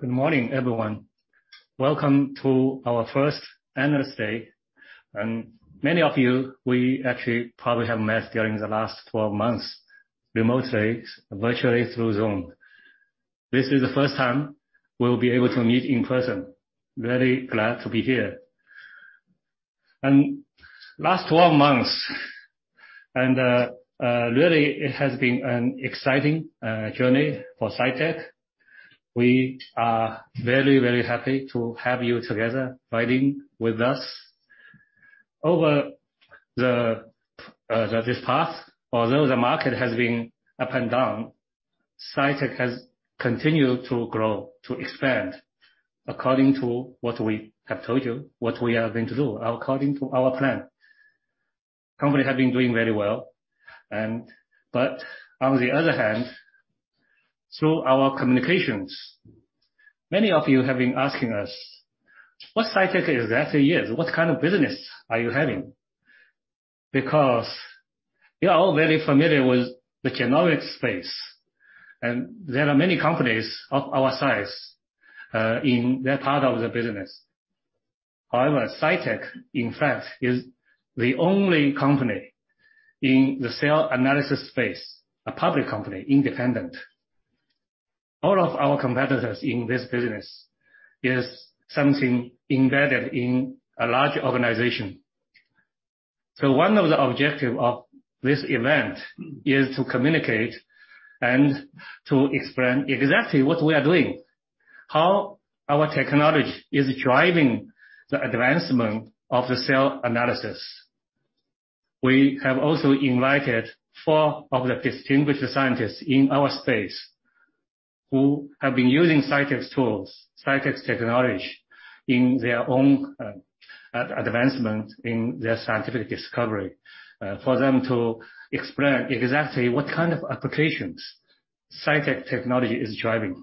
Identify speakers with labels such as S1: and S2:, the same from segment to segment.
S1: Good morning, everyone. Welcome to our first analyst day. Many of you we actually probably have met during the last 12 months remotely, virtually through Zoom. This is the first time we'll be able to meet in person. Very glad to be here. Last 12 months, really it has been an exciting journey for Cytek. We are very, very happy to have you together fighting with us over this path. Although the market has been up and down, Cytek has continued to grow, to expand according to what we have told you, what we are going to do, according to our plan. Company have been doing very well. On the other hand, through our communications, many of you have been asking us what Cytek exactly is. What kind of business are you having? Because you're all very familiar with the genomic space, and there are many companies of our size, in that part of the business. However, Cytek, in fact, is the only company in the cell analysis space, a public company, independent. All of our competitors in this business is something embedded in a large organization. One of the objective of this event is to communicate and to explain exactly what we are doing, how our technology is driving the advancement of the cell analysis. We have also invited four of the distinguished scientists in our space who have been using Cytek's tools, Cytek's technology in their own, advancement in their scientific discovery, for them to explain exactly what kind of applications Cytek technology is driving.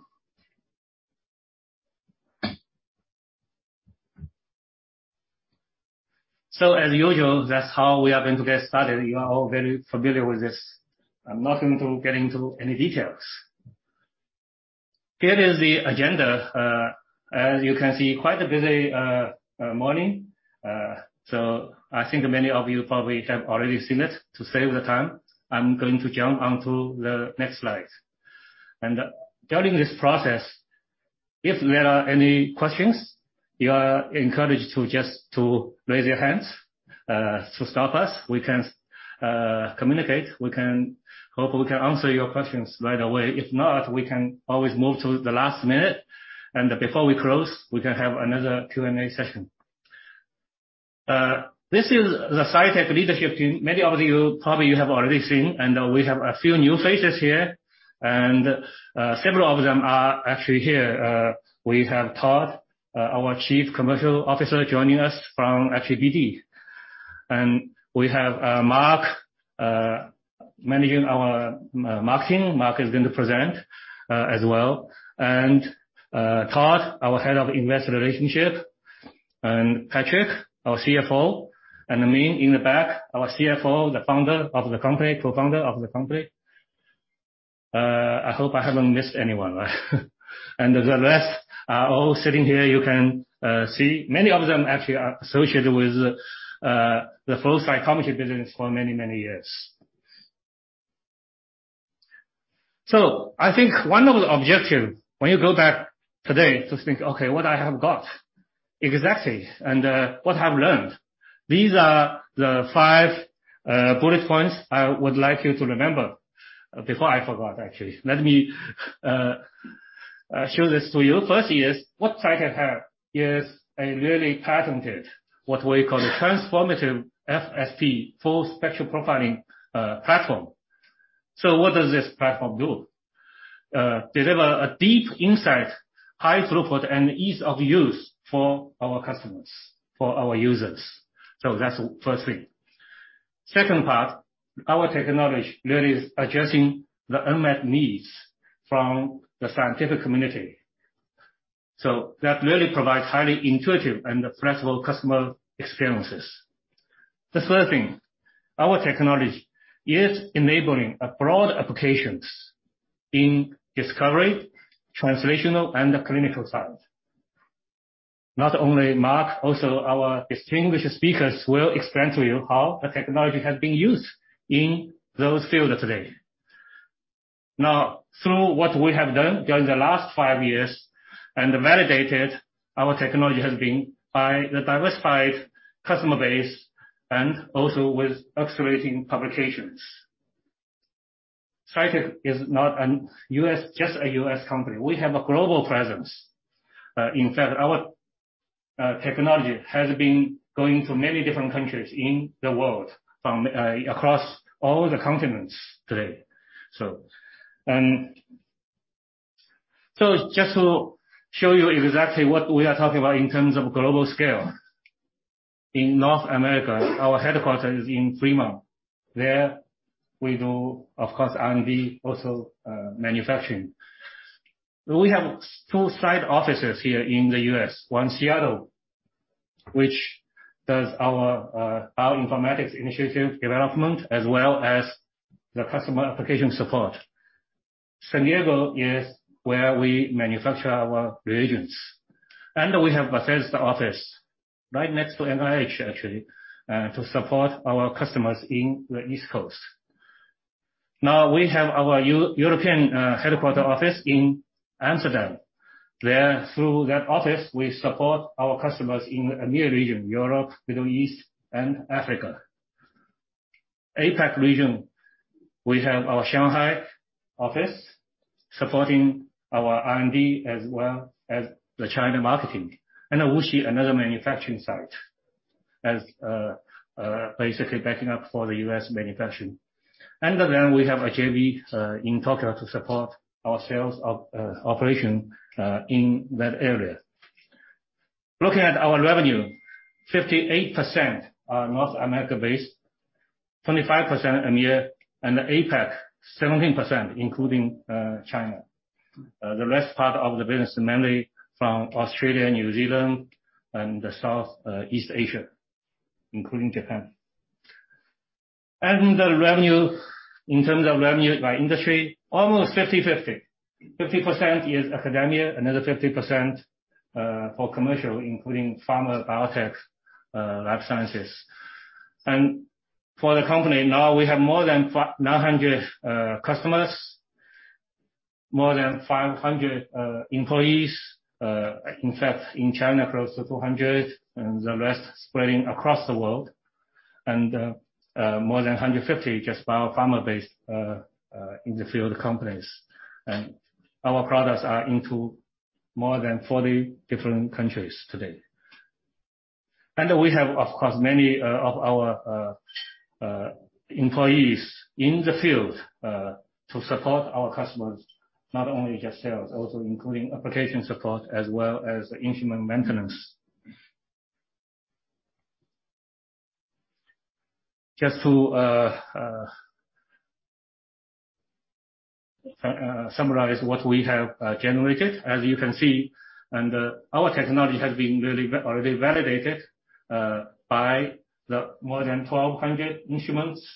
S1: As usual, that's how we are going to get started. You are all very familiar with this. I'm not going to get into any details. Here is the agenda. As you can see, quite a busy morning. So I think many of you probably have already seen it. To save the time, I'm going to jump onto the next slide. During this process, if there are any questions, you are encouraged to just raise your hands to stop us. We can communicate. We can hope we can answer your questions right away. If not, we can always move to the last minute, and before we close, we can have another Q&A session. This is the Cytek leadership team. Many of you probably have already seen, and we have a few new faces here. Several of them are actually here. We have Todd, our Chief Commercial Officer, joining us from actually BD. We have Mark managing our marketing. Mark is going to present as well. Todd, our Head of Investor Relations, and Patrik, our CFO, and Ming in the back, our CFO, the founder of the company, co-founder of the company. I hope I haven't missed anyone, right? The rest are all sitting here. You can see many of them actually are associated with the flow cytometry business for many, many years. I think one of the objective when you go back today to think, "Okay, what I have got exactly and what I've learned," these are the five bullet points I would like you to remember. Before I forget, actually, let me show this to you. First is what Cytek have is a really patented, what we call a transformative FSP, full spectrum profiling platform. What does this platform do? Deliver a deep insight, high throughput, and ease of use for our customers, for our users. That's first thing. Second part, our technology really is addressing the unmet needs from the scientific community. That really provides highly intuitive and flexible customer experiences. The third thing, our technology is enabling a broad applications in discovery, translational, and clinical science. Not only Mark, also our distinguished speakers will explain to you how the technology has been used in those fields today. Now, through what we have done during the last five years and validated our technology has been by the diversified customer base and also with accelerating publications. Cytek is not just a U.S. company. We have a global presence. In fact, our technology has been going to many different countries in the world from across all the continents today. Just to show you exactly what we are talking about in terms of global scale. In North America, our headquarters is in Fremont. There we do, of course, R&D, also manufacturing. We have two site offices here in the U.S. One, Seattle, which does our bioinformatics initiative development as well as the customer application support. San Diego is where we manufacture our reagents. We have a Bethesda office right next to NIH, actually, to support our customers in the East Coast. Now we have our European headquarters office in Amsterdam. There, through that office, we support our customers in the EMEA region, Europe, Middle East, and Africa. APAC region, we have our Shanghai office supporting our R&D as well as the China marketing. Wuxi, another manufacturing site basically backing up for the U.S. manufacturing. We have a JV in Tokyo to support our sales operation in that area. Looking at our revenue, 58% are North America-based, 25% EMEA, and APAC 17%, including China. The rest part of the business is mainly from Australia, New Zealand, and South East Asia, including Japan. The revenue, in terms of revenue by industry, almost 50/50. 50% is academia, another 50% for commercial, including pharma, biotech, life sciences. For the company now we have more than 900 customers, more than 500 employees. In fact, in China, close to 200, and the rest spreading across the world. More than 150 just biopharma-based in the field companies. Our products are into more than 40 different countries today. We have, of course, many of our employees in the field to support our customers, not only just sales, also including application support as well as the instrument maintenance. Just to summarize what we have generated. As you can see, our technology has been really already validated by the more than 1,200 instruments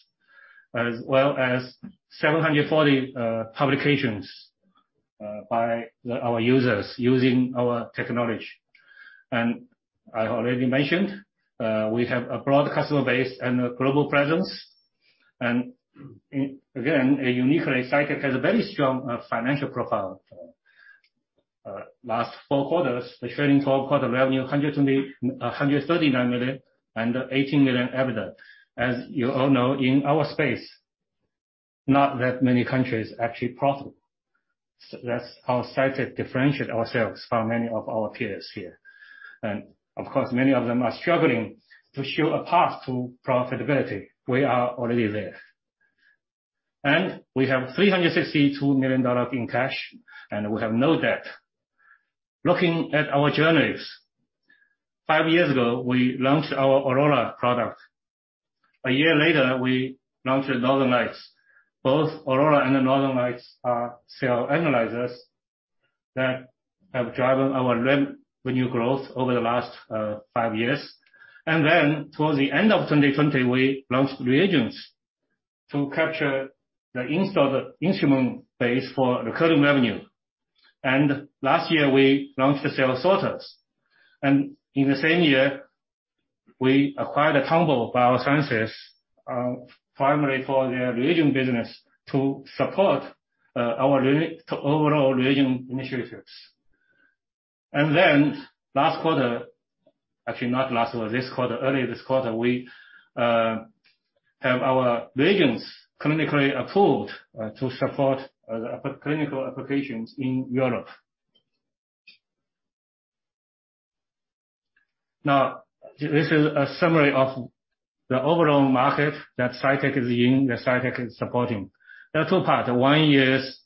S1: as well as 740 publications by our users using our technology. I already mentioned, we have a broad customer base and a global presence. Again, uniquely, Cytek has a very strong financial profile. Last four quarters, the trailing twelve quarters revenue, $139 million and $18 million EBITDA. As you all know, in our space, not that many companies actually profitable. That's how Cytek differentiate ourselves from many of our peers here. Of course, many of them are struggling to show a path to profitability. We are already there. We have $362 million in cash, and we have no debt. Looking at our journeys. Five years ago, we launched our Aurora product. A year later, we launched the Northern Lights. Both Aurora and the Northern Lights are cell analyzers that have driven our revenue growth over the last five years. Towards the end of 2020, we launched reagents to capture the installed instrument base for recurring revenue. Last year, we launched the cell sorters. In the same year, we acquired the Tonbo Biosciences, primarily for their reagent business to support our overall reagent initiatives. Early this quarter, we have our reagents clinically approved to support the clinical applications in Europe. Now, this is a summary of the overall market that Cytek is in, that Cytek is supporting. There are two parts. One is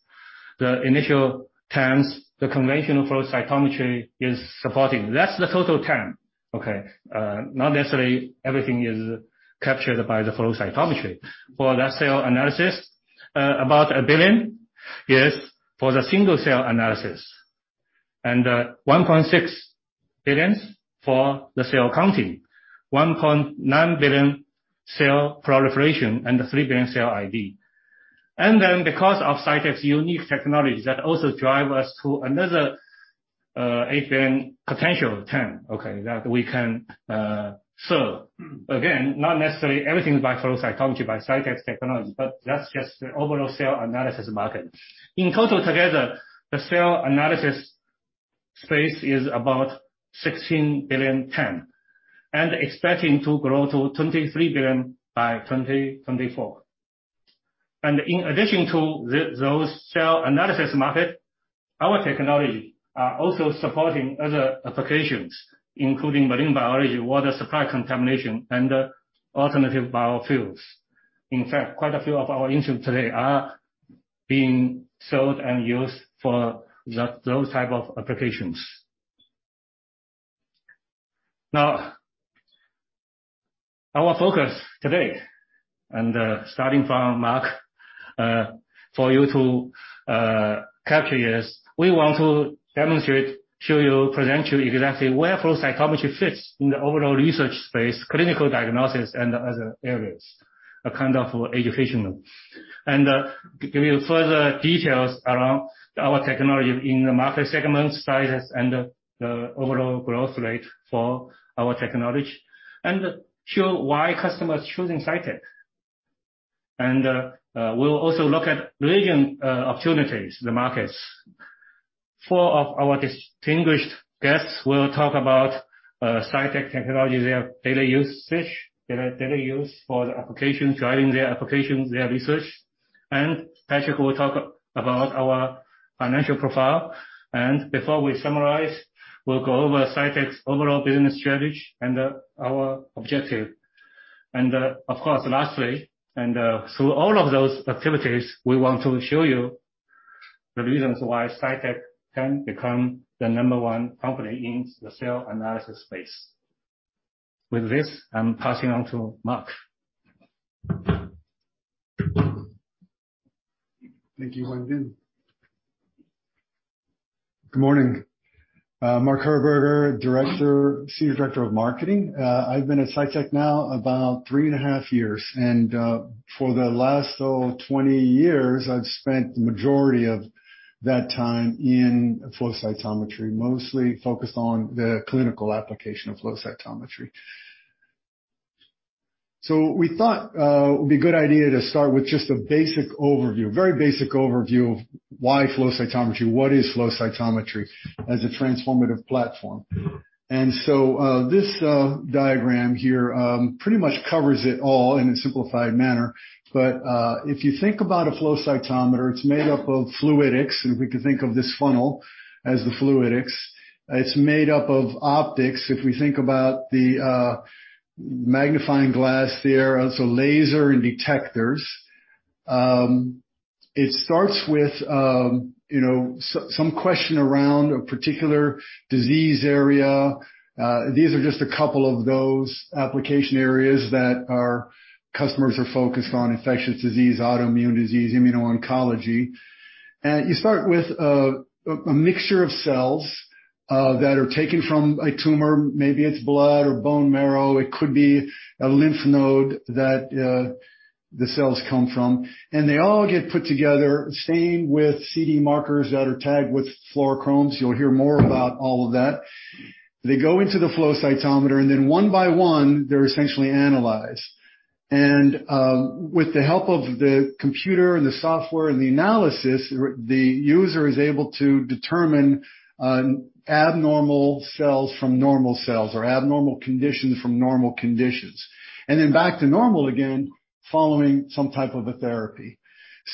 S1: the initial TAMs, the conventional flow cytometry is supporting. That's the total TAM, okay? Not necessarily everything is captured by the flow cytometry. For that cell analysis, about $1 billion is for the single-cell analysis, and $1.6 billion for the cell counting, $1.9 billion cell proliferation, and $3 billion cell ID. Because of Cytek's unique technologies, that also drive us to another $8 billion potential TAM, okay? That we can serve. Again, not necessarily everything is by flow cytometry, by Cytek's technology, but that's just the overall cell analysis market. In total together, the cell analysis space is about $16 billion TAM and expecting to grow to $23 billion by 2024. In addition to those cell analysis market, our technology are also supporting other applications, including marine biology, water supply contamination, and alternative biofuels. In fact, quite a few of our instruments today are being sold and used for those type of applications. Now our focus today, starting from Mark, for you to capture this, we want to demonstrate, show you, present you exactly where flow cytometry fits in the overall research space, clinical diagnosis, and other areas, kind of efficiently. Give you further details around our technology in the market segment sizes and the overall growth rate for our technology, and show why customers choosing Cytek. We'll also look at adjacent opportunities in the markets. Four of our distinguished guests will talk about Cytek technology, their daily use for the applications, driving their applications, their research. Patrik will talk about our financial profile. Before we summarize, we'll go over Cytek's overall business strategy and our objective. Of course, lastly, through all of those activities, we want to show you the reasons why Cytek can become the number one company in the cell analysis space. With this, I'm passing on to Mark.
S2: Thank you, Wenbin. Good morning. Mark Herberger, Senior Director of Marketing. I've been at Cytek now about three and a half years, and for the last 20 years, I've spent the majority of that time in flow cytometry, mostly focused on the clinical application of flow cytometry. We thought it would be a good idea to start with just a basic overview, very basic overview of why flow cytometry, what is flow cytometry as a transformative platform. This diagram here pretty much covers it all in a simplified manner. If you think about a flow cytometer, it's made up of fluidics, and we can think of this funnel as the fluidics. It's made up of optics. If we think about the magnifying glass there, so laser and detectors. It starts with you know some question around a particular disease area. These are just a couple of those application areas that our customers are focused on, infectious disease, autoimmune disease, immuno-oncology. You start with a mixture of cells that are taken from a tumor, maybe it's blood or bone marrow, it could be a lymph node that the cells come from. They all get put together, stained with CD markers that are tagged with fluorochromes. You'll hear more about all of that. They go into the flow cytometer, and then one by one, they're essentially analyzed. With the help of the computer and the software and the analysis, the user is able to determine abnormal cells from normal cells or abnormal conditions from normal conditions, and then back to normal again, following some type of a therapy.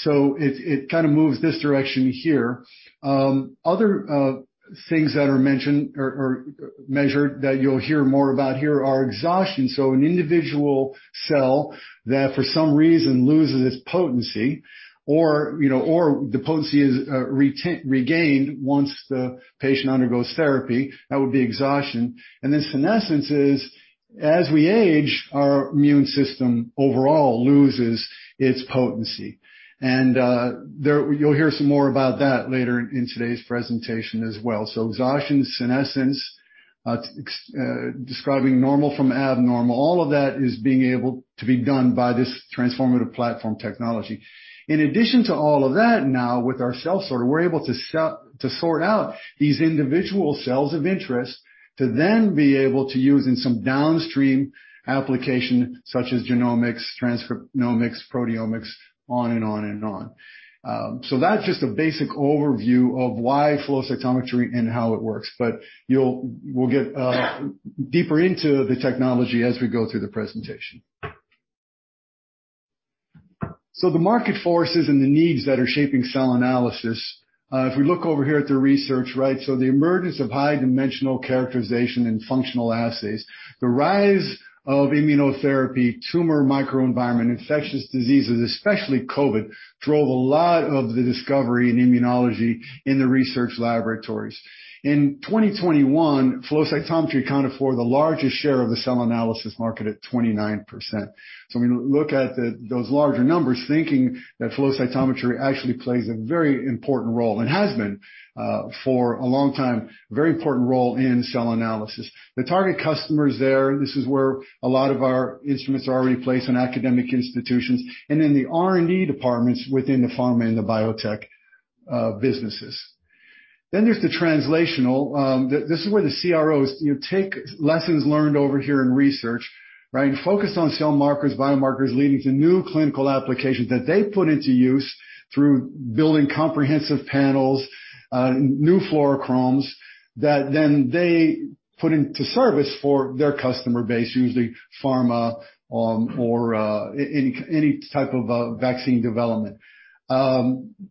S2: It kind of moves this direction here. Other things that are mentioned or measured that you'll hear more about here are exhaustion. An individual cell that for some reason loses its potency or, you know, the potency is regained once the patient undergoes therapy, that would be exhaustion. Senescence is, as we age, our immune system overall loses its potency. You'll hear some more about that later in today's presentation as well. Exhaustion, senescence, describing normal from abnormal, all of that is being able to be done by this transformative platform technology. In addition to all of that now, with our cell sorter, we're able to sort out these individual cells of interest to then be able to use in some downstream application, such as genomics, transcriptomics, proteomics, on and on and on. That's just a basic overview of why flow cytometry and how it works. We'll get deeper into the technology as we go through the presentation. The market forces and the needs that are shaping cell analysis, if we look over here at the research, the emergence of high dimensional characterization and functional assays, the rise of immunotherapy, tumor microenvironment, infectious diseases, especially COVID, drove a lot of the discovery in immunology in the research laboratories. In 2021, flow cytometry accounted for the largest share of the cell analysis market at 29%. I mean, look at the, those larger numbers, thinking that flow cytometry actually plays a very important role and has been, for a long time, a very important role in cell analysis. The target customers there, this is where a lot of our instruments are already placed in academic institutions and in the R&D departments within the pharma and biotech businesses. There's the translational. This is where the CROs, you take lessons learned over here in research, right, and focus on cell markers, biomarkers, leading to new clinical applications that they put into use through building comprehensive panels, new fluorochromes that then they put into service for their customer base, usually pharma or any type of vaccine development.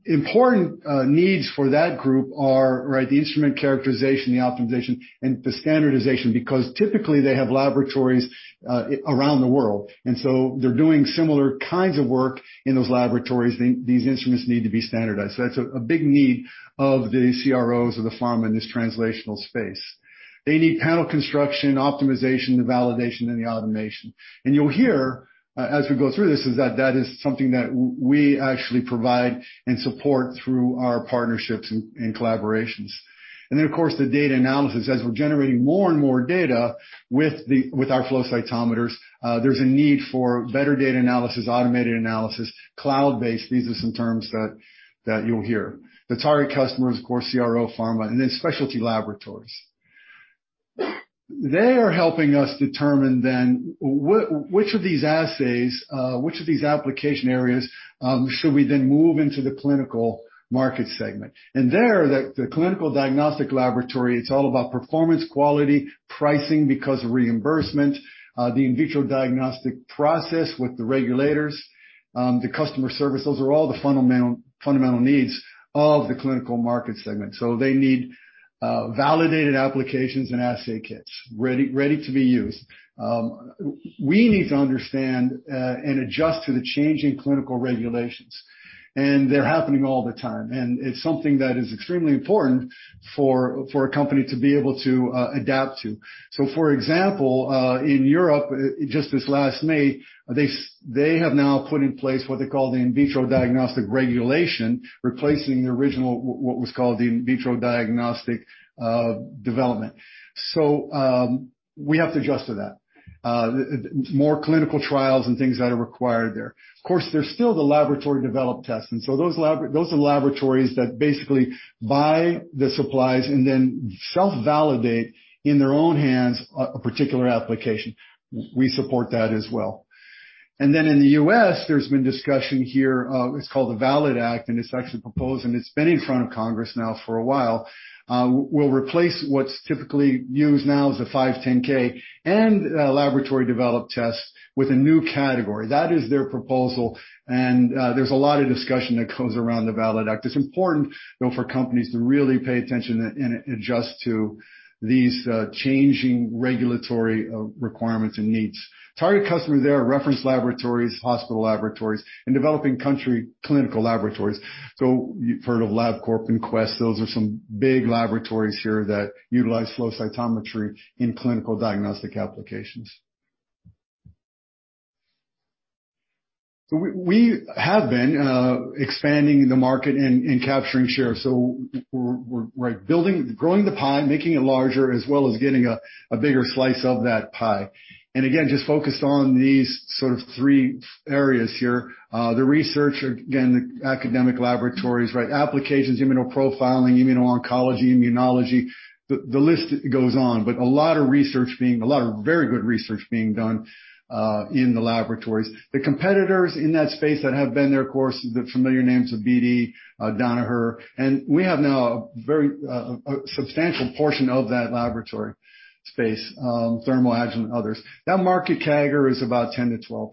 S2: Important needs for that group are, right, the instrument characterization, the optimization, and the standardization, because typically they have laboratories around the world, and so they're doing similar kinds of work in those laboratories. These instruments need to be standardized. That's a big need of the CROs or the pharma in this translational space. They need panel construction, optimization, the validation and the automation. You'll hear, as we go through this, is that that is something that we actually provide and support through our partnerships and collaborations. Then, of course, the data analysis. As we're generating more and more data with our flow cytometers, there's a need for better data analysis, automated analysis, cloud-based. These are some terms that you'll hear. The target customers, of course, CRO, pharma, and then specialty laboratories. They are helping us determine which of these assays, which of these application areas, should we then move into the clinical market segment. There, the clinical diagnostic laboratory, it's all about performance, quality, pricing because of reimbursement, the in vitro diagnostic process with the regulators, the customer service. Those are all the fundamental needs of the clinical market segment. They need validated applications and assay kits ready to be used. We need to understand and adjust to the changing clinical regulations, and they're happening all the time. It's something that is extremely important for a company to be able to adapt to. For example, in Europe, just this last May, they have now put in place what they call the In Vitro Diagnostic Regulation, replacing the original, what was called the In Vitro Diagnostic Directive. We have to adjust to that. More clinical trials and things that are required there. Of course, there's still the laboratory developed tests, and those are laboratories that basically buy the supplies and then self-validate, in their own hands, a particular application. We support that as well. In the U.S., there's been discussion here, it's called the VALID Act, and it's actually proposed, and it's been in front of Congress now for a while. We'll replace what's typically used now as a 510(k) and a laboratory developed test with a new category. That is their proposal, and there's a lot of discussion that goes around the VALID Act. It's important, you know, for companies to really pay attention and adjust to these changing regulatory requirements and needs. Target customers there are reference laboratories, hospital laboratories, and developing country clinical laboratories. You've heard of Labcorp and Quest. Those are some big laboratories here that utilize flow cytometry in clinical diagnostic applications. We have been expanding the market and capturing share. We're building, growing the pie, making it larger, as well as getting a bigger slice of that pie. Again, just focused on these sort of three areas here. The research, again, academic laboratories, right? Applications, immunoprofiling, immuno-oncology, immunology. The list goes on, but a lot of very good research being done in the laboratories. The competitors in that space that have been there, of course, the familiar names of BD, Danaher, and we have now a very a substantial portion of that laboratory space, Thermo, Agilent, others. That market CAGR is about 10%-12%.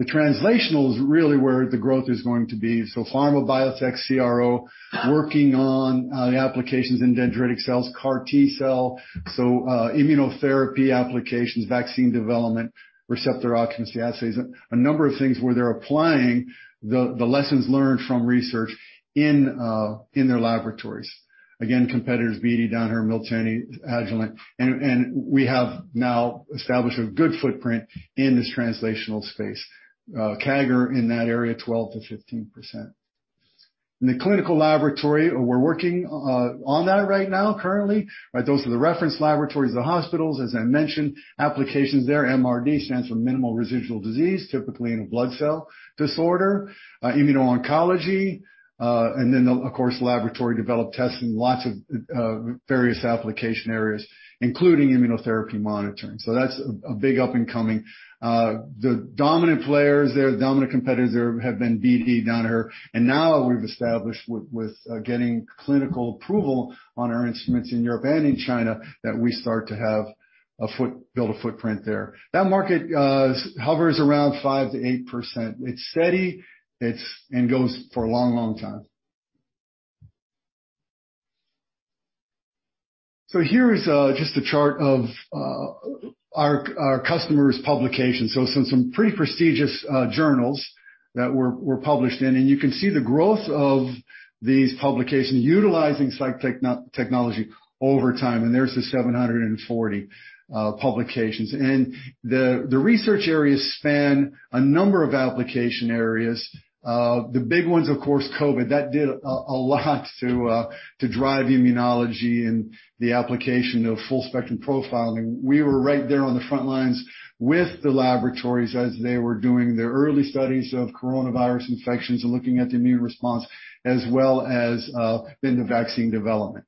S2: The translational is really where the growth is going to be. Pharma, biotech, CRO, working on the applications in dendritic cells, CAR T-cell, immunotherapy applications, vaccine development, receptor occupancy assays. A number of things where they're applying the lessons learned from research in in their laboratories. Again, competitors, BD, Danaher, Miltenyi, Agilent. We have now established a good footprint in this translational space. CAGR in that area, 12%-15%. In the clinical laboratory, we're working on that right now, currently. Right, those are the reference laboratories, the hospitals, as I mentioned. Applications there, MRD, stands for minimal residual disease, typically in a blood cell disorder. Immuno-oncology, and then of course, laboratory-developed testing, lots of various application areas, including immunotherapy monitoring. That's a big up and coming. The dominant players there, the dominant competitors there have been BD, Danaher, and now we've established with getting clinical approval on our instruments in Europe and in China, that we start to have a foot-build a footprint there. That market hovers around 5%-8%. It's steady, and goes for a long, long time. Here is just a chart of our customers' publications. Some pretty prestigious journals that we're published in. You can see the growth of these publications utilizing Cytek technology over time. There's the 740 publications. The research areas span a number of application areas. The big ones, of course, COVID. That did a lot to drive immunology and the application of Full Spectrum Profiling. We were right there on the front lines with the laboratories as they were doing their early studies of coronavirus infections and looking at immune response, as well as in the vaccine development.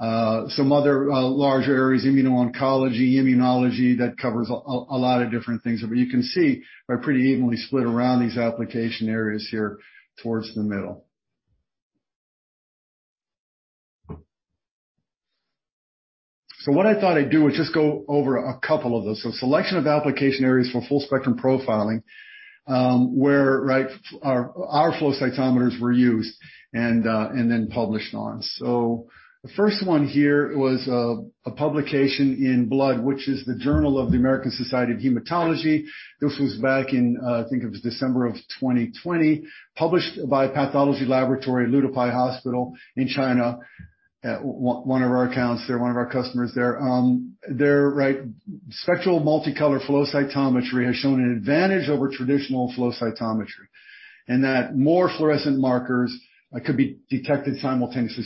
S2: Some other large areas, immuno-oncology, immunology, that covers a lot of different things. You can see they're pretty evenly split around these application areas here towards the middle. What I thought I'd do is just go over a couple of those. Selection of application areas for Full Spectrum Profiling, where our flow cytometers were used and then published on. The first one here was a publication in Blood, which is the Journal of the American Society of Hematology. This was back in, I think it was December 2020, published by a pathology laboratory, Ruijin Hospital in China. One of our accounts, they are one of our customers there. Spectral multicolor flow cytometry has shown an advantage over traditional flow cytometry, and that more fluorescent markers could be detected simultaneously.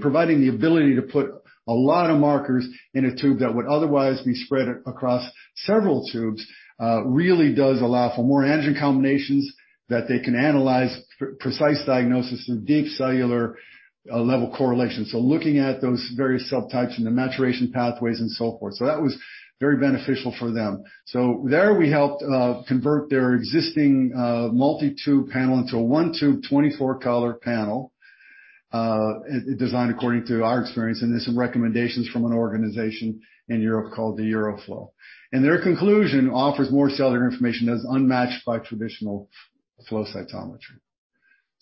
S2: Providing the ability to put a lot of markers in a tube that would otherwise be spread across several tubes really does allow for more antigen combinations that they can analyze for precise diagnosis and deep cellular level correlation. Looking at those various subtypes and the maturation pathways and so forth. That was very beneficial for them. There we helped convert their existing multi-tube panel into a one tube 24-color panel designed according to our experience, and there are some recommendations from an organization in Europe called the EuroFlow. Their conclusion offers more cellular information that's unmatched by traditional flow cytometry.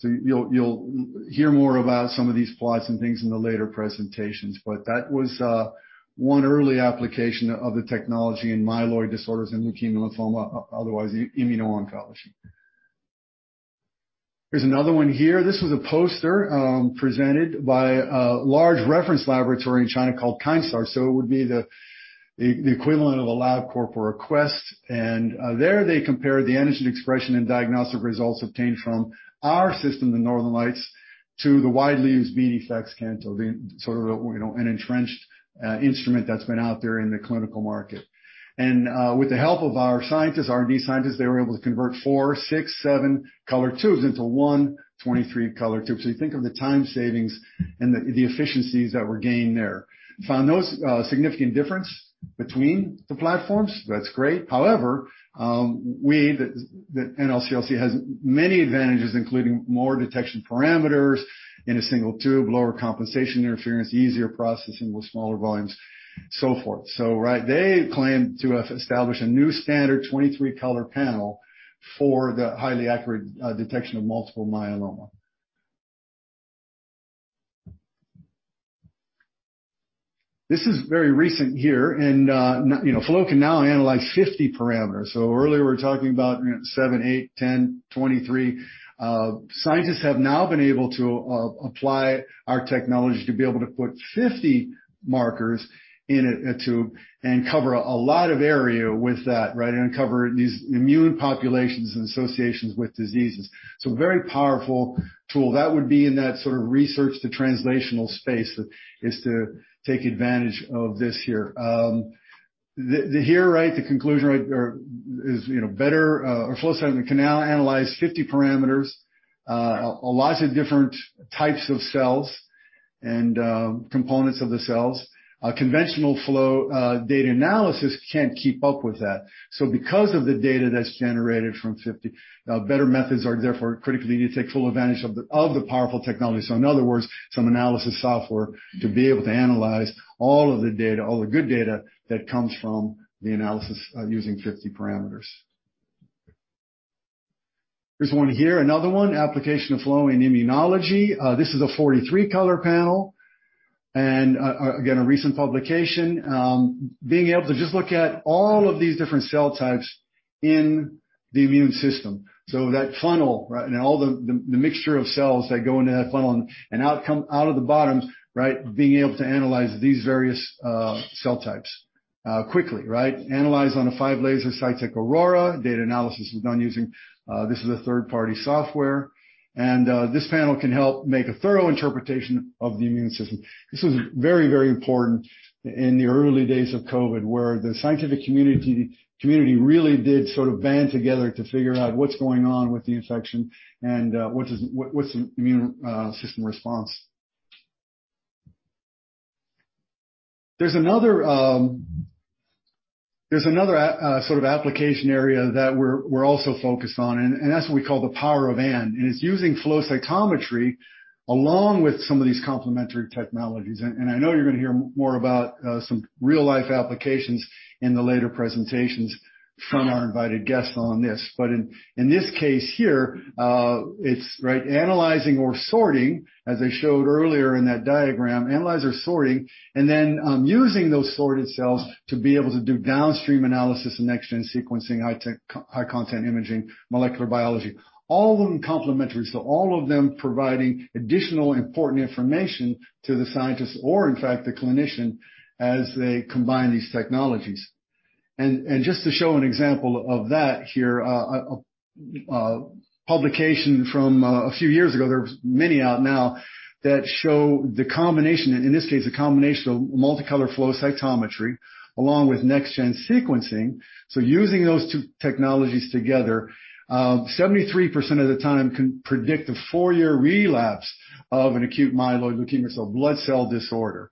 S2: You'll hear more about some of these plots and things in the later presentations, but that was one early application of the technology in myeloid disorders and leukemia lymphoma, otherwise immuno-oncology. Here's another one here. This was a poster presented by a large reference laboratory in China called Kindstar. It would be the equivalent of a Labcorp or a Quest. There they compared the antigen expression and diagnostic results obtained from our system, the Northern Lights, to the widely used BD FACSCanto, the sort of, you know, an entrenched instrument that's been out there in the clinical market. With the help of our scientists, R&D scientists, they were able to convert four, six, seven color tubes into one 23 color tube. You think of the time savings and the efficiencies that were gained there. Found no significant difference between the platforms. That's great. However, the NL-CLC has many advantages, including more detection parameters in a single tube, lower compensation interference, easier processing with smaller volumes, so forth. They claim to have established a new standard 23 color panel for the highly accurate detection of multiple myeloma. This is very recent here and, you know, flow can now analyze 50 parameters. Earlier we were talking about seven, eight`, 10, 23. Scientists have now been able to apply our technology to be able to put 50 markers in a tube and cover a lot of area with that, right, and cover these immune populations and associations with diseases. Very powerful tool. That would be in that sort of research to translational space is to take advantage of this here. The here, right, the conclusion, right, is, you know, better. Our flow cytometry can now analyze 50 parameters, a lot of different types of cells and components of the cells. Conventional flow data analysis can't keep up with that. Because of the data that's generated from 50, better methods are therefore critically need to take full advantage of the powerful technology. In other words, some analysis software to be able to analyze all of the data, all the good data that comes from the analysis using 50 parameters. Here's one here, another one, application of flow in immunology. This is a 43-color panel. Again, a recent publication, being able to just look at all of these different cell types in the immune system. That funnel, right? All the mixture of cells that go into that funnel and out come out of the bottoms, right, being able to analyze these various cell types quickly, right? Analyze on a 5-laser Cytek Aurora. Data analysis is done using this third-party software, and this panel can help make a thorough interpretation of the immune system. This was very important in the early days of COVID, where the scientific community really did sort of band together to figure out what's going on with the infection and what's the immune system response. There's another sort of application area that we're also focused on, and that's what we call the power of N. It's using flow cytometry along with some of these complementary technologies. I know you're gonna hear more about some real-life applications in the later presentations from our invited guests on this. In this case here, it's analyzing or sorting, as I showed earlier in that diagram, and then using those sorted cells to be able to do downstream analysis and next-gen sequencing, high content imaging, molecular biology, all of them complementary. All of them providing additional important information to the scientists, or in fact, the clinician as they combine these technologies. Just to show an example of that here, a publication from a few years ago, there are many out now that show the combination, in this case, a combination of multicolor flow cytometry along with next gen sequencing. Using those two technologies together, 73% of the time can predict a four-year relapse of an acute myeloid leukemia, so blood cell disorder.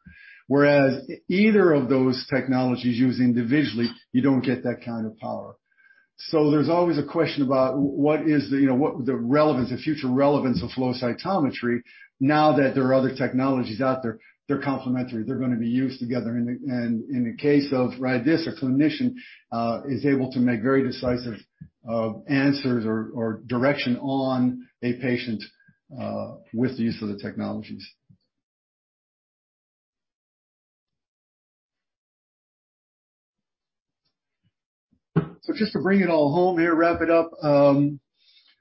S2: Whereas either of those technologies used individually, you don't get that kind of power. There's always a question about what is, you know, what the relevance, the future relevance of flow cytometry now that there are other technologies out there. They're complementary. They're gonna be used together. In the case of, right, this, a clinician is able to make very decisive answers or direction on a patient with the use of the technologies. Just to bring it all home here, wrap it up,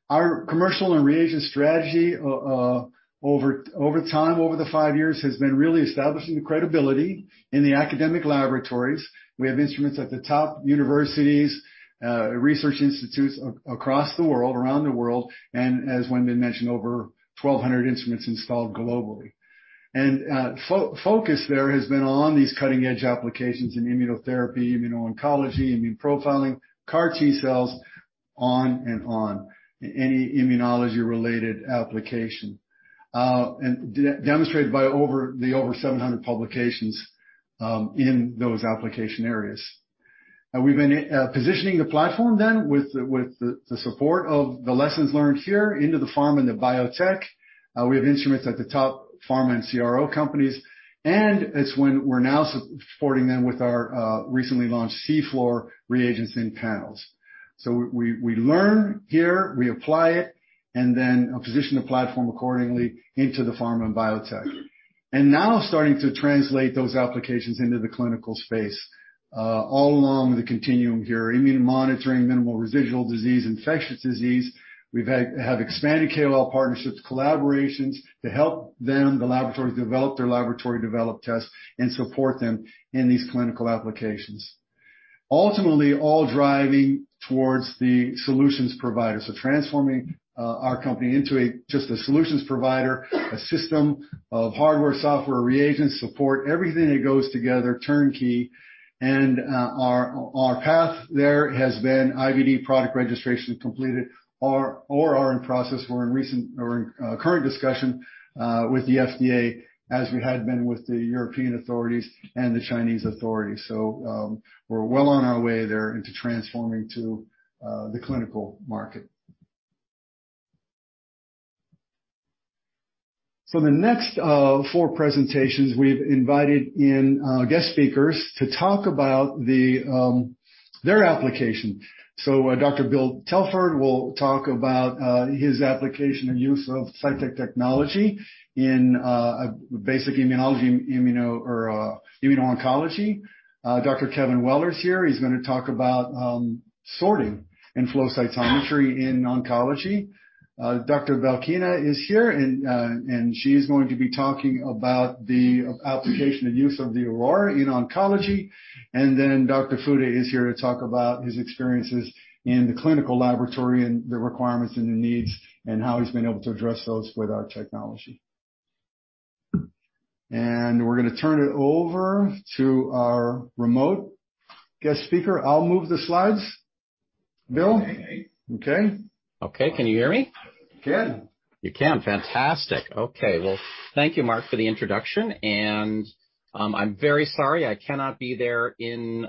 S2: our commercial and reagent strategy over time, over the five years, has been really establishing the credibility in the academic laboratories. We have instruments at the top universities, research institutes across the world, around the world. As Wendy mentioned, over 1,200 instruments installed globally. Focus there has been on these cutting-edge applications in immunotherapy, immuno-oncology, immune profiling, CAR T cells, on and on, any immunology-related application. Demonstrated by over 700 publications in those application areas. We've been positioning the platform then with the support of the lessons learned here into the pharma and the biotech. We have instruments at the top pharma and CRO companies, and we are now supporting them with our recently launched cFluor reagents and panels. We learn here, we apply it, and then position the platform accordingly into the pharma and biotech. Now starting to translate those applications into the clinical space, all along the continuum here, immune monitoring, minimal residual disease, infectious disease. We have expanded KOL partnerships, collaborations to help them, the laboratories, develop their laboratory developed tests and support them in these clinical applications. Ultimately, all driving towards the solutions provider. Transforming our company into just a solutions provider, a system of hardware, software, reagents, support, everything that goes together, turnkey. Our path there has been IVD product registration completed or are in process. We're in current discussion with the FDA as we had been with the European authorities and the Chinese authorities. We're well on our way there into transforming to the clinical market. For the next four presentations, we've invited in guest speakers to talk about their application. Dr. Bill Telford will talk about his application and use of Cytek technology in basic immunology, immuno-oncology. Dr. Kevin Weller's here, he's gonna talk about sorting in flow cytometry in oncology. Dr. Belkina is here, and she's going to be talking about the application and use of the Aurora in oncology. Dr. Fuda is here to talk about his experiences in the clinical laboratory and the requirements and the needs, and how he's been able to address those with our technology. We're gonna turn it over to our remote guest speaker. I'll move the slides. Bill?
S3: Okay.
S2: Okay.
S3: Okay. Can you hear me?
S2: Can.
S3: You can. Fantastic. Okay. Well, thank you, Mark, for the introduction. I'm very sorry I cannot be there in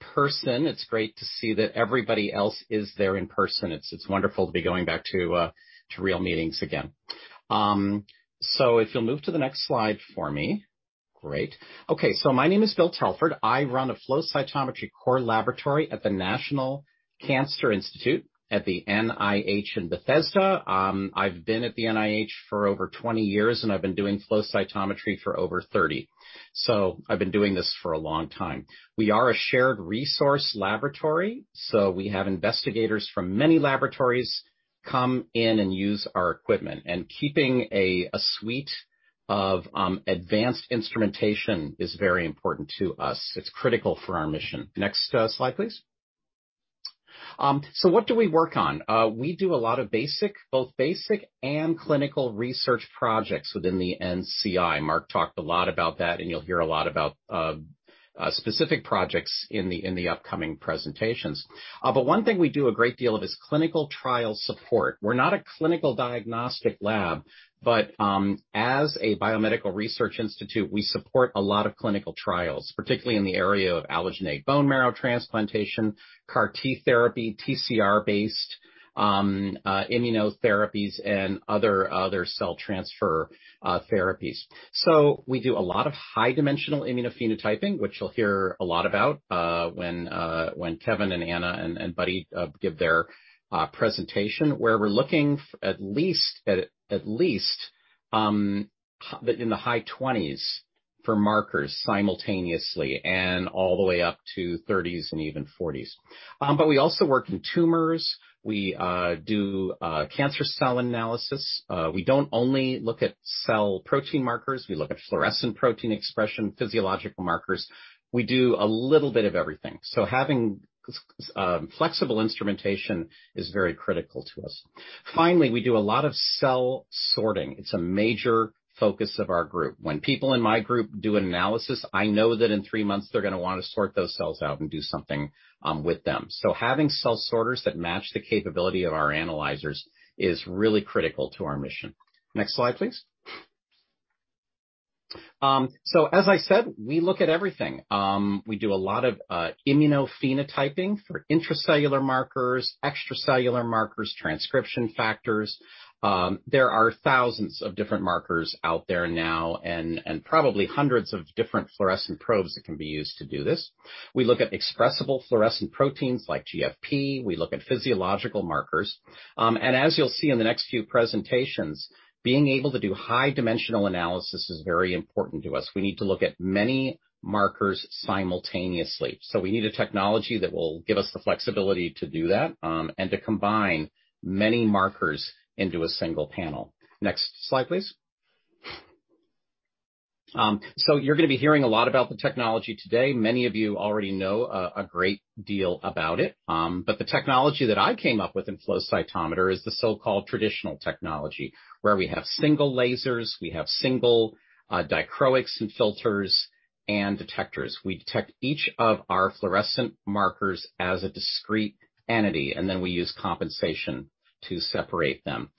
S3: person. It's great to see that everybody else is there in person. It's wonderful to be going back to real meetings again. So if you'll move to the next slide for me. Great. Okay. So my name is Bill Telford. I run a flow cytometry core laboratory at the National Cancer Institute at the NIH in Bethesda. I've been at the NIH for over 20 years, and I've been doing flow cytometry for over 30 years. I've been doing this for a long time. We are a shared resource laboratory, so we have investigators from many laboratories come in and use our equipment. Keeping a suite of advanced instrumentation is very important to us. It's critical for our mission. Next, slide, please. What do we work on? We do a lot of basic and clinical research projects within the NCI. Mark talked a lot about that, and you'll hear a lot about specific projects in the upcoming presentations. One thing we do a great deal of is clinical trial support. We're not a clinical diagnostic lab, but as a biomedical research institute, we support a lot of clinical trials, particularly in the area of allogeneic bone marrow transplantation, CAR T therapy, TCR-based immunotherapies, and other cell transfer therapies. We do a lot of high dimensional immunophenotyping, which you'll hear a lot about when Kevin and Anna and Buddy give their presentation. Where we're looking at least in the high twenties for markers simultaneously and all the way up to thirties and even forties. We also work in tumors. We do cancer cell analysis. We don't only look at cell protein markers, we look at fluorescent protein expression, physiological markers. We do a little bit of everything. Having flexible instrumentation is very critical to us. Finally, we do a lot of cell sorting. It's a major focus of our group. When people in my group do an analysis, I know that in three months they're gonna wanna sort those cells out and do something with them. Having cell sorters that match the capability of our analyzers is really critical to our mission. Next slide, please. As I said, we look at everything. We do a lot of immunophenotyping for intracellular markers, extracellular markers, transcription factors. There are thousands of different markers out there now and probably hundreds of different fluorescent probes that can be used to do this. We look at expressible fluorescent proteins like GFP. We look at physiological markers. As you'll see in the next few presentations, being able to do high dimensional analysis is very important to us. We need to look at many markers simultaneously. We need a technology that will give us the flexibility to do that and to combine many markers into a single panel. Next slide, please. You're gonna be hearing a lot about the technology today. Many of you already know a great deal about it. The technology that I came up with in flow cytometry is the so-called traditional technology, where we have single lasers, we have single dichroics and filters and detectors. We detect each of our fluorescent markers as a discrete entity, and then we use compensation to separate them.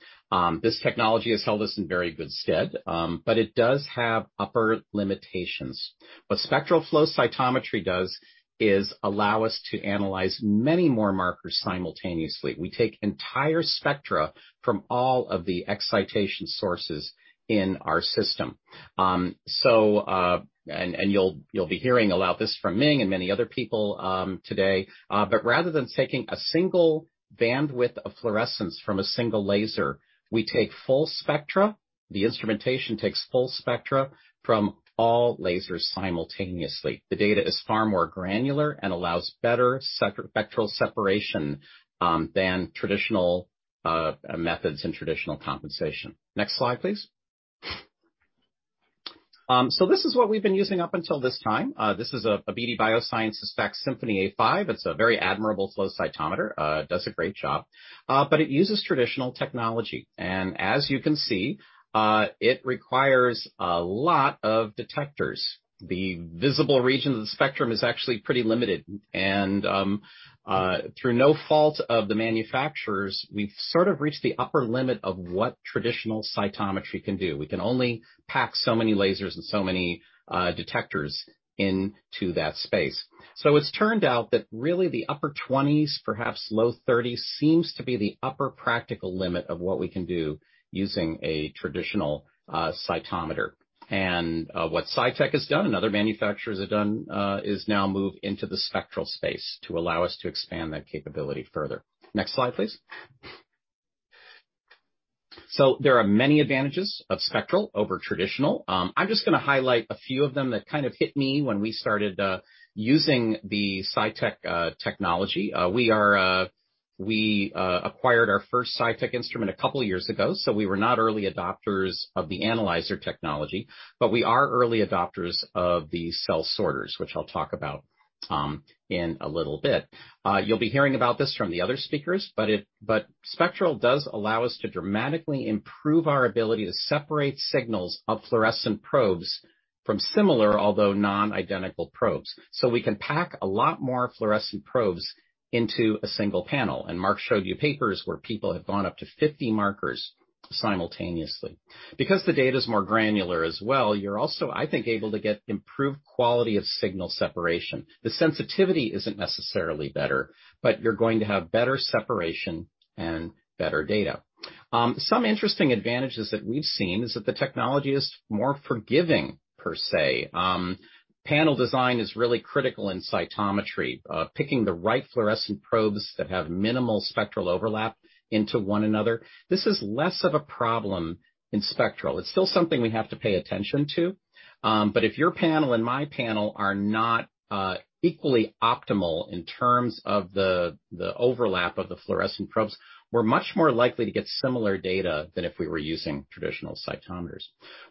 S3: This technology has held us in very good stead, but it does have upper limitations. What spectral flow cytometry does is allow us to analyze many more markers simultaneously. We take entire spectra from all of the excitation sources in our system. You'll be hearing a lot about this from Ming and many other people today. Rather than taking a single bandwidth of fluorescence from a single laser, we take full spectra. The instrumentation takes full spectra from all lasers simultaneously. The data is far more granular and allows better spectral separation than traditional methods and traditional compensation. Next slide, please. So this is what we've been using up until this time. This is a BD Biosciences FACSymphony A5. It's a very admirable flow cytometer. It does a great job, but it uses traditional technology. As you can see, it requires a lot of detectors. The visible region of the spectrum is actually pretty limited and, through no fault of the manufacturers, we've sort of reached the upper limit of what traditional cytometry can do. We can only pack so many lasers and so many detectors into that space. It's turned out that really the upper 20s, perhaps low 30s, seems to be the upper practical limit of what we can do using a traditional cytometer. What Cytek has done and other manufacturers have done is now move into the spectral space to allow us to expand that capability further. Next slide, please. There are many advantages of spectral over traditional. I'm just gonna highlight a few of them that kind of hit me when we started using the Cytek technology. We acquired our first Cytek instrument a couple years ago, so we were not early adopters of the analyzer technology, but we are early adopters of the cell sorters, which I'll talk about in a little bit. You'll be hearing about this from the other speakers, but spectral does allow us to dramatically improve our ability to separate signals of fluorescent probes from similar although non-identical probes. We can pack a lot more fluorescent probes into a single panel, and Mark showed you papers where people have gone up to 50 markers simultaneously. Because the data's more granular as well, you're also, I think, able to get improved quality of signal separation. The sensitivity isn't necessarily better, but you're going to have better separation and better data. Some interesting advantages that we've seen is that the technology is more forgiving per se. Panel design is really critical in cytometry. Picking the right fluorescent probes that have minimal spectral overlap into one another. This is less of a problem in spectral. It's still something we have to pay attention to, but if your panel and my panel are not equally optimal in terms of the overlap of the fluorescent probes, we're much more likely to get similar data than if we were using traditional cytometers.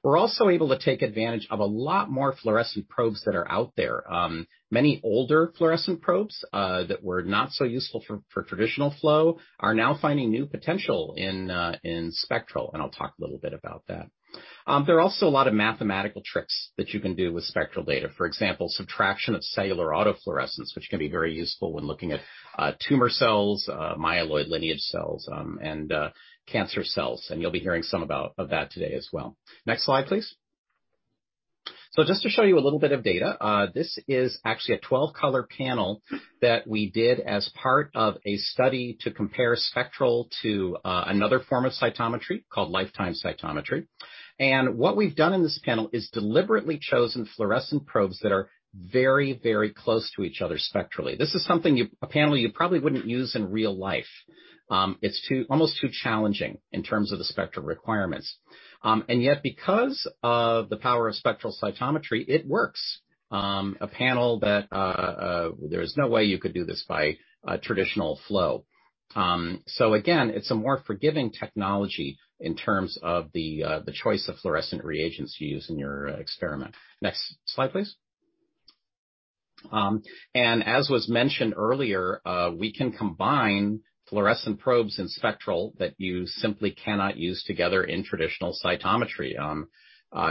S3: We're also able to take advantage of a lot more fluorescent probes that are out there. Many older fluorescent probes that were not so useful for traditional flow are now finding new potential in spectral, and I'll talk a little bit about that. There are also a lot of mathematical tricks that you can do with spectral data. For example, subtraction of cellular autofluorescence, which can be very useful when looking at tumor cells, myeloid lineage cells, and cancer cells, and you'll be hearing some about that today as well. Next slide, please. Just to show you a little bit of data, this is actually a 12-color panel that we did as part of a study to compare spectral to another form of cytometry called lifetime cytometry. What we've done in this panel is deliberately chosen fluorescent probes that are very, very close to each other spectrally. This is a panel you probably wouldn't use in real life. It's too, almost too challenging in terms of the spectral requirements. Yet because of the power of spectral cytometry, it works. It's a panel that there's no way you could do this by a traditional flow. Again, it's a more forgiving technology in terms of the choice of fluorescent reagents you use in your experiment. Next slide, please. As was mentioned earlier, we can combine fluorescent probes and spectral that you simply cannot use together in traditional cytometry.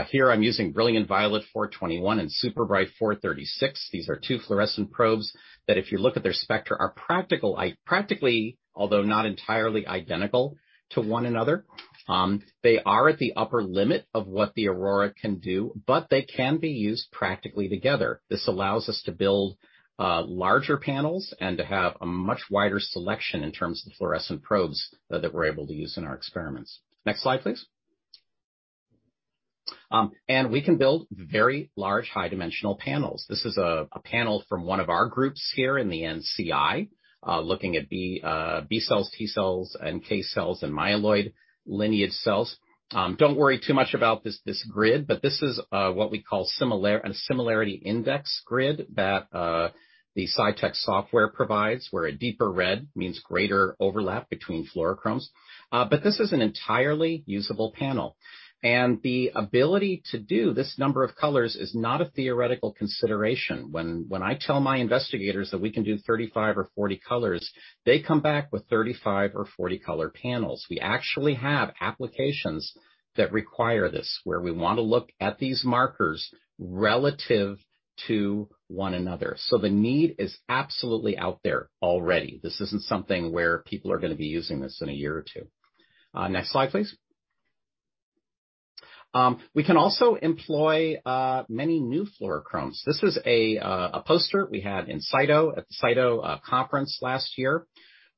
S3: Here I'm using Brilliant Violet 421 and Super Bright 436. These are two fluorescent probes that if you look at their spectra, are practically although not entirely identical to one another. They are at the upper limit of what the Aurora can do, but they can be used practically together. This allows us to build larger panels and to have a much wider selection in terms of fluorescent probes that we're able to use in our experiments. Next slide, please. We can build very large high dimensional panels. This is a panel from one of our groups here in the NCI, looking at B cells, T cells, and K cells, and myeloid lineage cells. Don't worry too much about this grid, but this is what we call a similarity index grid that the Cytek software provides, where a deeper red means greater overlap between fluorochromes. This is an entirely usable panel, and the ability to do this number of colors is not a theoretical consideration. When I tell my investigators that we can do 35 or 40 colors, they come back with 35 or 40 color panels. We actually have applications that require this, where we want to look at these markers relative to one another, so the need is absolutely out there already. This isn't something where people are gonna be using this in a year or two. Next slide, please. We can also employ many new fluorochromes. This is a poster we had in CYTO, at the CYTO conference last year,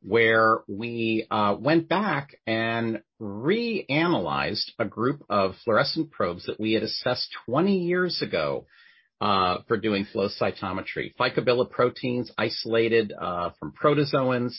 S3: where we went back and reanalyzed a group of fluorescent probes that we had assessed 20 years ago for doing flow cytometry. Phycoerythrin proteins isolated from protozoans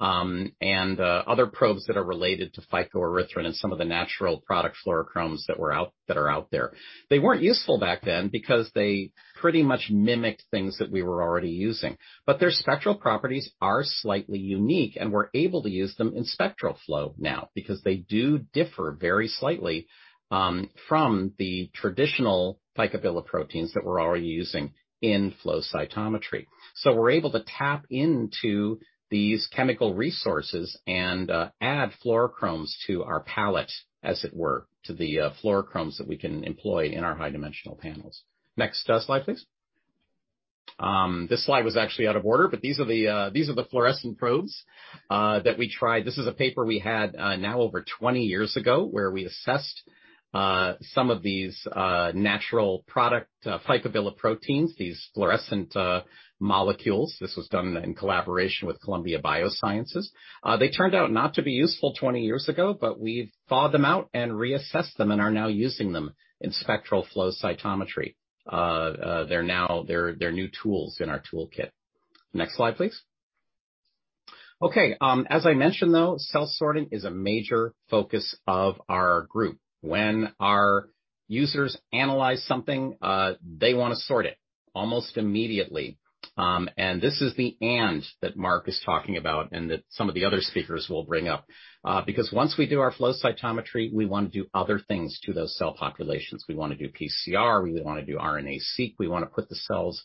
S3: and other probes that are related to phycoerythrin and some of the natural product fluorochromes that are out there. They weren't useful back then because they pretty much mimicked things that we were already using, but their spectral properties are slightly unique, and we're able to use them in spectral flow now because they do differ very slightly from the traditional phycoerythrin proteins that we're already using in flow cytometry. We're able to tap into these chemical resources and add fluorochromes to our palette, as it were, to the fluorochromes that we can employ in our high dimensional panels. Next slide, please. This slide was actually out of order, but these are the fluorescent probes that we tried. This is a paper we had now over 20 years ago, where we assessed some of these natural product phycoerythrin proteins, these fluorescent molecules. This was done in collaboration with Columbia Biosciences. They turned out not to be useful 20 years ago, but we've thawed them out and reassessed them and are now using them in spectral flow cytometry. They're now new tools in our toolkit. Next slide, please. Okay, as I mentioned though, cell sorting is a major focus of our group. When our users analyze something, they wanna sort it almost immediately. This is the demand that Mark is talking about and that some of the other speakers will bring up. Because once we do our flow cytometry, we wanna do other things to those cell populations. We wanna do PCR, we wanna do RNA-Seq, we wanna put the cells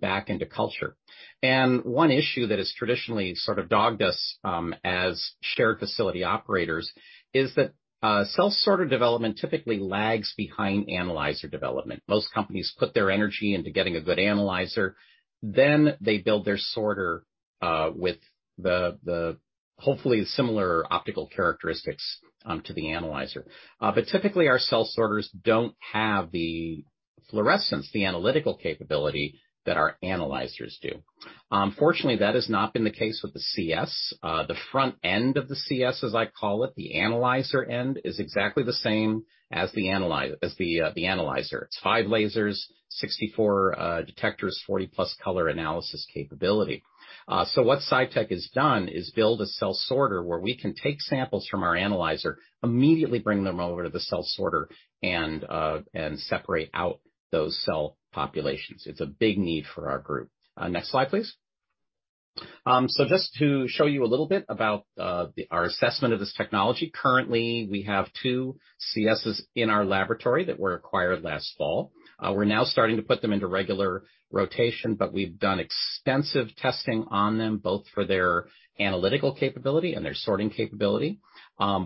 S3: back into culture. One issue that has traditionally sort of dogged us as shared facility operators is that cell sorter development typically lags behind analyzer development. Most companies put their energy into getting a good analyzer, then they build their sorter with the hopefully similar optical characteristics to the analyzer. Typically, our cell sorters don't have the fluorescence, the analytical capability that our analyzers do. Fortunately, that has not been the case with the CS. The front end of the CS, as I call it, the analyzer end, is exactly the same as the analyzer. It's 5 lasers, 64 detectors, 40-plus color analysis capability. What Cytek has done is build a cell sorter where we can take samples from our analyzer, immediately bring them over to the cell sorter and separate out those cell populations. It's a big need for our group. Next slide, please. Just to show you a little bit about our assessment of this technology. Currently, we have two CSs in our laboratory that were acquired last fall. We're now starting to put them into regular rotation, but we've done extensive testing on them both for their analytical capability and their sorting capability.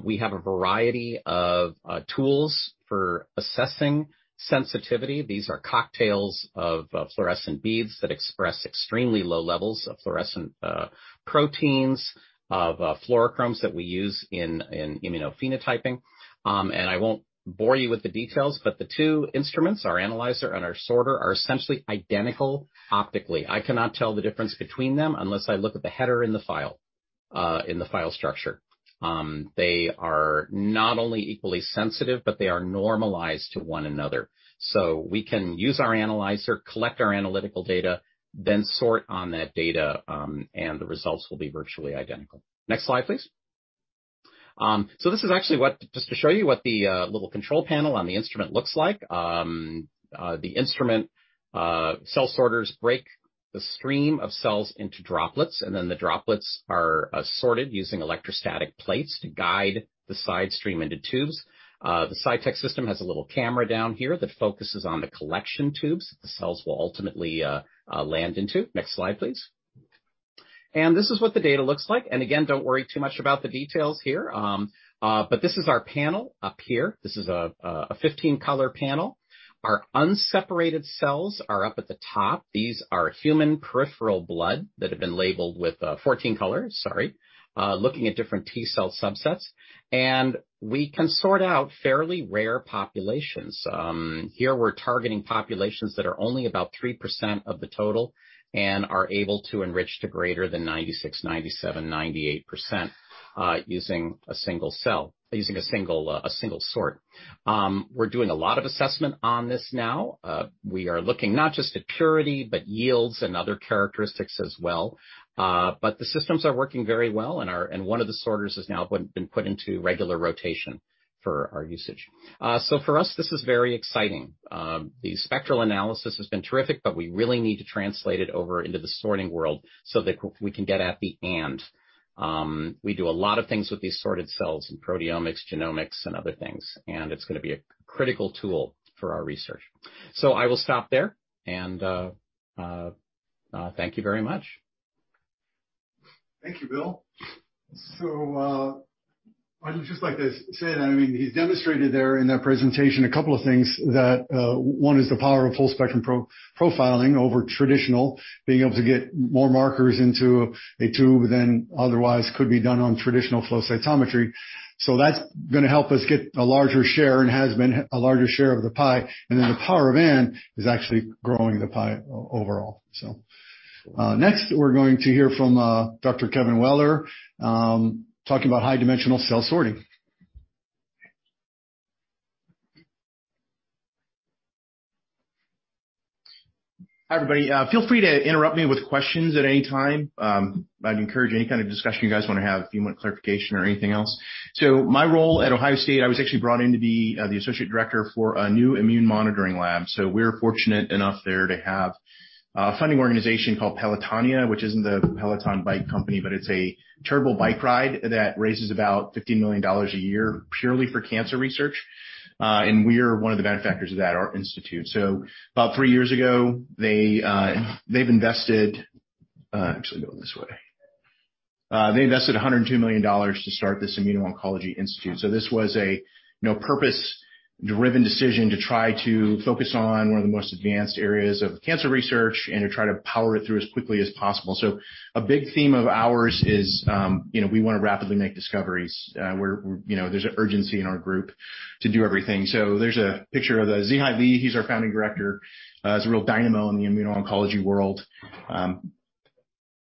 S3: We have a variety of tools for assessing sensitivity. These are cocktails of fluorescent beads that express extremely low levels of fluorescent proteins, of fluorochromes that we use in immunophenotyping. I won't bore you with the details, but the two instruments, our analyzer and our sorter, are essentially identical optically. I cannot tell the difference between them unless I look at the header in the file, in the file structure. They are not only equally sensitive, but they are normalized to one another. We can use our analyzer, collect our analytical data, then sort on that data, and the results will be virtually identical. Next slide, please. Just to show you what the little control panel on the instrument looks like. The instrument. Cell sorters break the stream of cells into droplets, and then the droplets are sorted using electrostatic plates to guide the side stream into tubes. The Cytek system has a little camera down here that focuses on the collection tubes that the cells will ultimately land into. Next slide, please. This is what the data looks like. Again, don't worry too much about the details here. This is our panel up here. This is a 15-color panel. Our unseparated cells are up at the top. These are human peripheral blood that have been labeled with 14 colors, sorry, looking at different T-cell subsets, and we can sort out fairly rare populations. Here we're targeting populations that are only about 3% of the total and are able to enrich to greater than 96%, 97%, 98%, using a single sort. We're doing a lot of assessment on this now. We are looking not just at purity, but yields and other characteristics as well. The systems are working very well, and one of the sorters has now been put into regular rotation for our usage. For us, this is very exciting. The spectral analysis has been terrific, but we really need to translate it over into the sorting world so that we can get at the and. We do a lot of things with these sorted cells in proteomics, genomics, and other things, and it's gonna be a critical tool for our research. I will stop there and thank you very much.
S2: Thank you, Bill. I would just like to say that, I mean, he's demonstrated there in that presentation a couple of things that, one is the power of Full Spectrum Profiling over traditional, being able to get more markers into a tube than otherwise could be done on traditional flow cytometry. That's gonna help us get a larger share and has been a larger share of the pie, and then the power is actually growing the pie overall. Next, we're going to hear from Dr. Kevin Weller talking about high-dimensional cell sorting.
S4: Hi, everybody. Feel free to interrupt me with questions at any time. I'd encourage any kind of discussion you guys wanna have, if you want clarification or anything else. My role at Ohio State, I was actually brought in to be the associate director for a new immune monitoring lab. We're fortunate enough there to have a funding organization called Pelotonia, which isn't the Peloton bike company, but it's a charitable bike ride that raises about $50 million a year purely for cancer research. We are one of the benefactors of that at our institute. About three years ago, they invested $102 million to start this immuno-oncology institute. This was a, you know, purpose-driven decision to try to focus on one of the most advanced areas of cancer research and to try to power it through as quickly as possible. A big theme of ours is, you know, we wanna rapidly make discoveries. We're you know, there's an urgency in our group to do everything. There's a picture of Zihai Li, he's our founding director, he's a real dynamo in the immuno-oncology world.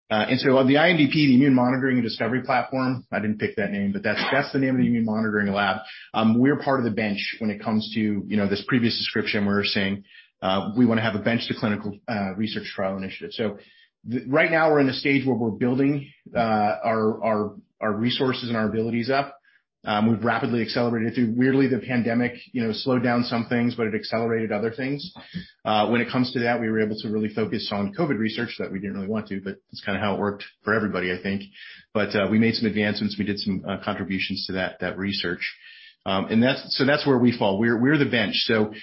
S4: The IMDP, the Immune Monitoring and Discovery Platform, I didn't pick that name, but that's the name of the immune monitoring lab. We're part of the bench when it comes to, you know, this previous description, we were saying, we wanna have a bench to clinical, research trial initiative. Right now we're in a stage where we're building our resources and our abilities up. We've rapidly accelerated. Weirdly, the pandemic, you know, slowed down some things, but it accelerated other things. When it comes to that, we were able to really focus on COVID research that we didn't really want to, but that's kinda how it worked for everybody, I think. We made some advancements. We did some contributions to that research. That's where we fall. We're the bench. You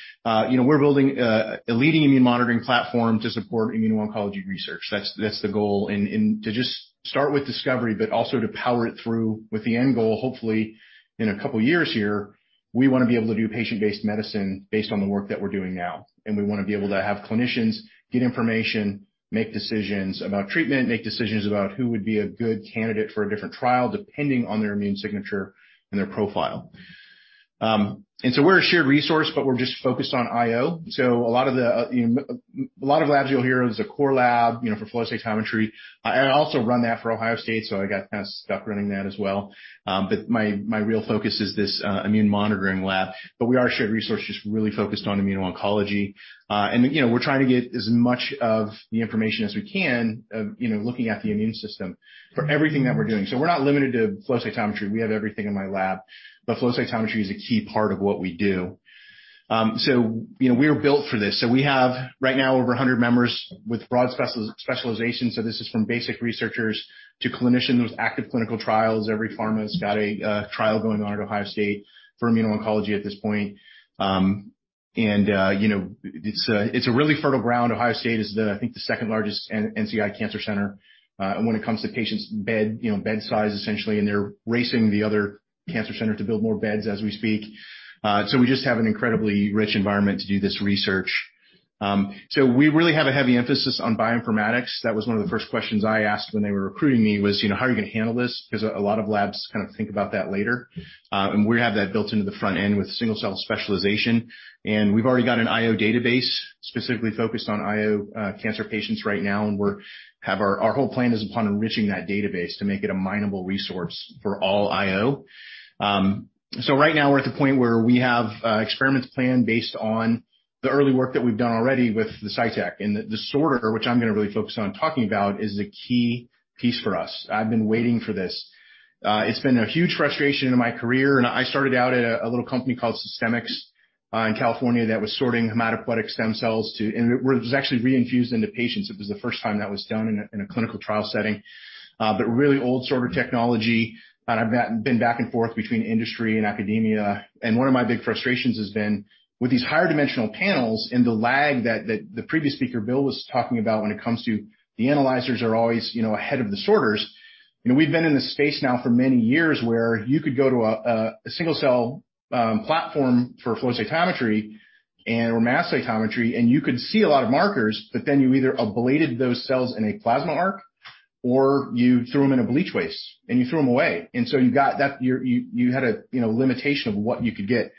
S4: know, we're building a leading immune monitoring platform to support immuno-oncology research. That's the goal. To just start with discovery, but also to power it through with the end goal, hopefully, in a couple of years here, we wanna be able to do patient-based medicine based on the work that we're doing now. We wanna be able to have clinicians get information, make decisions about treatment, make decisions about who would be a good candidate for a different trial depending on their immune signature and their profile. We're a shared resource, but we're just focused on IO. A lot of labs you'll hear is a core lab, you know, for flow cytometry. I also run that for Ohio State, so I got kinda stuck running that as well. But my real focus is this immune monitoring lab, but we are a shared resource just really focused on immuno-oncology. You know, we're trying to get as much of the information as we can of, you know, looking at the immune system for everything that we're doing. We're not limited to flow cytometry. We have everything in my lab, but flow cytometry is a key part of what we do. You know, we're built for this. We have right now over 100 members with broad specialization. This is from basic researchers to clinicians with active clinical trials. Every pharma's got a trial going on at Ohio State for immuno-oncology at this point. You know, it's a really fertile ground. Ohio State is, I think, the second-largest NCI cancer center, when it comes to patient beds, you know, bed size, essentially, and they're racing the other cancer center to build more beds as we speak. We just have an incredibly rich environment to do this research. We really have a heavy emphasis on bioinformatics. That was one of the first questions I asked when they were recruiting me was, you know, how are you gonna handle this? 'Cause a lot of labs kinda think about that later. We have that built into the front end with single-cell specialization. We've already got an IO database specifically focused on IO, cancer patients right now, and our whole plan is upon enriching that database to make it a mineable resource for all IO. Right now we're at the point where we have experiments planned based on the early work that we've done already with the Cytek. The sorter, which I'm gonna really focus on talking about, is a key piece for us. I've been waiting for this. It's been a huge frustration in my career. I started out at a little company called Systemix in California that was sorting hematopoietic stem cells and it was actually reinfused into patients. It was the first time that was done in a clinical trial setting. Really old sorter technology. I've been back and forth between industry and academia. One of my big frustrations has been with these higher dimensional panels and the lag that the previous speaker, Bill, was talking about when it comes to the analyzers are always, you know, ahead of the sorters. You know, we've been in this space now for many years where you could go to a single-cell platform for flow cytometry or mass cytometry, and you could see a lot of markers, but then you either ablated those cells in a plasma arc or you threw them in a bleach waste and you threw them away. You had a, you know, limitation of what you could get.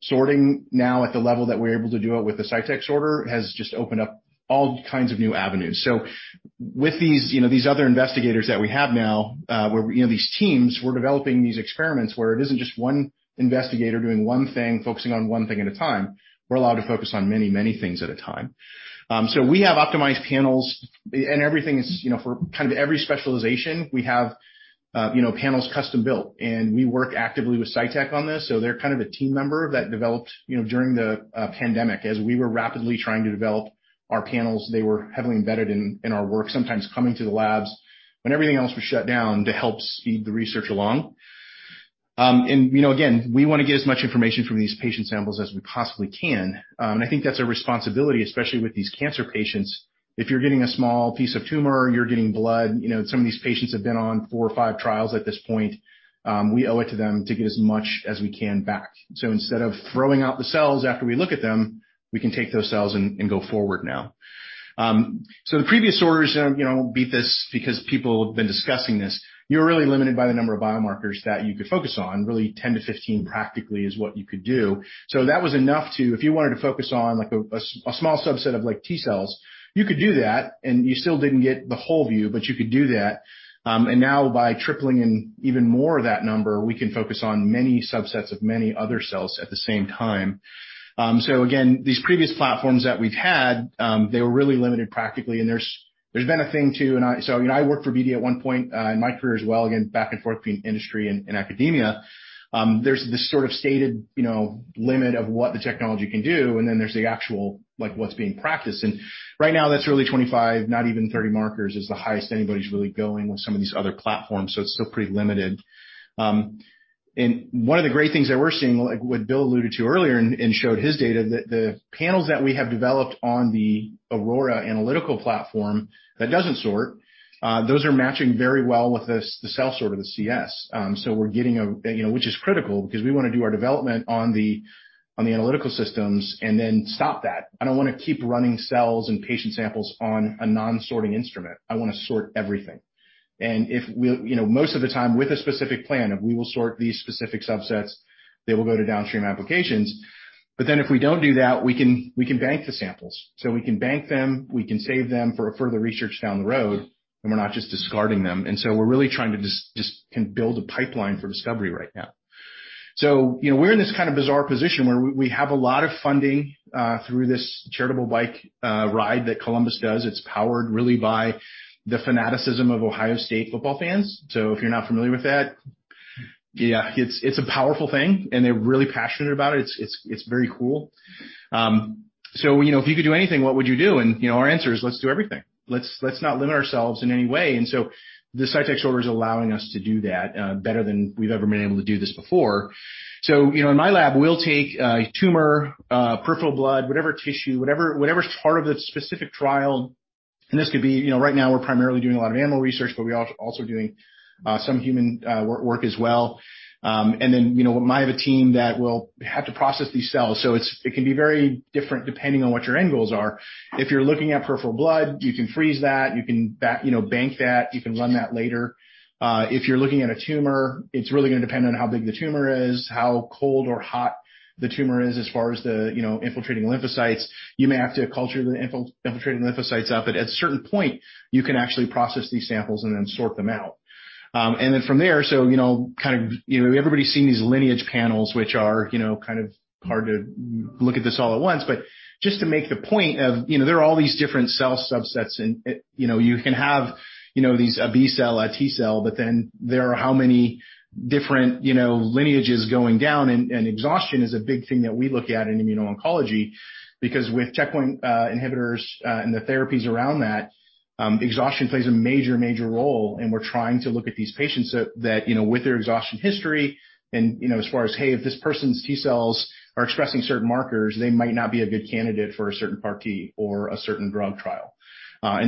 S4: Sorting now at the level that we're able to do it with the Cytek Sorter has just opened up all kinds of new avenues. With these, you know, these other investigators that we have now, where, you know, these teams, we're developing these experiments where it isn't just one investigator doing one thing, focusing on one thing at a time. We're allowed to focus on many, many things at a time. We have optimized panels and everything is, you know, for kind of every specialization, we have, you know, panels custom-built, and we work actively with Cytek on this. They're kind of a team member that developed, you know, during the pandemic as we were rapidly trying to develop our panels, they were heavily embedded in our work, sometimes coming to the labs when everything else was shut down to help speed the research along. You know, again, we wanna get as much information from these patient samples as we possibly can. I think that's a responsibility, especially with these cancer patients. If you're getting a small piece of tumor, you're getting blood, you know, some of these patients have been on four or five trials at this point, we owe it to them to get as much as we can back. Instead of throwing out the cells after we look at them, we can take those cells and go forward now. The previous sorters, you know, beat this because people have been discussing this. You're really limited by the number of biomarkers that you could focus on. Really 10-15 practically is what you could do. That was enough. If you wanted to focus on, like a small subset of, like T cells, you could do that, and you still didn't get the whole view, but you could do that. Now by tripling and even more of that number, we can focus on many subsets of many other cells at the same time. Again, these previous platforms that we've had, they were really limited practically. There's been a thing too, and I, you know, I worked for BD at one point in my career as well, again, back and forth between industry and academia. There's this sort of stated, you know, limit of what the technology can do, and then there's the actual, like, what's being practiced. Right now that's really 25, not even 30 markers is the highest anybody's really going with some of these other platforms, so it's still pretty limited. One of the great things that we're seeing, like what Bill alluded to earlier and showed his data, the panels that we have developed on the Aurora analytical platform that doesn't sort, those are matching very well with this, the cell sorter, the CS. So we're getting, which is critical because we wanna do our development on the analytical systems and then stop that. I don't wanna keep running cells and patient samples on a non-sorting instrument. I wanna sort everything. Most of the time with a specific plan of we will sort these specific subsets, they will go to downstream applications. If we don't do that, we can bank the samples. We can bank them, we can save them for further research down the road, and we're not just discarding them. We're really trying to just build a pipeline for discovery right now. You know, we're in this kind of bizarre position where we have a lot of funding through this charitable bike ride that Columbus does. It's powered really by the fanaticism of Ohio State football fans. If you're not familiar with that, yeah, it's very cool. You know, if you could do anything, what would you do? You know, our answer is, let's do everything. Let's not limit ourselves in any way. The Cytek Sorter is allowing us to do that better than we've ever been able to do this before. You know, in my lab, we'll take a tumor, peripheral blood, whatever tissue, whatever's part of the specific trial, and this could be, you know. Right now we're primarily doing a lot of animal research, but we are also doing some human work as well. You know, I have a team that will have to process these cells. It can be very different depending on what your end goals are. If you're looking at peripheral blood, you can freeze that, you can bank that, you can run that later. If you're looking at a tumor, it's really gonna depend on how big the tumor is, how cold or hot the tumor is as far as the, you know, infiltrating lymphocytes. You may have to culture the infiltrating lymphocytes out, but at a certain point, you can actually process these samples and then sort them out. From there, you know, kind of, everybody's seen these lineage panels, which are, you know, kind of hard to look at this all at once. Just to make the point of, you know, there are all these different cell subsets and, you know, you can have, you know, these, a B cell, a T cell, but then there are how many different, you know, lineages going down. Exhaustion is a big thing that we look at in immuno-oncology because with checkpoint inhibitors and the therapies around that, exhaustion plays a major role, and we're trying to look at these patients so that, you know, with their exhaustion history and, you know, as far as, hey, if this person's T cells are expressing certain markers, they might not be a good candidate for a certain CAR T or a certain drug trial.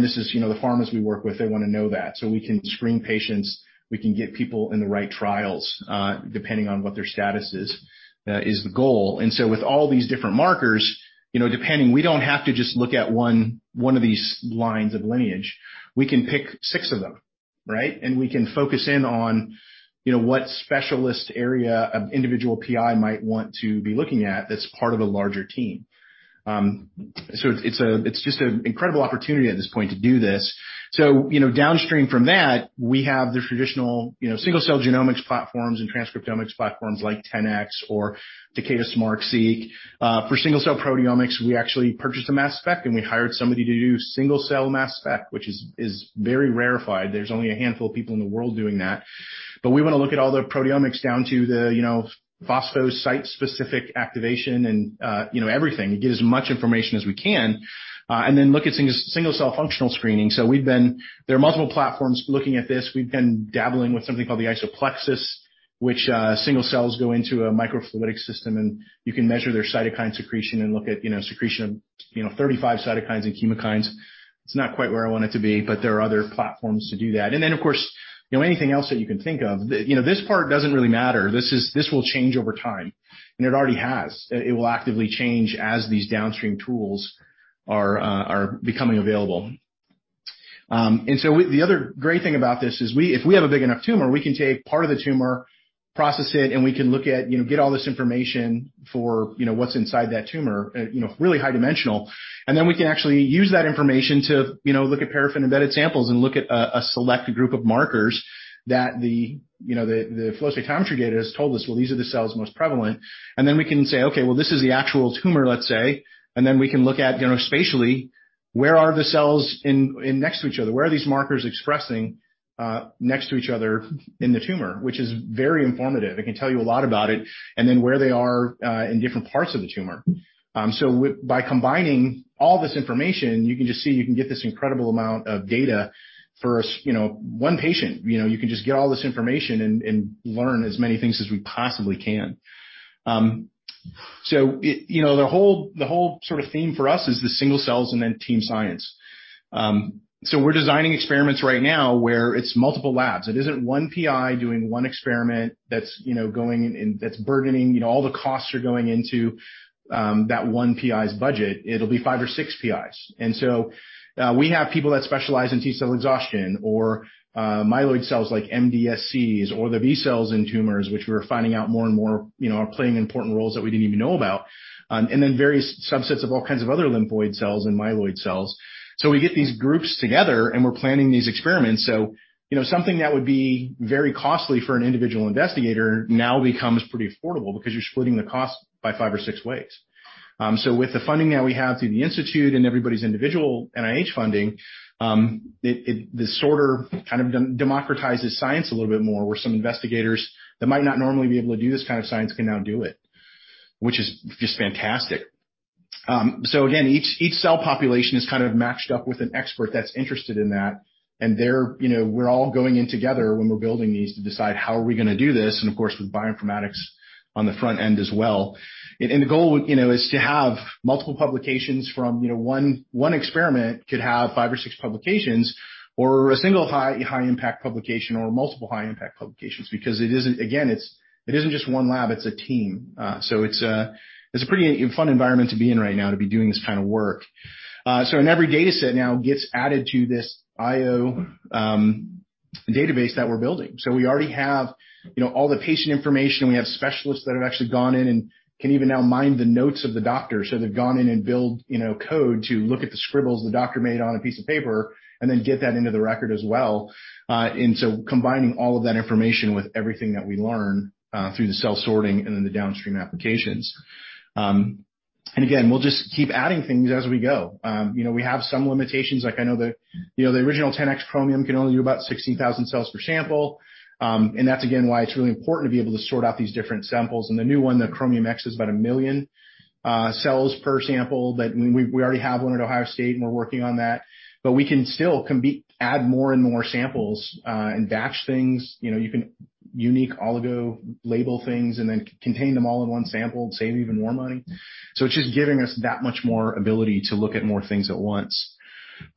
S4: This is, you know, the pharmas we work with, they wanna know that. We can screen patients, we can get people in the right trials, depending on what their status is the goal. With all these different markers, you know, depending, we don't have to just look at one of these lines of lineage. We can pick six of them, right? We can focus in on, you know, what specialist area an individual PI might want to be looking at that's part of a larger team. It's just an incredible opportunity at this point to do this. You know, downstream from that, we have the traditional, you know, single-cell genomics platforms and transcriptomics platforms like 10x or 10x Genomics. For single-cell proteomics, we actually purchased a mass spec, and we hired somebody to do single-cell mass spec, which is very rarefied. There's only a handful of people in the world doing that. We wanna look at all the proteomics down to the, you know, phospho site-specific activation and, you know, everything to get as much information as we can, and then look at single-cell functional screening. There are multiple platforms looking at this. We've been dabbling with something called the IsoPlexis. Which, single cells go into a microfluidic system, and you can measure their cytokine secretion and look at, you know, secretion, you know, 35 cytokines and chemokines. It's not quite where I want it to be, but there are other platforms to do that. Then, of course, you know, anything else that you can think of. You know, this part doesn't really matter. This will change over time, and it already has. It will actively change as these downstream tools are becoming available. The other great thing about this is if we have a big enough tumor, we can take part of the tumor, process it, and we can look at, you know, get all this information for, you know, what's inside that tumor, you know, really high dimensional. We can actually use that information to, you know, look at paraffin-embedded samples and look at a selected group of markers that the, you know, the flow cytometry data has told us, "Well, these are the cells most prevalent." We can say, "Okay, well, this is the actual tumor," let's say, and we can look at, you know, spatially where are the cells in next to each other, where are these markers expressing next to each other in the tumor, which is very informative. It can tell you a lot about it, and where they are in different parts of the tumor. By combining all this information, you can just see you can get this incredible amount of data for you know, one patient. You know, you can just get all this information and learn as many things as we possibly can. You know, the whole sort of theme for us is the single cells and then team science. We're designing experiments right now where it's multiple labs. It isn't one PI doing one experiment that's, you know, going and that's burdening, you know, all the costs are going into that one PI's budget. It'll be 5 or 6 PI's. We have people that specialize in T-cell exhaustion or myeloid cells like MDSCs or the B cells in tumors, which we're finding out more and more, you know, are playing important roles that we didn't even know about and then various subsets of all kinds of other lymphoid cells and myeloid cells. We get these groups together, and we're planning these experiments, so, you know, something that would be very costly for an individual investigator now becomes pretty affordable because you're splitting the cost by five or six ways. With the funding that we have through the institute and everybody's individual NIH funding, it, the sorter kind of democratizes science a little bit more, where some investigators that might not normally be able to do this kind of science can now do it, which is just fantastic. Each cell population is kind of matched up with an expert that's interested in that, and they're, you know, we're all going in together when we're building these to decide how are we gonna do this, and of course, with bioinformatics on the front end as well. The goal, you know, is to have multiple publications from, you know, one experiment could have five or six publications or a single high-impact publication or multiple high-impact publications because it isn't, again, it isn't just one lab, it's a team. It's a pretty fun environment to be in right now to be doing this kind of work. Every data set now gets added to this IO database that we're building. We already have, you know, all the patient information. We have specialists that have actually gone in and can even now mine the notes of the doctor. They've gone in and build, you know, code to look at the scribbles the doctor made on a piece of paper and then get that into the record as well. Combining all of that information with everything that we learn through the cell sorting and then the downstream applications. Again, we'll just keep adding things as we go. You know, we have some limitations, like I know the, you know, the original 10x Chromium can only do about 16,000 cells per sample. That's again why it's really important to be able to sort out these different samples. The new one, the Chromium X, is about 1,000,000 cells per sample that we already have one at Ohio State, and we're working on that. We can still add more and more samples, and batch things. You know, you can unique oligo label things and then contain them all in one sample and save even more money. It's just giving us that much more ability to look at more things at once.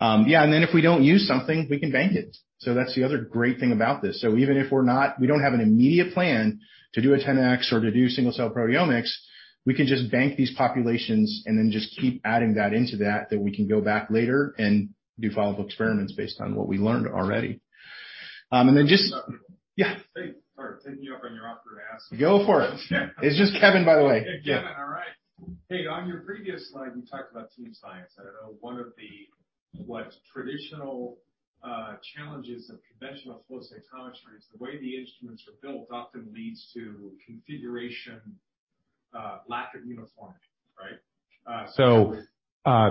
S4: Yeah, and then if we don't use something, we can bank it. That's the other great thing about this. We don't have an immediate plan to do a 10x or to do single-cell proteomics, we can just bank these populations and then just keep adding that into that we can go back later and do follow-up experiments based on what we learned already. Yeah.
S5: Thanks. Sorry, taking you up on your offer to ask.
S4: Go for it.
S5: Yeah.
S4: It's just Kevin, by the way.
S5: Hey, Kevin. All right. Hey, on your previous slide, you talked about team science. I know one of the traditional challenges of conventional flow cytometry is the way the instruments are built often leads to configuration lack of uniformity, right? So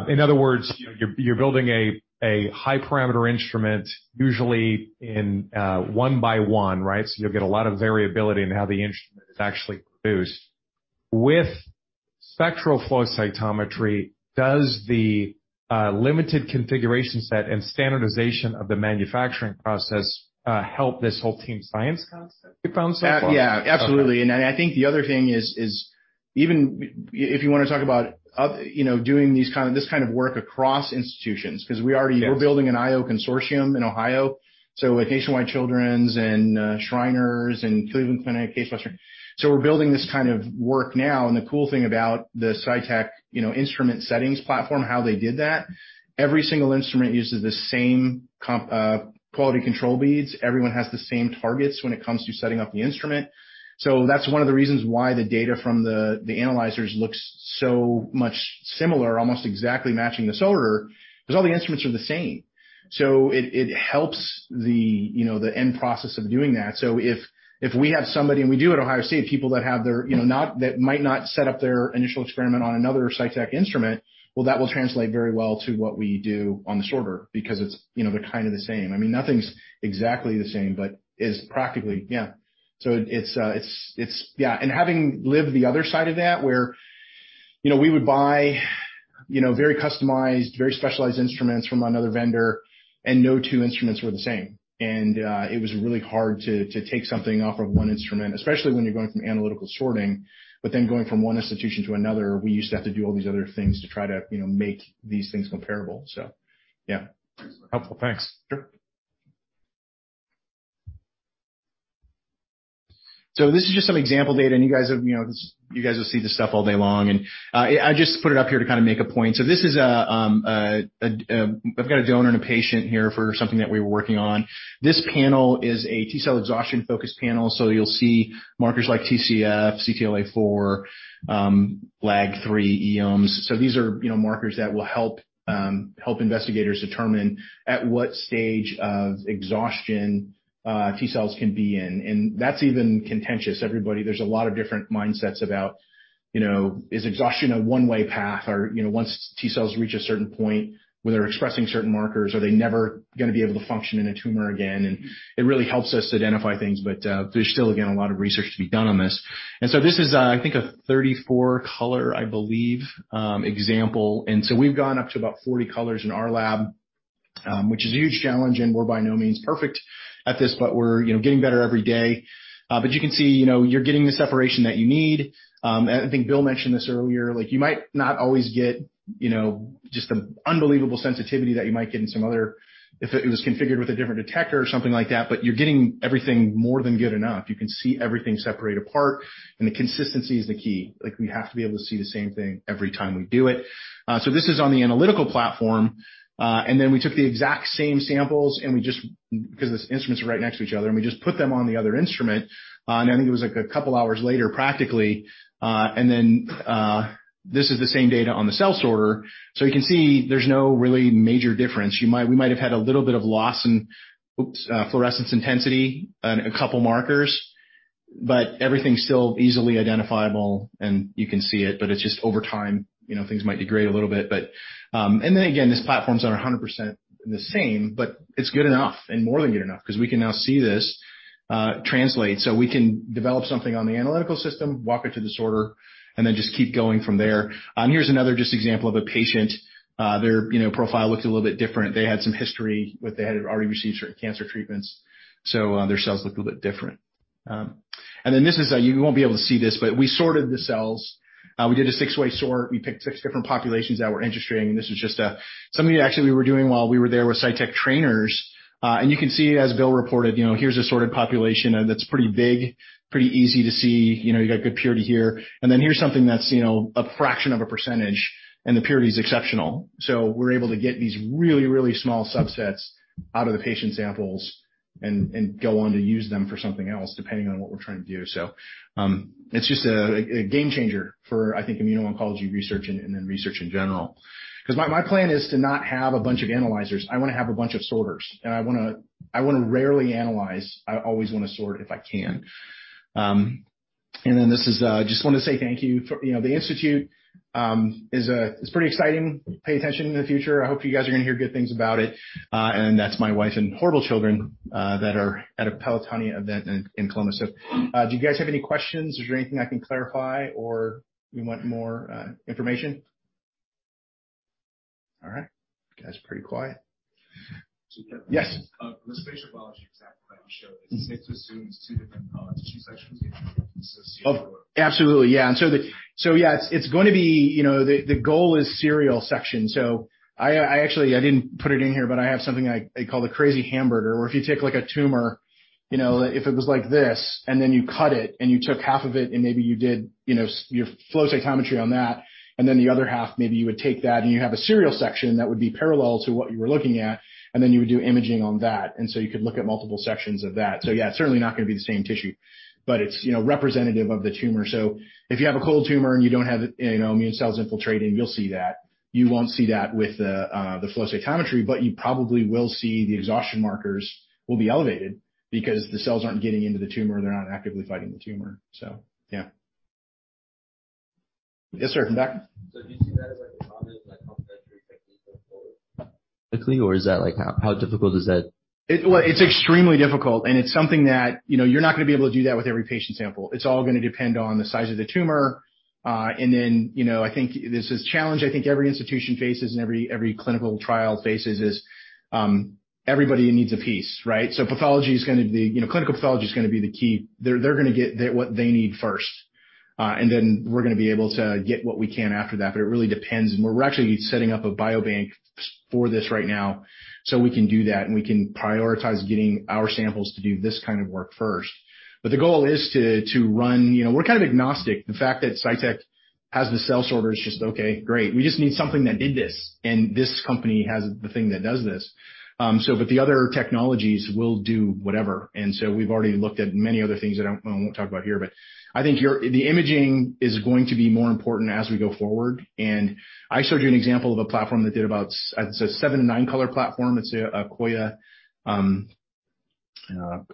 S5: In other words, you know, you're building a high-parameter instrument, usually in one by one, right? You'll get a lot of variability in how the instrument is actually produced. With spectral flow cytometry, does the limited configuration set and standardization of the manufacturing process help this whole team science concept you found so far?
S4: Yeah, absolutely.
S5: Okay.
S4: I think the other thing is even if you wanna talk about you know, doing this kind of work across institutions 'cause we already. Yes. We're building an IO consortium in Ohio, so with Nationwide Children's Hospital and Shriners Children's Ohio and Cleveland Clinic, Case Western Reserve University. We're building this kind of work now, and the cool thing about the Cytek, you know, instrument settings platform, how they did that, every single instrument uses the same quality control beads. Everyone has the same targets when it comes to setting up the instrument. That's one of the reasons why the data from the analyzers looks so much similar, almost exactly matching the sorter, cause all the instruments are the same. It helps, you know, the end process of doing that. If we have somebody, and we do at Ohio State, people that have their, you know, that might not set up their initial experiment on another Cytek instrument, well, that will translate very well to what we do on the sorter because it's, you know, they're kinda the same. I mean, nothing's exactly the same, but it's practically, yeah. It's, yeah. Having lived the other side of that, you know, we would buy, you know, very customized, very specialized instruments from another vendor, and no two instruments were the same. It was really hard to take something off of one instrument, especially when you're going from analytical sorting, but then going from one institution to another, we used to have to do all these other things to try to, you know, make these things comparable. Yeah.
S5: Thanks. Helpful. Thanks.
S4: Sure. This is just some example data, and you guys will see this stuff all day long. I just put it up here to kind of make a point. This is. I've got a donor and a patient here for something that we were working on. This panel is a T cell exhaustion focus panel, so you'll see markers like TCF-1, CTLA-4, LAG-3, EOMES. These are, you know, markers that will help investigators determine at what stage of exhaustion T cells can be in. That's even contentious. There's a lot of different mindsets about, you know, is exhaustion a one-way path or, you know, once T cells reach a certain point where they're expressing certain markers, are they never gonna be able to function in a tumor again? It really helps us to identify things. There's still, again, a lot of research to be done on this. This is, I think, a 34-color, I believe, example. We've gone up to about 40-colors in our lab, which is a huge challenge, and we're by no means perfect at this, but we're, you know, getting better every day. You can see, you know, you're getting the separation that you need. I think Bill mentioned this earlier, like, you might not always get, you know, just the unbelievable sensitivity that you might get in some other if it was configured with a different detector or something like that, but you're getting everything more than good enough. You can see everything separate apart, and the consistency is the key. Like, we have to be able to see the same thing every time we do it. This is on the analytical platform. Then we took the exact same samples, and we just 'cause these instruments are right next to each other, and we just put them on the other instrument. I think it was, like, a couple of hours later, practically. This is the same data on the cell sorter. You can see there's no really major difference. We might have had a little bit of loss in fluorescence intensity on a couple of markers, but everything's still easily identifiable, and you can see it, but it's just over time, you know, things might degrade a little bit. These platforms aren't 100% the same, but it's good enough and more than good enough 'cause we can now see this translate. We can develop something on the analytical system, walk it to the sorter, and then just keep going from there. Here's another example of a patient. Their profile looked a little bit different. They had some history with. They had already received certain cancer treatments, their cells looked a bit different. This is. You won't be able to see this, but we sorted the cells. We did a six-way sort. We picked six different populations that we're interested in. This is just, something actually we were doing while we were there with Cytek trainers. You can see, as Bill reported, you know, here's a sorted population, and that's pretty big, pretty easy to see. You know, you got good purity here. Then here's something that's, you know, a fraction of a percentage, and the purity is exceptional. We're able to get these really small subsets out of the patient samples and go on to use them for something else, depending on what we're trying to do. It's just a game changer for, I think, immuno-oncology research and then research in general. Cause my plan is to not have a bunch of analyzers. I wanna have a bunch of sorters, and I wanna rarely analyze. I always wanna sort if I can. I just want to say thank you for you know the institute is pretty exciting. Pay attention in the future. I hope you guys are gonna hear good things about it. That's my wife and horrible children that are at a Pelotonia event in Columbus. Do you guys have any questions? Is there anything I can clarify or you want more information? All right. You guys are pretty quiet. Yes.
S6: The spatial biology example that you showed, is it safe to assume it's two different tissue sections?
S4: Absolutely. Yeah. Yeah, it's gonna be. You know, the goal is serial section. I actually didn't put it in here, but I have something I call the crazy hamburger, where if you take, like, a tumor, you know, if it was like this, and then you cut it, and you took half of it, and maybe you did, you know, your flow cytometry on that, and then the other half, maybe you would take that, and you have a serial section that would be parallel to what you were looking at, and then you would do imaging on that. You could look at multiple sections of that. Yeah, it's certainly not gonna be the same tissue, but it's, you know, representative of the tumor. If you have a cold tumor and you don't have, you know, immune cells infiltrating, you'll see that. You won't see that with the flow cytometry, but you probably will see the exhaustion markers will be elevated because the cells aren't getting into the tumor. They're not actively fighting the tumor. Yeah. Yes, sir. In the back.
S7: Do you see that as, like, a common, like, complementary technique going forward or is that, like? How difficult is that?
S4: Well, it's extremely difficult, and it's something that, you know, you're not gonna be able to do that with every patient sample. It's all gonna depend on the size of the tumor. You know, I think this is a challenge every institution faces and every clinical trial faces is everybody needs a piece, right? So, you know, clinical pathology is gonna be the key. They're gonna get what they need first, and then we're gonna be able to get what we can after that. It really depends. We're actually setting up a biobank for this right now, so we can do that, and we can prioritize getting our samples to do this kind of work first. The goal is to run. You know, we're kind of agnostic. The fact that Cytek has the cell sorter is just, okay, great. We just need something that did this, and this company has the thing that does this. But the other technologies will do whatever. We've already looked at many other things that I won't talk about here, but I think the imaging is going to be more important as we go forward. I showed you an example of a platform that's a seven-nine color platform. It's an Akoya system, but I'm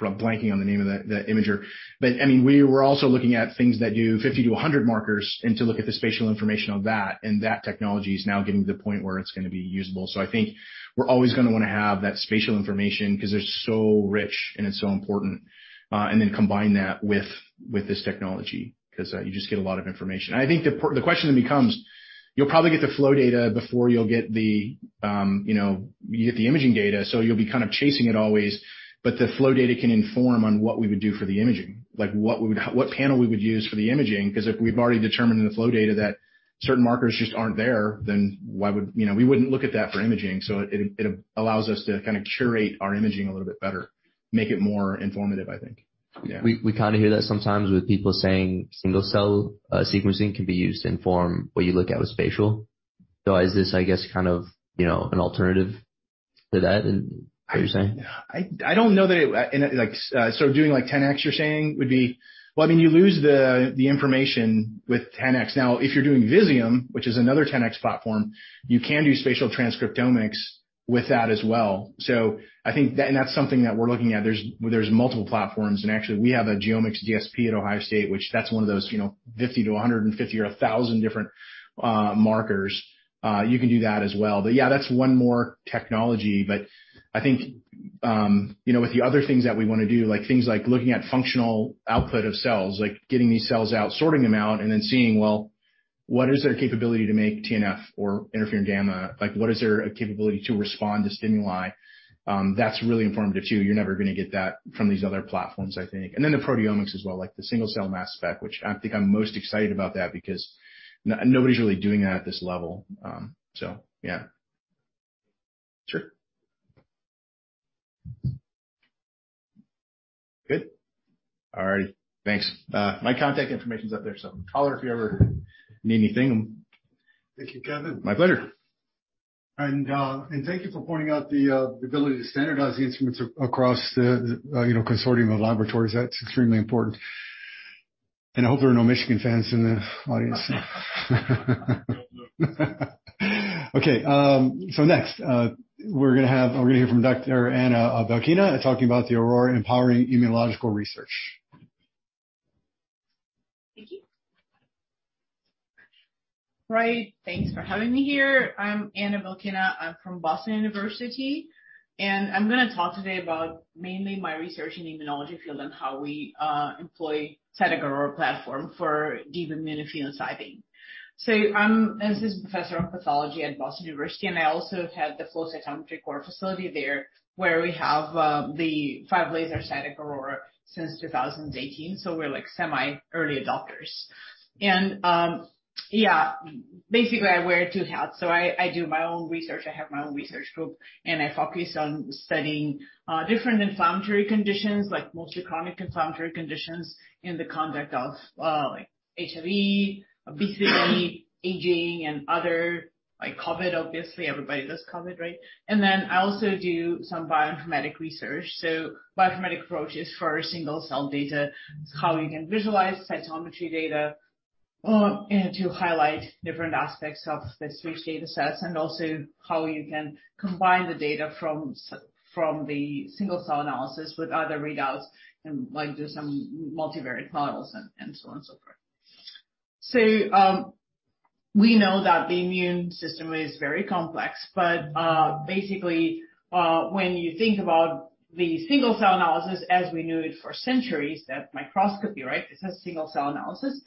S4: blanking on the name of that imager. I mean, we were also looking at things that do 50-100 markers, and to look at the spatial information of that, and that technology is now getting to the point where it's gonna be usable. I think we're always gonna wanna have that spatial information 'cause they're so rich, and it's so important, and then combine that with this technology, 'cause you just get a lot of information. I think the question then becomes, you'll probably get the flow data before you'll get the, you know, you get the imaging data, so you'll be kind of chasing it always. But the flow data can inform on what we would do for the imaging. Like, what panel we would use for the imaging. 'Cause if we've already determined in the flow data that certain markers just aren't there, then why would you know, we wouldn't look at that for imaging. It allows us to kind of curate our imaging a little bit better, make it more informative, I think. Yeah.
S7: We kinda hear that sometimes with people saying single cell sequencing can be used to inform what you look at with spatial. Is this, I guess, kind of, you know, an alternative to that in what you're saying?
S4: Well, I mean, you lose the information with 10x. Now, if you're doing Visium, which is another 10x platform, you can do spatial transcriptomics with that as well. I think that's something that we're looking at. There's multiple platforms, and actually we have a GeoMx DSP at Ohio State, which that's one of those, you know, 50-150 or 1,000 different markers. You can do that as well. Yeah, that's one more technology. I think, you know, with the other things that we wanna do, like things like looking at functional output of cells, like getting these cells out, sorting them out, and then seeing, well, what is their capability to make TNF or interferon gamma? Like, what is their capability to respond to stimuli? That's really informative too. You're never gonna get that from these other platforms, I think. The proteomics as well, like the single-cell mass spec, which I think I'm most excited about that because nobody's really doing that at this level. Yeah. Sure. Good. All right. Thanks. My contact information's up there, so call if you ever need anything.
S2: Thank you, Kevin.
S4: My pleasure.
S2: Thank you for pointing out the ability to standardize the instruments across the you know consortium of laboratories. That's extremely important. I hope there are no Michigan fans in the audience. Okay, next, we're gonna hear from Dr. Anna Belkina talking about the Aurora Empowering Immunological Research.
S8: Thank you. Right. Thanks for having me here. I'm Anna Belkina. I'm from Boston University, and I'm gonna talk today about mainly my research in the immunology field and how we employ Cytek Aurora platform for deep immunophenotyping. I'm assistant professor of pathology at Boston University, and I also head the flow cytometry core facility there, where we have the 5-laser Cytek Aurora since 2018, so we're, like, semi-early adopters. Yeah, basically, I wear two hats. I do my own research. I have my own research group, and I focus on studying different inflammatory conditions, like multi-chronic inflammatory conditions in the context of like HIV, obesity, aging and other like COVID, obviously. Everybody does COVID, right? I also do some bioinformatics research. Bioinformatics approaches for single-cell data. It's how you can visualize cytometry data, and to highlight different aspects of these rich datasets and also how you can combine the data from the single-cell analysis with other readouts and, like, do some multivariate models and so on and so forth. We know that the immune system is very complex, but, basically, when you think about the single-cell analysis as we knew it for centuries, that's microscopy, right? This is single-cell analysis.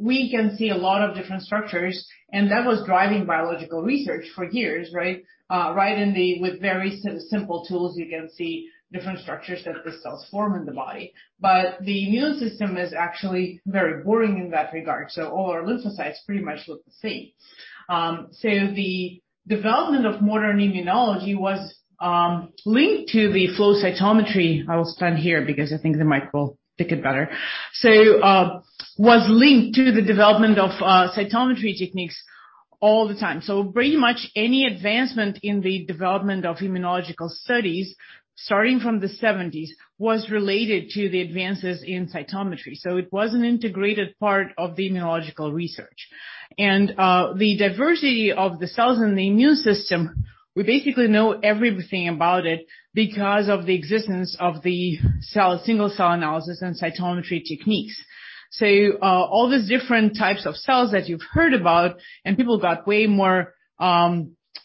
S8: We can see a lot of different structures, and that was driving biological research for years, right? With very simple tools, you can see different structures that the cells form in the body. The immune system is actually very boring in that regard, so all our lymphocytes pretty much look the same. The development of modern immunology was linked to flow cytometry. I will stand here because I think the mic will pick it better. It was linked to the development of cytometry techniques all the time. Pretty much any advancement in the development of immunological studies, starting from the 1970s, was related to the advances in cytometry. It was an integrated part of the immunological research. The diversity of the cells in the immune system, we basically know everything about it because of the existence of single-cell analysis and cytometry techniques. All these different types of cells that you've heard about, and people got way more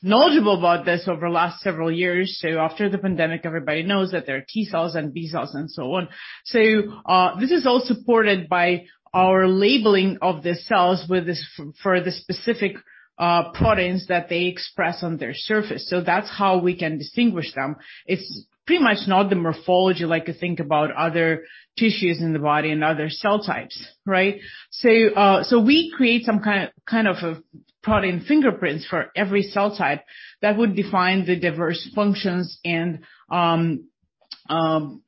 S8: knowledgeable about this over the last several years. After the pandemic, everybody knows that there are T cells and B cells and so on. This is all supported by our labeling of the cells with this for the specific proteins that they express on their surface. That's how we can distinguish them. It's pretty much not the morphology like you think about other tissues in the body and other cell types, right? We create some kind of a protein fingerprints for every cell type that would define the diverse functions and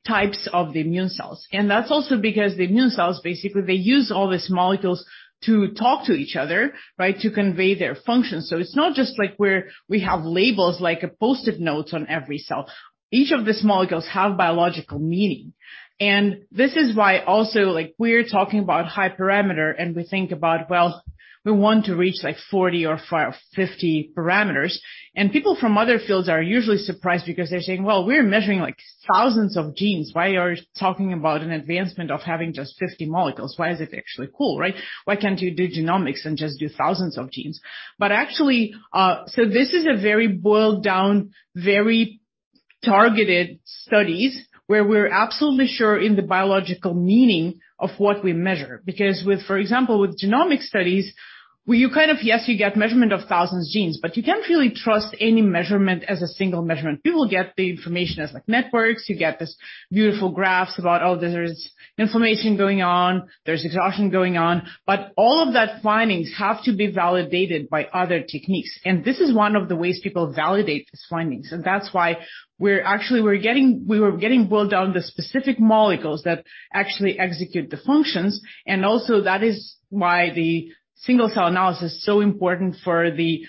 S8: types of the immune cells. That's also because the immune cells, basically, they use all these molecules to talk to each other, right, to convey their functions. It's not just like we have labels like Post-it notes on every cell. Each of these molecules have biological meaning. This is why also, like, we're talking about high parameter, and we think about, well, we want to reach like 40 or 50 parameters. People from other fields are usually surprised because they're saying, "Well, we're measuring like thousands of genes. Why are you talking about an advancement of having just 50 molecules? Why is it actually cool?" Right? "Why can't you do genomics and just do thousands of genes?" Actually, this is a very boiled down, very targeted studies where we're absolutely sure in the biological meaning of what we measure. Because with, for example, with genomic studies, where you kind of, yes, you get measurement of thousands genes, but you can't really trust any measurement as a single measurement. People get the information as like networks. You get this beautiful graphs about, oh, there's inflammation going on, there's exhaustion going on, but all of that findings have to be validated by other techniques. This is one of the ways people validate these findings. That's why we're actually we were getting boiled down to specific molecules that actually execute the functions. Also that is why the single-cell analysis is so important for the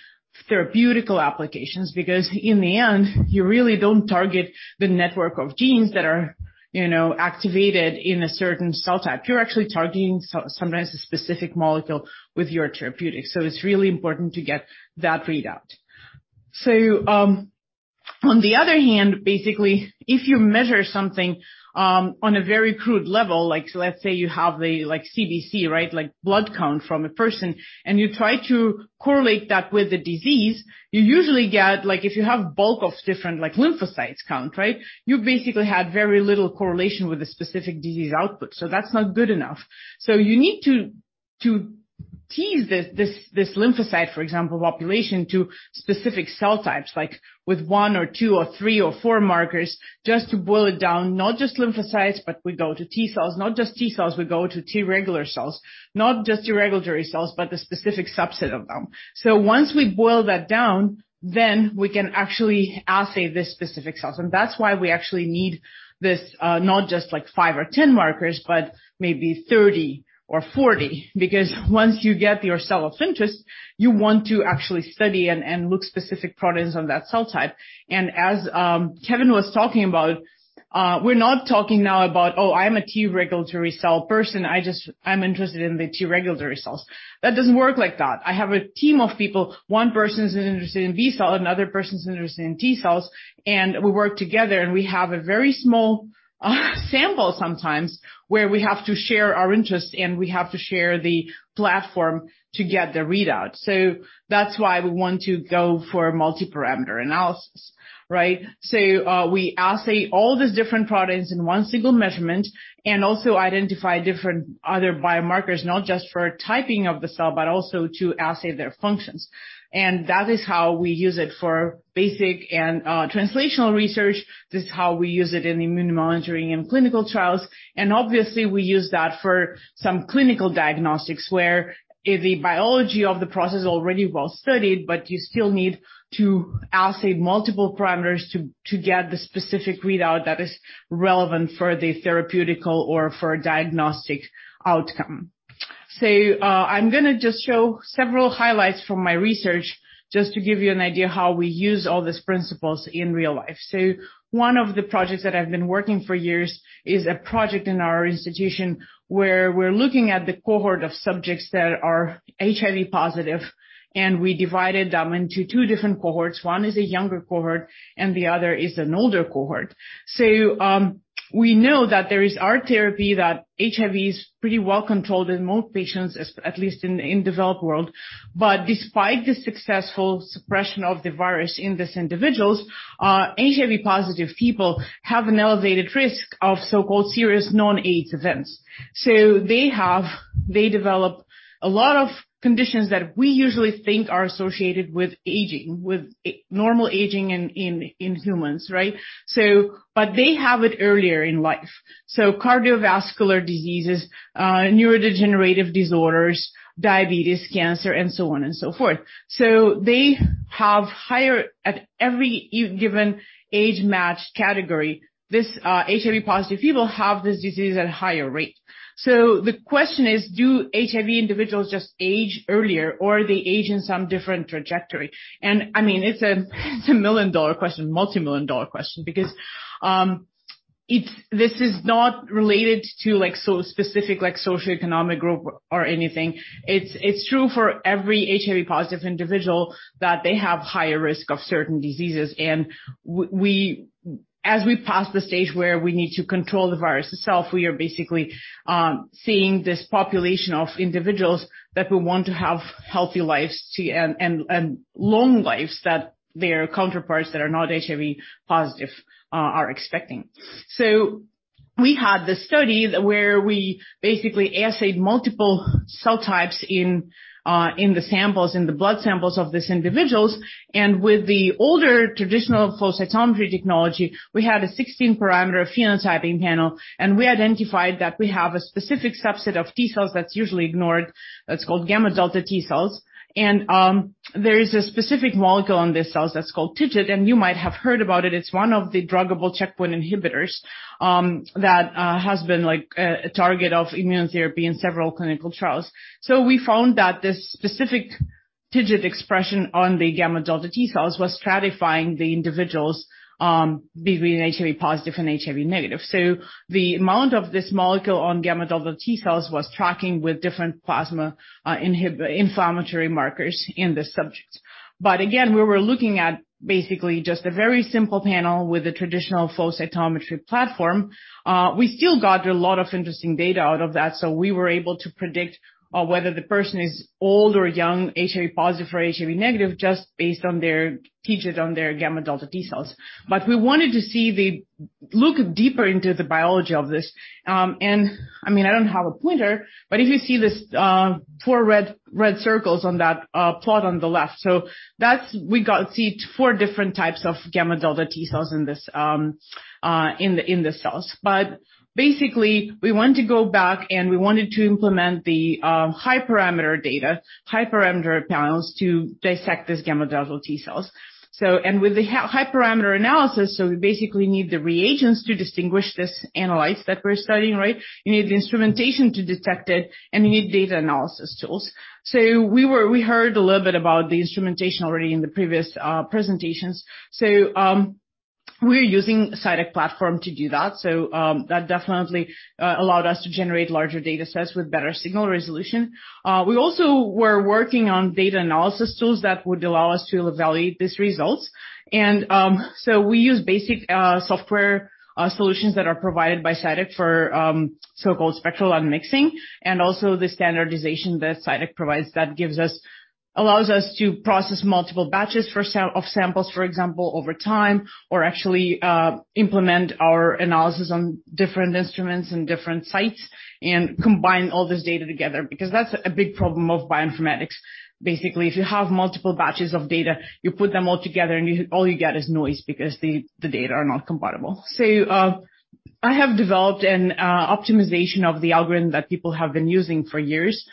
S8: therapeutic applications, because in the end, you really don't target the network of genes that are, you know, activated in a certain cell type. You're actually targeting sometimes a specific molecule with your therapeutic. It's really important to get that readout. On the other hand, basically, if you measure something on a very crude level, like let's say you have the, like, CBC, right, like blood count from a person, and you try to correlate that with the disease, you usually get, like, if you have bulk of different like lymphocytes count, right? You basically had very little correlation with the specific disease output, so that's not good enough. You need to tease this lymphocyte, for example, population to specific cell types, like with one or two or three or four markers, just to boil it down, not just lymphocytes, but we go to T cells, not just T cells, we go to T regulatory cells, not just regulatory cells, but the specific subset of them. Once we boil that down, then we can actually assay these specific cells. That's why we actually need this, not just like five or 10 markers, but maybe 30 or 40, because once you get your cell of interest, you want to actually study and look specific products on that cell type. As Kevin was talking about, we're not talking now about, "Oh, I'm a T regulatory cell person. I'm interested in the T regulatory cells." That doesn't work like that. I have a team of people. One person is interested in B cell, another person is interested in T cells, and we work together, and we have a very small sample sometimes where we have to share our interests and we have to share the platform to get the readout. That's why we want to go for multiparameter analysis, right? We assay all these different products in one single measurement and also identify different other biomarkers, not just for typing of the cell, but also to assay their functions. That is how we use it for basic and translational research. This is how we use it in immunomonitoring and clinical trials. Obviously, we use that for some clinical diagnostics where if the biology of the process is already well-studied, but you still need to assay multiple parameters to get the specific readout that is relevant for the therapeutic or for a diagnostic outcome. I'm gonna just show several highlights from my research just to give you an idea how we use all these principles in real life. One of the projects that I've been working for years is a project in our institution where we're looking at the cohort of subjects that are HIV positive, and we divided them into two different cohorts. One is a younger cohort and the other is an older cohort. We know that there is antiretroviral therapy, that HIV is pretty well controlled in most patients, at least in developed world. But despite the successful suppression of the virus in these individuals, HIV positive people have an elevated risk of so-called serious non-AIDS events. They develop a lot of conditions that we usually think are associated with aging, with a normal aging in humans, right? But they have it earlier in life. Cardiovascular diseases, neurodegenerative disorders, diabetes, cancer, and so on and so forth. They have higher at every given age match category, this, HIV positive people have this disease at a higher rate. The question is, do HIV individuals just age earlier or they age in some different trajectory? I mean, it's a million-dollar question, multimillion-dollar question because this is not related to like so specific, like socioeconomic group or anything. It's true for every HIV positive individual that they have higher risk of certain diseases. As we pass the stage where we need to control the virus itself, we are basically seeing this population of individuals that we want to have healthy lives too, and long lives that their counterparts that are not HIV positive are expecting. We had this study where we basically assayed multiple cell types in the samples, in the blood samples of these individuals. With the older traditional flow cytometry technology, we had a 16-parameter phenotyping panel, and we identified that we have a specific subset of T cells that's usually ignored. That's called gamma delta T cells. There is a specific molecule in these cells that's called TIGIT, and you might have heard about it. It's one of the druggable checkpoint inhibitors that has been like a target of immunotherapy in several clinical trials. We found that this specific TIGIT expression on the gamma delta T cells was stratifying the individuals between HIV positive and HIV negative. The amount of this molecule on gamma delta T cells was tracking with different plasma inflammatory markers in the subjects. Again, we were looking at basically just a very simple panel with a traditional flow cytometry platform. We still got a lot of interesting data out of that, so we were able to predict whether the person is old or young, HIV positive or HIV negative, just based on their TIGIT on their gamma delta T cells. We wanted to look deeper into the biology of this. I mean, I don't have a pointer, but if you see this, four red circles on that plot on the left. So that's four different types of gamma delta T cells in this, in the cells. Basically, we want to go back, and we wanted to implement the high parameter data, high parameter panels to dissect these gamma delta T cells. With the high parameter analysis, we basically need the reagents to distinguish these analytes that we're studying, right? You need the instrumentation to detect it, and you need data analysis tools. We heard a little bit about the instrumentation already in the previous presentations. We're using Cytek platform to do that. That definitely allowed us to generate larger datasets with better signal resolution. We also were working on data analysis tools that would allow us to evaluate these results. We use basic software solutions that are provided by Cytek for so-called spectral unmixing, and also the standardization that Cytek provides that allows us to process multiple batches of samples, for example, over time, or actually implement our analysis on different instruments and different sites and combine all this data together, because that's a big problem of bioinformatics. Basically, if you have multiple batches of data, you put them all together, and all you get is noise because the data are not compatible. I have developed an optimization of the algorithm that people have been using for years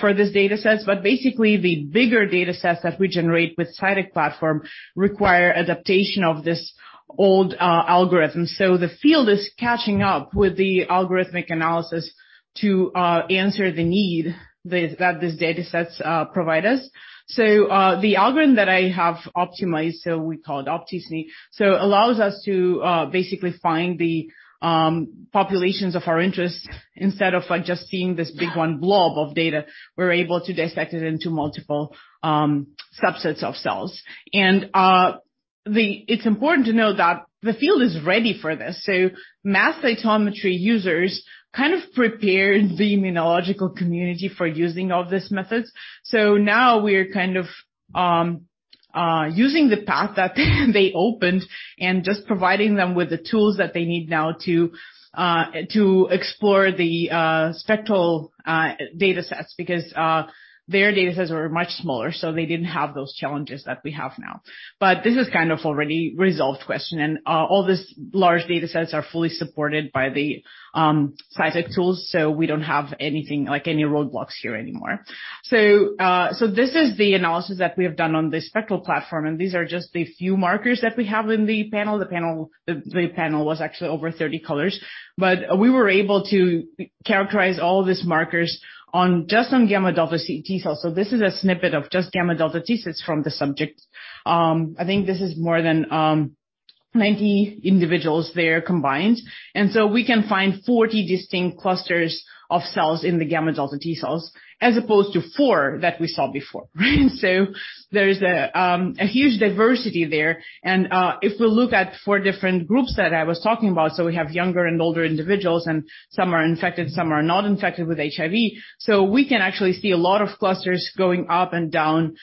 S8: for these datasets. Basically, the bigger datasets that we generate with Cytek platform require adaptation of this old algorithm. The field is catching up with the algorithmic analysis to answer the need that these datasets provide us. The algorithm that I have optimized, so we call it opt-SNE, so allows us to basically find the populations of our interest instead of, like, just seeing this big one blob of data, we're able to dissect it into multiple subsets of cells. It's important to know that the field is ready for this. Mass cytometry users kind of prepared the immunological community for using all these methods. Now we're kind of using the path that they opened and just providing them with the tools that they need now to explore the spectral datasets because their datasets were much smaller, so they didn't have those challenges that we have now. This is kind of already resolved question. All these large datasets are fully supported by the Cytek tools, so we don't have anything, like, any roadblocks here anymore. This is the analysis that we have done on the spectral platform, and these are just the few markers that we have in the panel. The panel was actually over 30 colors. We were able to characterize all these markers on just on gamma delta T cells. This is a snippet of just gamma delta T cells from the subjects. I think this is more than 90 individuals there combined. We can find 40 distinct clusters of cells in the gamma delta T cells as opposed to 4 that we saw before. Right? There is a huge diversity there. If we look at four different groups that I was talking about, we have younger and older individuals, and some are infected, some are not infected with HIV. We can actually see a lot of clusters going up and down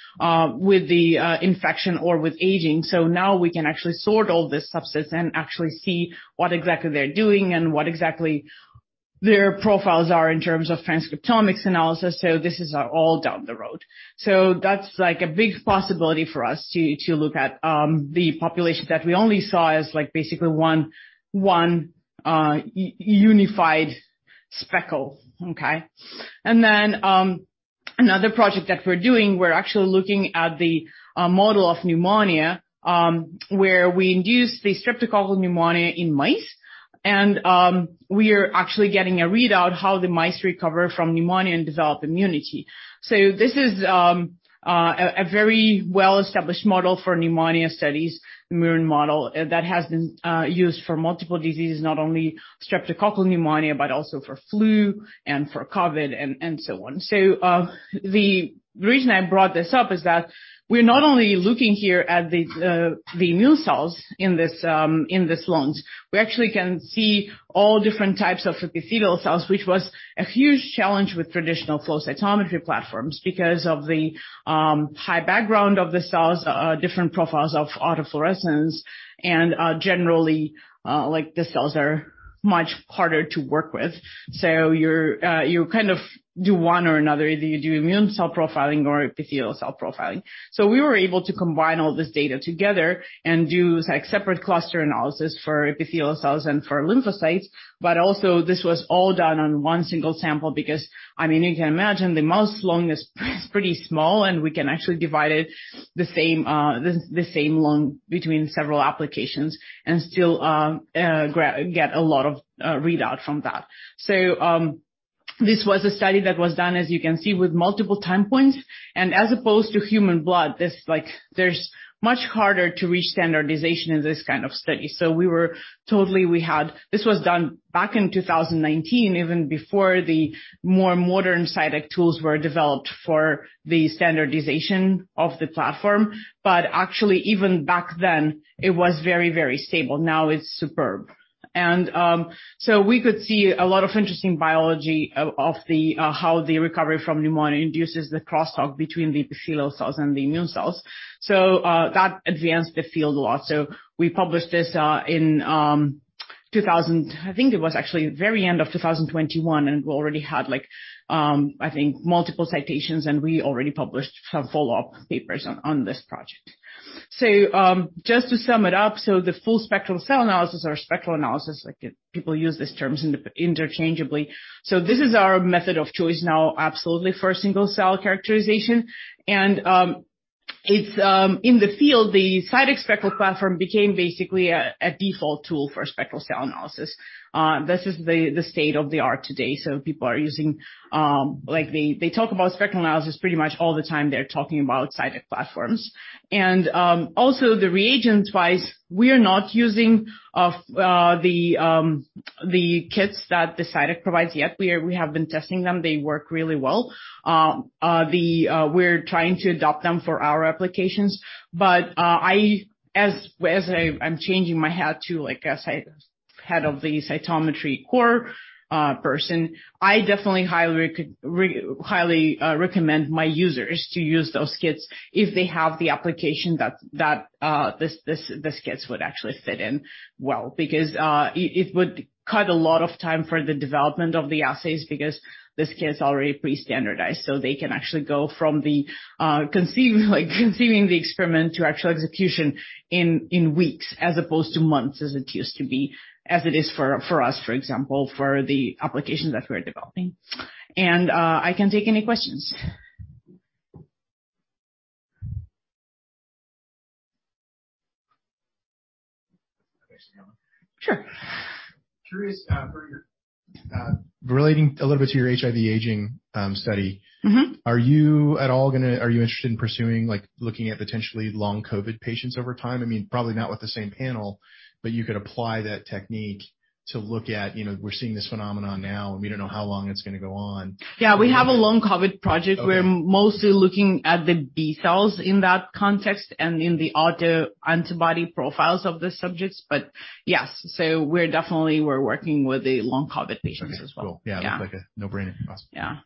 S8: with the infection or with aging. Now we can actually sort all these subsets and actually see what exactly they're doing and what exactly their profiles are in terms of transcriptomics analysis. This is all down the road. That's like a big possibility for us to look at the population that we only saw as like basically one unified speckle. Okay. Another project that we're doing, we're actually looking at the model of pneumonia where we induce the streptococcal pneumonia in mice. we are actually gettin`g a readout how the mice recover from pneumonia and develop immunity. This is a very well-established model for pneumonia studies, the Murine model, that has been used for multiple diseases, not only streptococcal pneumonia, but also for flu and for COVID and so on. The reason I brought this up is that we're not only looking here at the immune cells in these lungs, we actually can see all different types of epithelial cells, which was a huge challenge with traditional flow cytometry platforms because of the high background of the cells, different profiles of autofluorescence, and generally, like, the cells are much harder to work with. You kind of do one or another. Either you do immune cell profiling or epithelial cell profiling. We were able to combine all this data together and do, like, separate cluster analysis for epithelial cells and for lymphocytes. This was all done on one single sample because, I mean, you can imagine the mouse lung is pretty small, and we can actually divide it the same, the same lung between several applications and still, get a lot of readout from that. This was a study that was done, as you can see, with multiple time points. As opposed to human blood, this like, there's much harder to reach standardization in this kind of study. We had. This was done back in 2019, even before the more modern Cytek tools were developed for the standardization of the platform. Actually even back then it was very, very stable. Now it's superb. We could see a lot of interesting biology of the how the recovery from pneumonia induces the crosstalk between the epithelial cells and the immune cells. That advanced the field a lot. We published this in. I think it was actually very end of 2021, and we already had like, I think multiple citations, and we already published some follow-up papers on this project. Just to sum it up, the full spectral cell analysis or spectral analysis, like people use these terms interchangeably. This is our method of choice now absolutely for single cell characterization. It's in the field, the Cytek spectral platform became basically a default tool for spectral cell analysis. This is the state-of-the-art today, so people are using, like, they talk about spectral analysis pretty much all the time they're talking about Cytek platforms. Also the reagents-wise, we are not using the kits that the Cytek provides yet. We have been testing them. They work really well. We're trying to adopt them for our applications. As I change my hat to like a Cytek head of the cytometry core person, I definitely highly recommend my users to use those kits if they have the application that these kits would actually fit in well. Because it would cut a lot of time for the development of the assays because this kit is already pre-standardized, so they can actually go from the conception, like conceiving the experiment to actual execution in weeks as opposed to months, as it used to be, as it is for us, for example, for the applications that we're developing. I can take any questions. Sure.
S9: Curious for your relating a little bit to your HIV aging study.
S8: Mm-hmm.
S9: Are you interested in pursuing, like looking at potentially long COVID patients over time? I mean, probably not with the same panel, but you could apply that technique to look at, you know, we're seeing this phenomenon now, and we don't know how long it's gonna go on.
S8: Yeah, we have a long COVID project.
S9: Okay.
S8: We're mostly looking at the B cells in that context and in the autoantibody profiles of the subjects. Yes, we're definitely working with the long COVID patients as well.
S9: That makes sense. Cool.
S8: Yeah.
S9: Yeah, looks like a no-brainer for us.
S8: Yeah.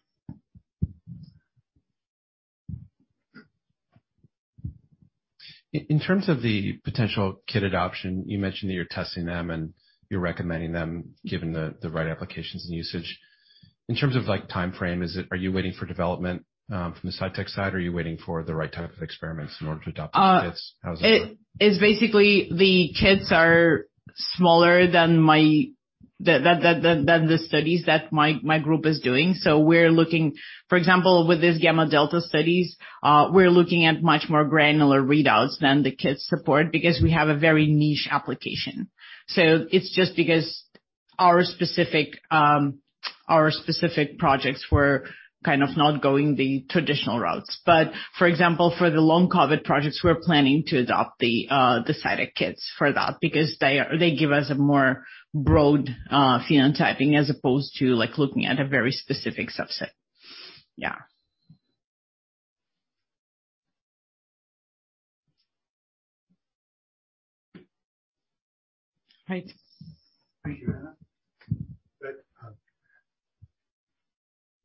S9: In terms of the potential kit adoption, you mentioned that you're testing them and you're recommending them given the right applications and usage. In terms of like timeframe, are you waiting for development from the Cytek side, or are you waiting for the right type of experiments in order to adopt the kits? How does that work?
S8: It is basically the kits are smaller than the studies that my group is doing. We're looking, for example, with these Gamma delta studies, at much more granular readouts than the kits support because we have a very niche application. It's just because our specific projects were kind of not going the traditional routes. For example, for the long COVID projects, we're planning to adopt the Cytek kits for that because they give us a more broad phenotyping as opposed to like looking at a very specific subset. Yeah. Great.
S2: Thank you, Anna.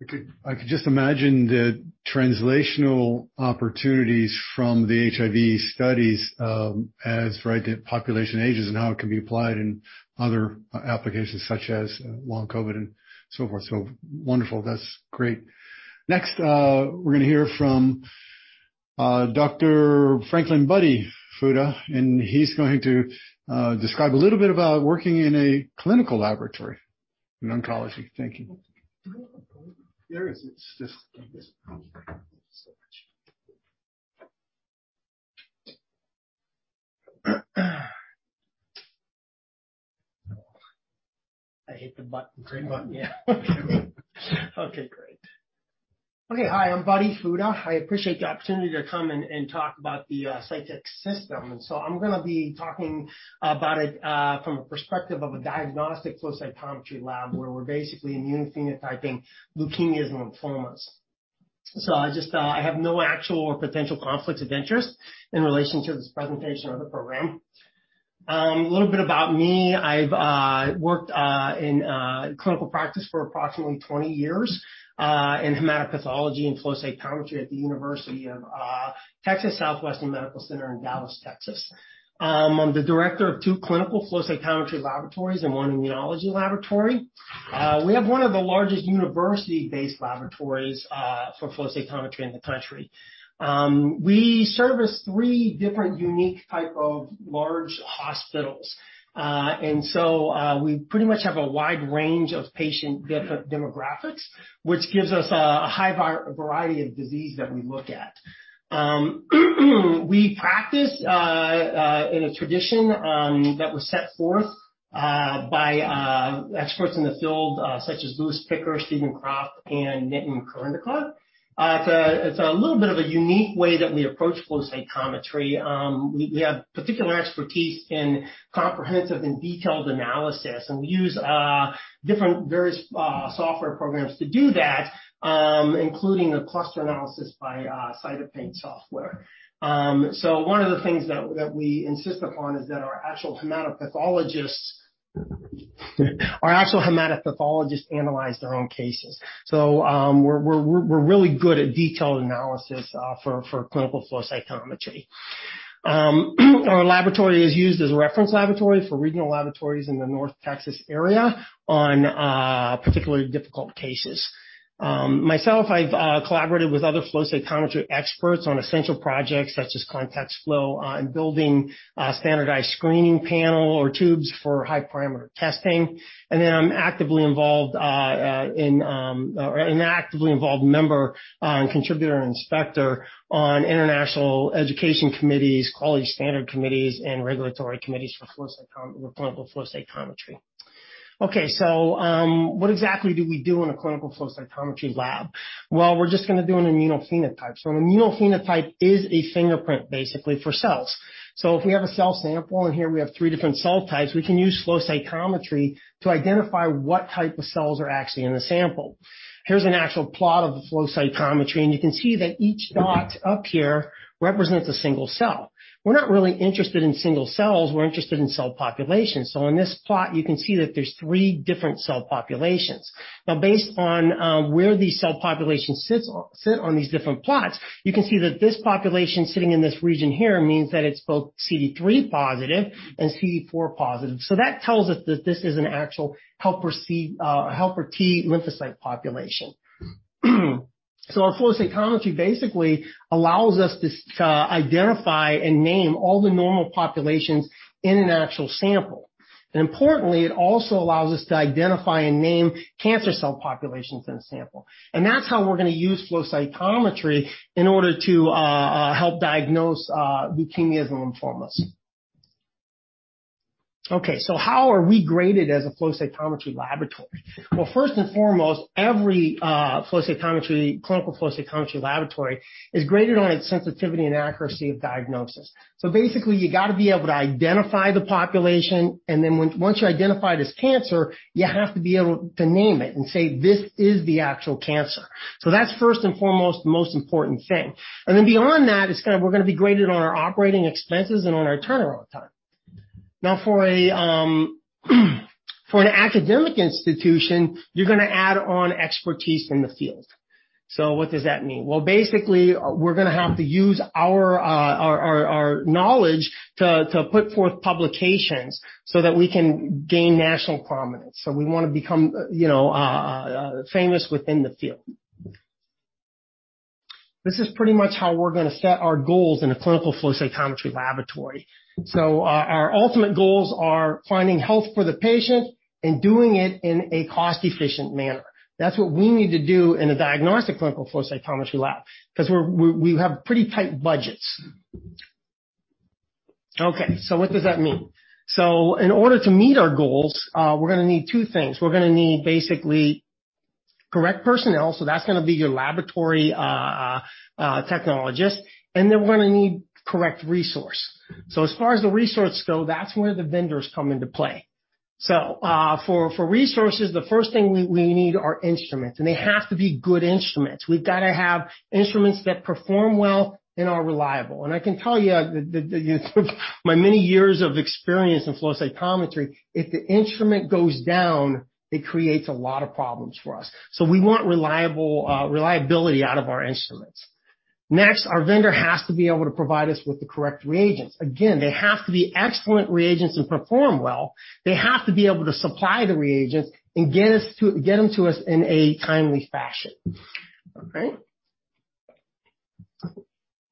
S2: Good. I could just imagine the translational opportunities from the HIV studies, as the population ages and how it can be applied in other applications such as long COVID and so forth. Wonderful. That's great. Next, we're gonna hear from Dr. Franklin "Buddy" Fuda, and he's going to describe a little bit about working in a clinical laboratory in oncology. Thank you.
S10: Do you have a pointer?
S2: There is. It's just.
S10: Thank you so much. I hit the button.
S2: Green button, yeah.
S10: Okay, great. Okay. Hi, I'm Buddy Fuda. I appreciate the opportunity to come and talk about the Cytek system. I'm gonna be talking about it from a perspective of a diagnostic flow cytometry lab, where we're basically immunophenotyping leukemias and lymphomas. I just have no actual or potential conflicts of interest in relation to this presentation or the program. A little bit about me. I've worked in clinical practice for approximately 20 years in hematopathology and flow cytometry at the University of Texas Southwestern Medical Center in Dallas, Texas. I'm the director of two clinical flow cytometry laboratories and one immunology laboratory. We have one of the largest university-based laboratories for flow cytometry in the country. We service three different unique type of large hospitals. We pretty much have a wide range of patient demographics, which gives us a high variety of disease that we look at. We practice in a tradition that was set forth. By experts in the field, such as Louis Picker, Steven Kroft, and Nitin Karandikar. It's a little bit of a unique way that we approach flow cytometry. We have particular expertise in comprehensive and detailed analysis, and we use different various software programs to do that, including a cluster analysis by Cytopaint software. One of the things that we insist upon is that our actual hematopathologists analyze their own cases. We're really good at detailed analysis for clinical flow cytometry. Our laboratory is used as a reference laboratory for regional laboratories in the North Texas area on particularly difficult cases. Myself, I've collaborated with other flow cytometry experts on essential projects such as EuroFlow in building a standardized screening panel or tubes for high parameter testing. I'm an actively involved member and contributor and inspector on international education committees, quality standard committees, and regulatory committees for clinical flow cytometry. Okay, what exactly do we do in a clinical flow cytometry lab? Well, we're just gonna do an immunophenotype. An immunophenotype is a fingerprint, basically, for cells. If we have a cell sample, and here we have three different cell types, we can use flow cytometry to identify what type of cells are actually in the sample. Here's an actual plot of the flow cytometry, and you can see that each dot up here represents a single cell. We're not really interested in single cells. We're interested in cell populations. In this plot, you can see that there's three different cell populations. Now, based on where these cell populations sit on these different plots, you can see that this population sitting in this region here means that it's both CD3+ and CD4+. That tells us that this is an actual helper T lymphocyte population. A flow cytometry basically allows us to identify and name all the normal populations in an actual sample. Importantly, it also allows us to identify and name cancer cell populations in a sample. That's how we're gonna use flow cytometry in order to help diagnose leukemias and lymphomas. Okay, how are we graded as a flow cytometry laboratory? Well, first and foremost, every flow cytometry clinical flow cytometry laboratory is graded on its sensitivity and accuracy of diagnosis. Basically, you gotta be able to identify the population, and then once you identify it as cancer, you have to be able to name it and say, "This is the actual cancer." That's first and foremost the most important thing. Beyond that, it's kinda we're gonna be graded on our operating expenses and on our turnaround time. For an academic institution, you're gonna add on expertise in the field. What does that mean? Well, basically, we're gonna have to use our knowledge to put forth publications so that we can gain national prominence. We wanna become, you know, famous within the field. This is pretty much how we're gonna set our goals in a clinical flow cytometry laboratory. Our ultimate goals are finding health for the patient and doing it in a cost-efficient manner. That's what we need to do in a diagnostic clinical flow cytometry lab 'cause we have pretty tight budgets. Okay, what does that mean? In order to meet our goals, we're gonna need two things. We're gonna need basically correct personnel, so that's gonna be your laboratory technologist, and then we're gonna need correct resource. As far as the resource go, that's where the vendors come into play. For resources, the first thing we need are instruments, and they have to be good instruments. We've gotta have instruments that perform well and are reliable. I can tell you that, you know, my many years of experience in flow cytometry, if the instrument goes down, it creates a lot of problems for us. We want reliable reliability out of our instruments. Next, our vendor has to be able to provide us with the correct reagents. Again, they have to be excellent reagents and perform well. They have to be able to supply the reagents and get them to us in a timely fashion.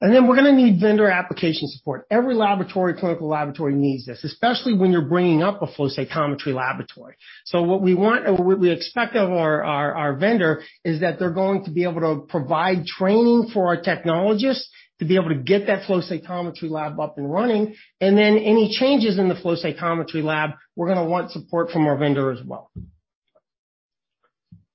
S10: We're gonna need vendor application support. Every laboratory, clinical laboratory needs this, especially when you're bringing up a flow cytometry laboratory. What we want or what we expect of our vendor is that they're going to be able to provide training for our technologists to be able to get that flow cytometry lab up and running. Any changes in the flow cytometry lab, we're gonna want support from our vendor as well.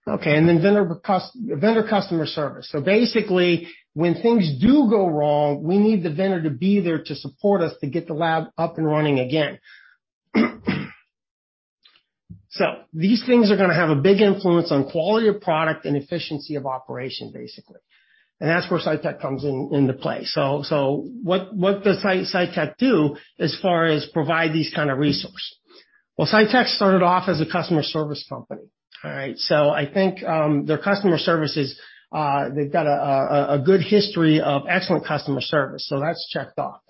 S10: Okay, vendor customer service. Basically, when things do go wrong, we need the vendor to be there to support us to get the lab up and running again. These things are gonna have a big influence on quality of product and efficiency of operation, basically. That's where Cytek comes in, into play. What does Cytek do as far as provide these kinda resource? Well, Cytek started off as a customer service company. All right? I think their customer service is, they've got a good history of excellent customer service. That's checked off.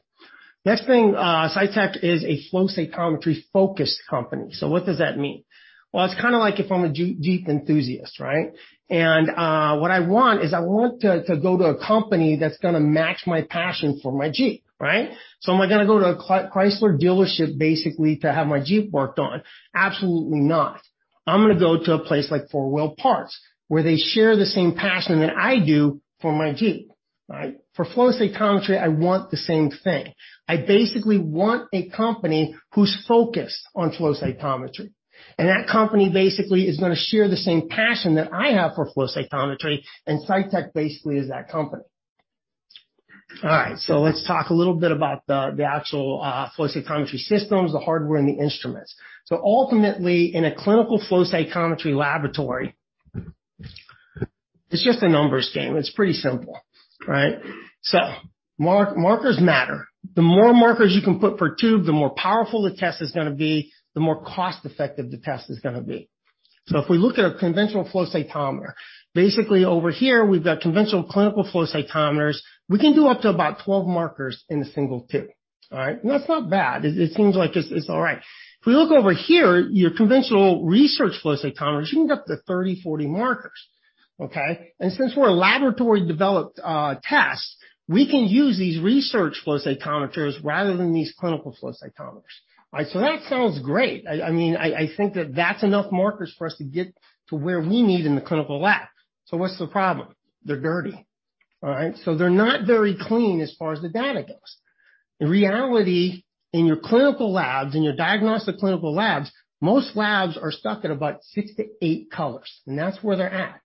S10: Next thing, Cytek is a flow cytometry-focused company. What does that mean? Well, it's kinda like if I'm a Jeep enthusiast, right? What I want is to go to a company that's gonna match my passion for my Jeep, right? Am I gonna go to a Chrysler dealership basically to have my Jeep worked on? Absolutely not. I'm gonna go to a place like four Wheel Parts, where they share the same passion that I do for my Jeep. All right. For flow cytometry, I want the same thing. I basically want a company who's focused on flow cytometry, and that company basically is gonna share the same passion that I have for flow cytometry, and Cytek basically is that company. All right, let's talk a little bit about the actual flow cytometry systems, the hardware and the instruments. Ultimately, in a clinical flow cytometry laboratory, it's just a numbers game. It's pretty simple, right? Markers matter. The more markers you can put per tube, the more powerful the test is gonna be, the more cost-effective the test is gonna be. If we look at a conventional flow cytometer, basically over here we've got conventional clinical flow cytometers. We can do up to about 12 markers in a single tube. All right? That's not bad. It seems like it's all right. If we look over here, your conventional research flow cytometers, you can get up to 30, 40 markers, okay? Since we're a laboratory developed test, we can use these research flow cytometers rather than these clinical flow cytometers. All right, that sounds great. I mean, I think that's enough markers for us to get to where we need in the clinical lab. What's the problem? They're dirty. All right? They're not very clean as far as the data goes. In reality, in your clinical labs, in your diagnostic clinical labs, most labs are stuck at about six-eight colors. That's where they're at.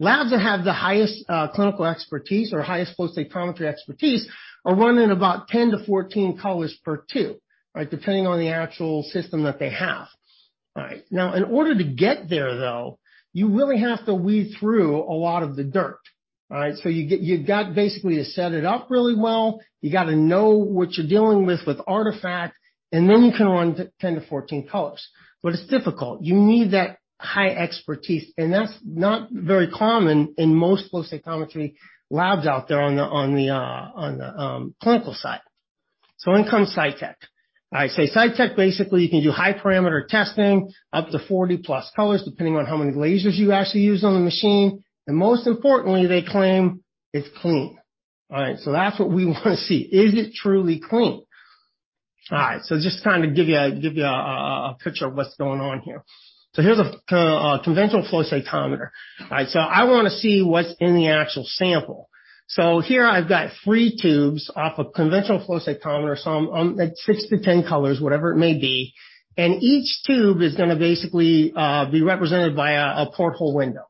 S10: Labs that have the highest clinical expertise or highest flow cytometry expertise are running about 10-14 colors per tube, right? Depending on the actual system that they have. All right. Now, in order to get there, though, you really have to weed through a lot of the dirt. All right? You got basically to set it up really well, you gotta know what you're dealing with artifact, and then you can run 10-14 colors. But it's difficult. You need that high expertise, and that's not very common in most flow cytometry labs out there on the clinical side. In comes Cytek. All right. Cytek basically can do high-parameter testing, up to 40+ colors, depending on how many lasers you actually use on the machine. Most importantly, they claim it's clean. All right. That's what we wanna see. Is it truly clean? All right, just to kinda give you a picture of what's going on here. Here's a conventional flow cytometer. All right. I wanna see what's in the actual sample. Here I've got three tubes off a conventional flow cytometer, so I'm on, like, six-10 colors, whatever it may be. Each tube is gonna basically be represented by a porthole window.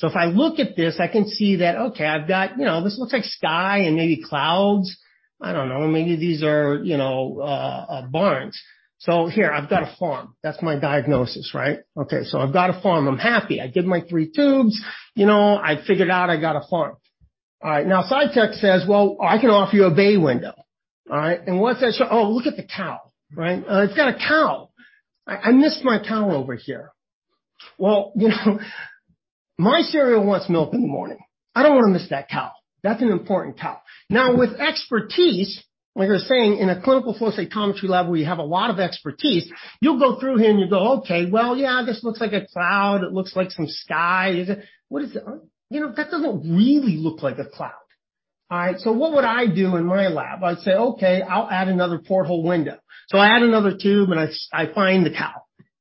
S10: If I look at this, I can see that, okay, I've got, you know, this looks like sky and maybe clouds. I don't know, maybe these are, you know, barns. Here I've got a farm. That's my diagnosis, right? Okay, I've got a farm. I'm happy. I did my three tubes. You know, I figured out I got a farm. All right, now Cytek says, "Well, I can offer you a bay window." All right? Once I show. Oh, look at the cow. Right? It's got a cow. I missed my cow over here. Well, you know, my cereal wants milk in the morning. I don't wanna miss that cow. That's an important cow. Now, with expertise, like I was saying, in a clinical flow cytometry lab where you have a lot of expertise, you'll go through here and you go, "Okay, well, yeah, this looks like a cloud. It looks like some sky. Is it? What is it? that doesn't really look like a cloud. All right, what would I do in my lab? I'd say, "Okay, I'll add another porthole window." I add another tube and I find the cow.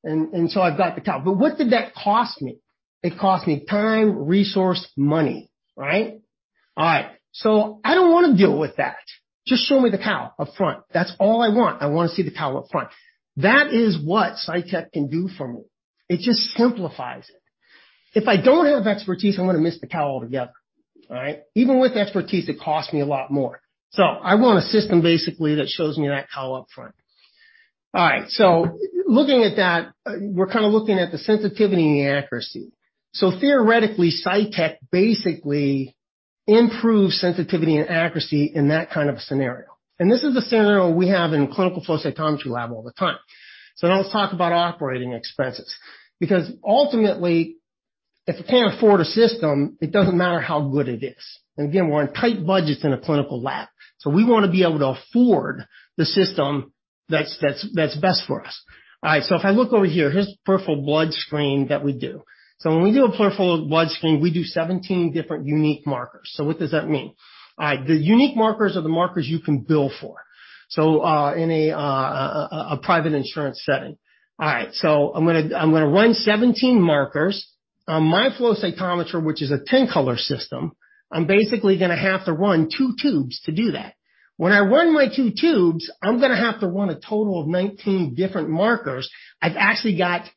S10: And so I've got the cow. What did that cost me? It cost me time, resource, money, right? All right. I don't wanna deal with that. Just show me the cow up front. That's all I want. I wanna see the cow up front. That is what Cytek can do for me. It just simplifies it. If I don't have expertise, I'm gonna miss the cow altogether. All right? Even with expertise, it costs me a lot more. I want a system basically that shows me that cow up front. All right, looking at that, we're kinda looking at the sensitivity and the accuracy. Theoretically, Cytek basically improves sensitivity and accuracy in that kind of a scenario. This is the scenario we have in clinical flow cytometry lab all the time. Now let's talk about operating expenses, because ultimately, if you can't afford a system, it doesn't matter how good it is. Again, we're on tight budgets in a clinical lab. We wanna be able to afford the system that's best for us. All right, if I look over here's a peripheral blood smear that we do. When we do a peripheral blood smear, we do 17 different unique markers. What does that mean? All right. The unique markers are the markers you can bill for, so in a private insurance setting. All right, I'm gonna run 17 markers on my flow cytometer, which is a 10-color system. I'm basically gonna have to run two tubes to do that. When I run my two tubes, I'm gonna have to run a total of 19 different markers. I've actually got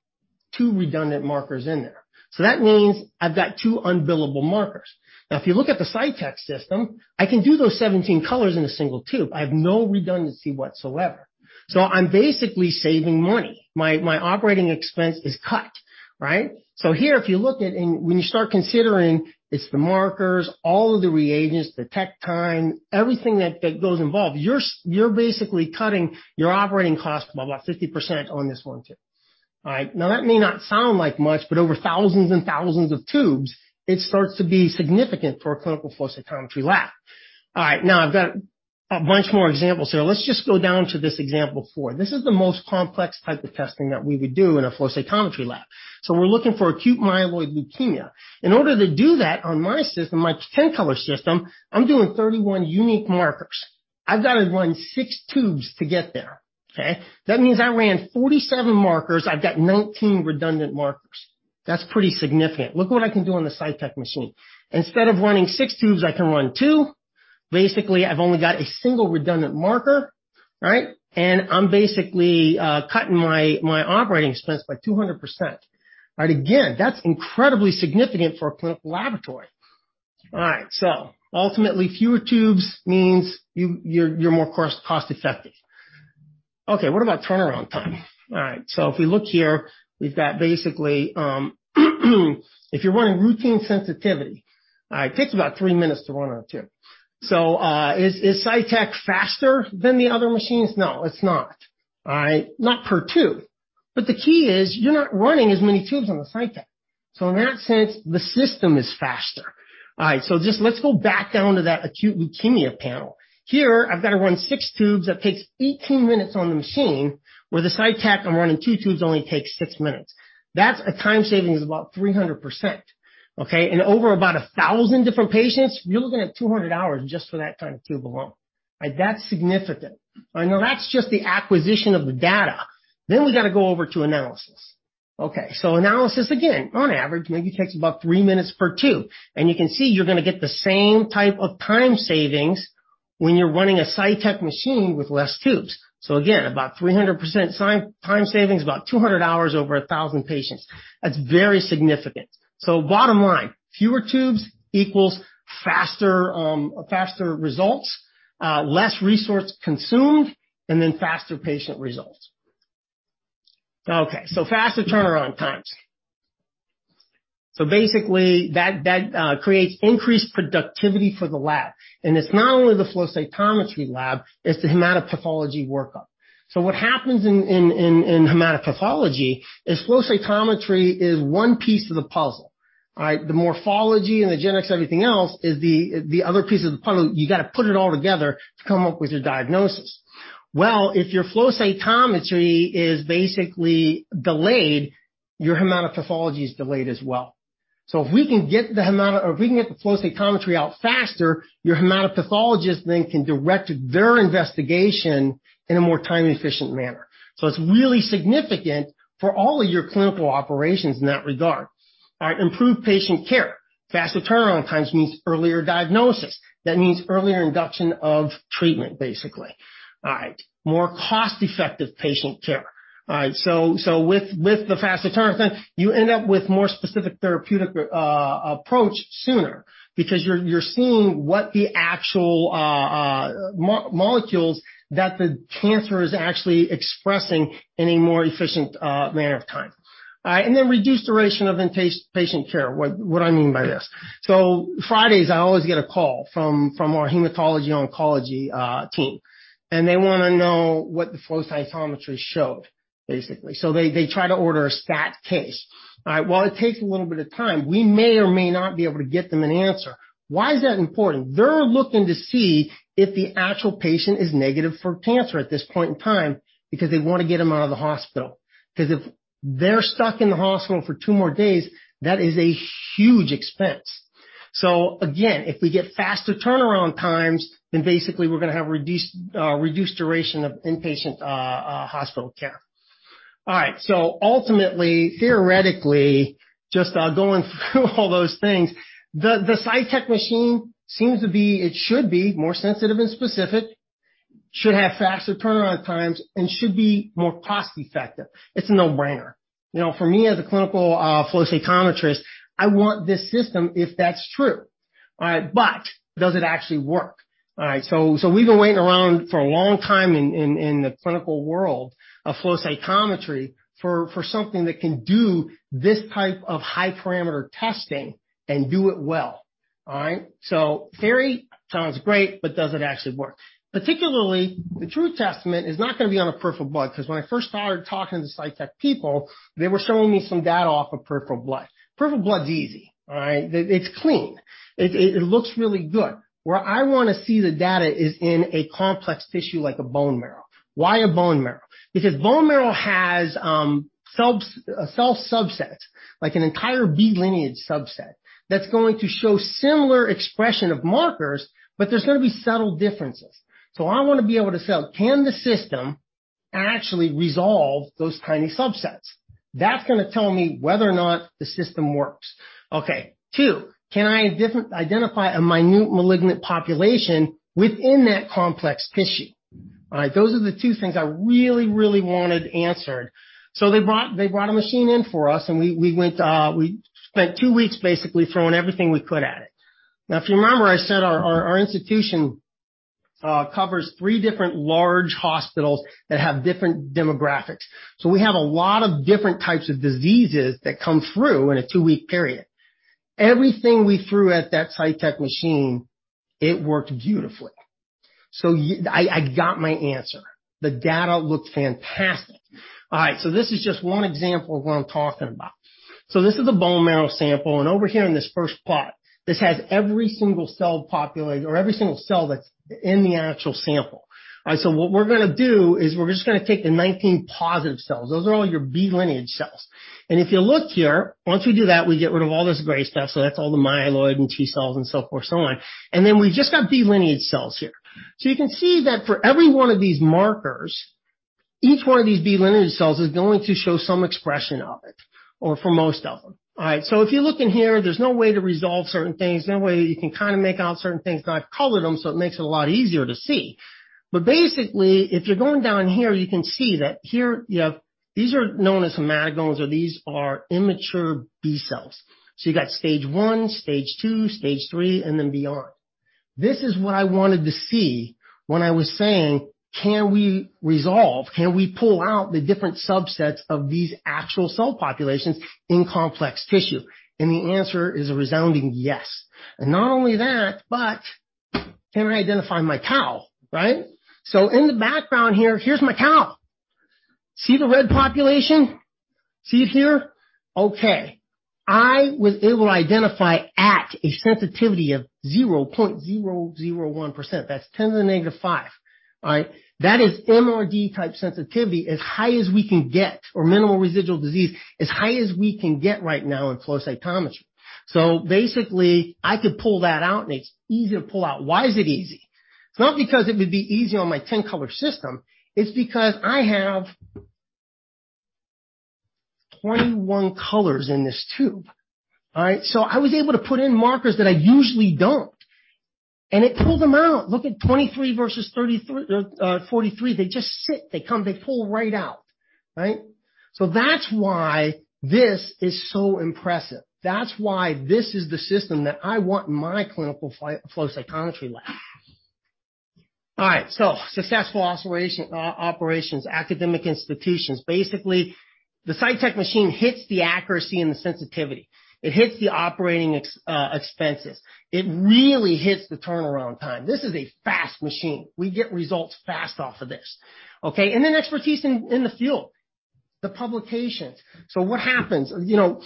S10: two redundant markers in there. That means I've got two unbillable markers. Now, if you look at the Cytek system, I can do those 17 colors in a single tube. I have no redundancy whatsoever. I'm basically saving money. My operating expense is cut, right? Here, if you look at and when you start considering it's the markers, all of the reagents, the tech time, everything that goes involved, you're basically cutting your operating cost by about 50% on this one tube. All right. Now, that may not sound like much, but over thousands and thousands of tubes, it starts to be significant for a clinical flow cytometry lab. All right, now I've got a bunch more examples here. Let's just go down to this example four. This is the most complex type of testing that we would do in a flow cytometry lab. We're looking for acute myeloid leukemia. In order to do that on my system, my 10-color system, I'm doing 31 unique markers. I've got to run six tubes to get there. Okay? That means I ran 47 markers. I've got 19 redundant markers. That's pretty significant. Look what I can do on the Cytek machine. Instead of running 6 tubes, I can run two. Basically, I've only got a single redundant marker, right? And I'm basically cutting my operating expense by 200%. All right, again, that's incredibly significant for a clinical laboratory. All right, ultimately, fewer tubes means you're more cost effective. Okay, what about turnaround time? All right, if we look here, we've got basically if you're running routine sensitivity, all right, it takes about three minutes to run a tube. Is Cytek faster than the other machines? No, it's not. All right. Not per tube. The key is you're not running as many tubes on the Cytek. In that sense, the system is faster. All right, just let's go back down to that acute leukemia panel. Here, I've got to run six tubes. That takes 18 minutes on the machine, on the Cytek, I'm running two tubes, only takes six minutes. That's a time saving is about 300%. Okay. Over about 1,000 different patients, you're looking at 200 hours just for that kind of tube alone. That's significant. Now, that's just the acquisition of the data. We got to go over to analysis. Okay, analysis, again, on average, maybe takes about three minutes per tube. You can see you're gonna get the same type of time savings when you're running a Cytek machine with less tubes. Again, about 300% Cytek time savings, about 200 hours over 1,000 patients. That's very significant. Bottom line, fewer tubes equals faster results, less resource consumed, and then faster patient results. Okay, faster turnaround times. Basically, that creates increased productivity for the lab. It's not only the flow cytometry lab, it's the hematopathology workup. What happens in hematopathology is flow cytometry is one piece of the puzzle. All right? The morphology and the genetics, everything else is the other piece of the puzzle. You got to put it all together to come up with your diagnosis. Well, if your flow cytometry is basically delayed, your hematopathology is delayed as well. If we can get the flow cytometry out faster, your hematopathologist then can direct their investigation in a more time-efficient manner. It's really significant for all of your clinical operations in that regard. All right, improved patient care. Faster turnaround times means earlier diagnosis. That means earlier induction of treatment, basically. All right. More cost-effective patient care. With the faster turnaround, you end up with more specific therapeutic approach sooner because you're seeing what the actual molecules that the cancer is actually expressing in a more efficient manner of time. All right, then reduced duration of inpatient care. What do I mean by this? Fridays, I always get a call from our hematology oncology team, and they wanna know what the flow cytometry showed, basically. They try to order a stat case. All right. While it takes a little bit of time, we may or may not be able to get them an answer. Why is that important? They're looking to see if the actual patient is negative for cancer at this point in time, because they want to get him out of the hospital. Because if they're stuck in the hospital for two more days, that is a huge expense. Again, if we get faster turnaround times, then basically we're going to have reduced duration of inpatient hospital care. All right. Ultimately, theoretically, going through all those things, the Cytek machine seems to be, it should be more sensitive and specific, should have faster turnaround times, and should be more cost-effective. It's a no-brainer. You know, for me as a clinical flow cytometrist, I want this system if that's true. All right. Does it actually work? All right. We've been waiting around for a long time in the clinical world of flow cytometry for something that can do this type of high-parameter testing and do it well. All right. Theory sounds great, but does it actually work? Particularly, the true testament is not gonna be on a peripheral blood, because when I first started talking to Cytek people, they were showing me some data off of peripheral blood. Peripheral blood is easy. All right? It's clean. It looks really good. Where I wanna see the data is in a complex tissue like a bone marrow. Why a bone marrow? Because bone marrow has cell subsets, like an entire B-lineage subset, that's going to show similar expression of markers, but there's gonna be subtle differences. So I wanna be able to tell, can the system actually resolve those tiny subsets? That's gonna tell me whether or not the system works. Okay. Two, can I identify a minute malignant population within that complex tissue? All right. Those are the two things I really, really wanted answered. They brought a machine in for us, and we spent two weeks basically throwing everything we could at it. Now, if you remember, I said our institution covers three different large hospitals that have different demographics. We have a lot of different types of diseases that come through in a two-week period. Everything we threw at that Cytek machine, it worked beautifully. I got my answer. The data looked fantastic. All right, this is just one example of what I'm talking about. This is a bone marrow sample, and over here in this first plot, this has every single cell population or every single cell that's in the actual sample. All right. What we're gonna do is we're just gonna take the 19 positive cells. Those are all your B-lineage cells. If you look here, once we do that, we get rid of all this gray stuff. That's all the myeloid and T-cells and so forth, so on. We've just got B-lineage cells here. You can see that for every one of these markers. Each one of these B-lineage cells is going to show some expression of it, or for most of them. All right. If you look in here, there's no way to resolve certain things, no way you can kinda make out certain things, but I've colored them, so it makes it a lot easier to see. Basically, if you're going down here, you can see that here you have these are known as hematogones, or these are immature B cells. You got stage one, stage two, stage three, and then beyond. This is what I wanted to see when I was saying, can we resolve? Can we pull out the different subsets of these actual cell populations in complex tissue? The answer is a resounding yes. Not only that, but can I identify my cow, right? In the background here's my cow. See the red population? See it here? Okay. I was able to identify at a sensitivity of 0.001%. That's 10 to the -5. All right. That is MRD type sensitivity, as high as we can get, or minimal residual disease, as high as we can get right now in flow cytometry. Basically, I could pull that out, and it's easy to pull out. Why is it easy? It's not because it would be easy on my 10-color system. It's because I have 0.1 colors in this tube. All right? I was able to put in markers that I usually don't, and it pulled them out. Look at 23 versus 33, 43. They just sit. They come, they pull right out. Right? That's why this is so impressive. That's why this is the system that I want in my clinical flow cytometry lab. All right. Successful installation operations. Academic institutions. Basically, the Cytek machine hits the accuracy and the sensitivity. It hits the operating expenses. It really hits the turnaround time. This is a fast machine. We get results fast off of this. Okay, and then expertise in the field. The publications. What happens? You know,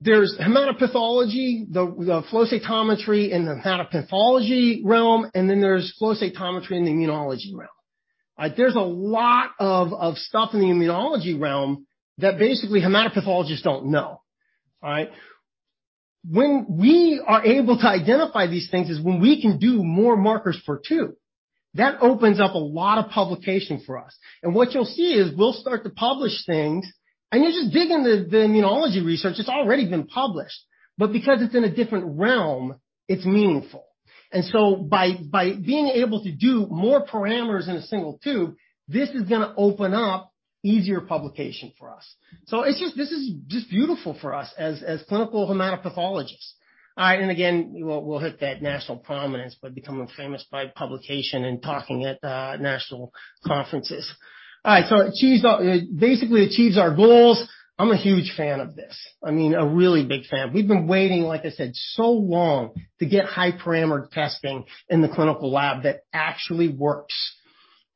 S10: there's hematopathology, the flow cytometry in the hematopathology realm, and then there's flow cytometry in the immunology realm. All right, there's a lot of stuff in the immunology realm that basically hematopathologists don't know. All right. When we are able to identify these things is when we can do more markers, 40. That opens up a lot of publication for us. What you'll see is we'll start to publish things, and you just dig into the immunology research, it's already been published. Because it's in a different realm, it's meaningful. By being able to do more parameters in a single tube, this is gonna open up easier publication for us. It's just this is just beautiful for us as clinical hematopathologists. All right. Again, we'll hit that national prominence by becoming famous by publication and talking at national conferences. All right, basically achieves our goals. I'm a huge fan of this. I mean, a really big fan. We've been waiting, like I said, so long to get high-parameter testing in the clinical lab that actually works.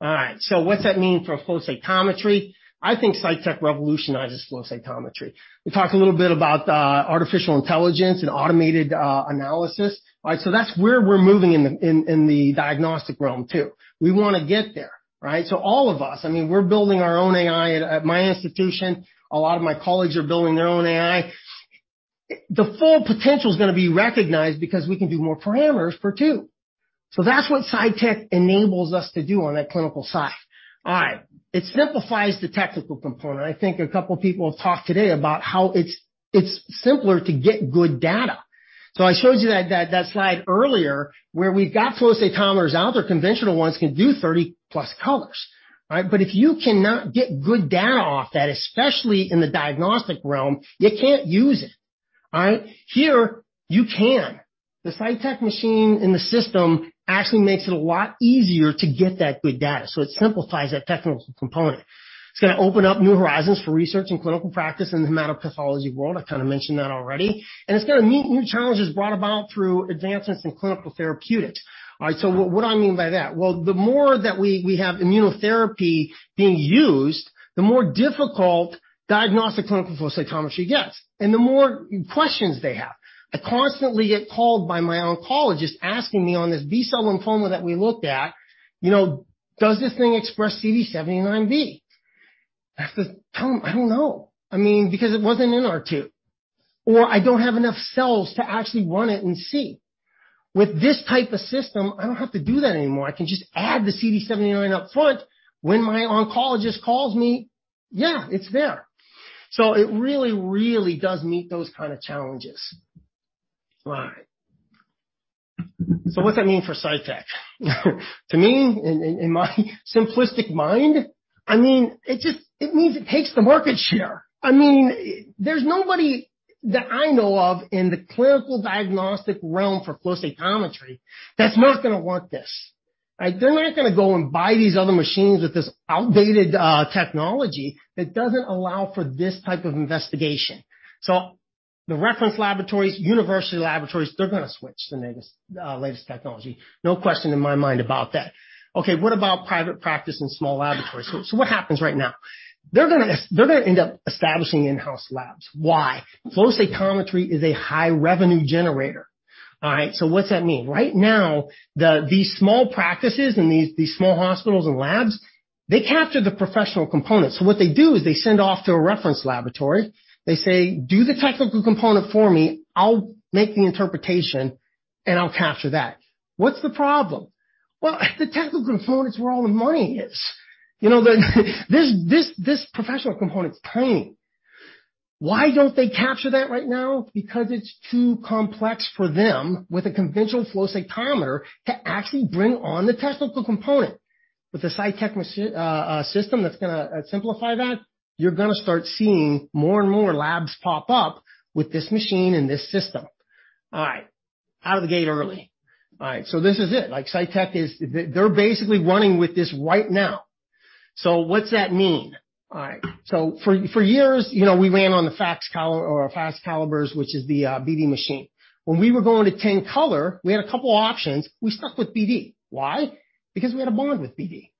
S10: All right. What's that mean for flow cytometry? I think Cytek revolutionizes flow cytometry. We talked a little bit about artificial intelligence and automated analysis. All right, that's where we're moving in the diagnostic realm too. We wanna get there, right? All of us, I mean, we're building our own AI at my institution. A lot of my colleagues are building their own AI. The full potential is gonna be recognized because we can do more parameters for two. That's what Cytek enables us to do on that clinical side. All right. It simplifies the technical component. I think a couple people have talked today about how it's simpler to get good data. I showed you that slide earlier, where we got flow cytometers out there, conventional ones can do 30+ colors. All right? If you cannot get good data off that, especially in the diagnostic realm, you can't use it. All right? Here, you can. The Cytek machine and the system actually makes it a lot easier to get that good data. It simplifies that technical component. It's gonna open up new horizons for research and clinical practice in the hematopathology world. I kinda mentioned that already. It's gonna meet new challenges brought about through advancements in clinical therapeutics. All right. What do I mean by that? Well, the more that we have immunotherapy being used, the more difficult diagnostic clinical flow cytometry gets, and the more questions they have. I constantly get called by my oncologist asking me on this B-cell lymphoma that we looked at, you know, "Does this thing express CD79B?" I said, "Tom, I don't know." I mean, because it wasn't in our tube. Or I don't have enough cells to actually run it and see. With this type of system, I don't have to do that anymore. I can just add the CD79 up front when my oncologist calls me, "Yeah, it's there." It really, really does meet those kinda challenges. All right. What's that mean for Cytek? To me, in my simplistic mind, I mean, it just, it means it takes the market share. I mean, there's nobody that I know of in the clinical diagnostic realm for flow cytometry that's not gonna want this. All right? They're not gonna go and buy these other machines with this outdated, technology that doesn't allow for this type of investigation. The reference laboratories, university laboratories, they're gonna switch to the latest technology. No question in my mind about that. Okay, what about private practice and small laboratories? What happens right now? They're gonna end up establishing in-house labs. Why? Flow cytometry is a high revenue generator. All right. What's that mean? Right now, these small practices and these small hospitals and labs, they capture the professional component. What they do is they send off to a reference laboratory, they say, "Do the technical component for me. I'll make the interpretation." I'll capture that. What's the problem? Well, the technical component is where all the money is. You know, this professional component is pain. Why don't they capture that right now? Because it's too complex for them with a conventional flow cytometer to actually bring on the technical component. With the Cytek system that's gonna simplify that, you're gonna start seeing more and more labs pop up with this machine and this system. All right. Out of the gate early. All right. This is it. Like, Cytek is. They're basically running with this right now. What's that mean? All right. For years, you know, we ran on the FACSCalibur, which is the BD machine. When we were going to 10 color, we had a couple options. We stuck with BD. Why? Because we had a bond with BD.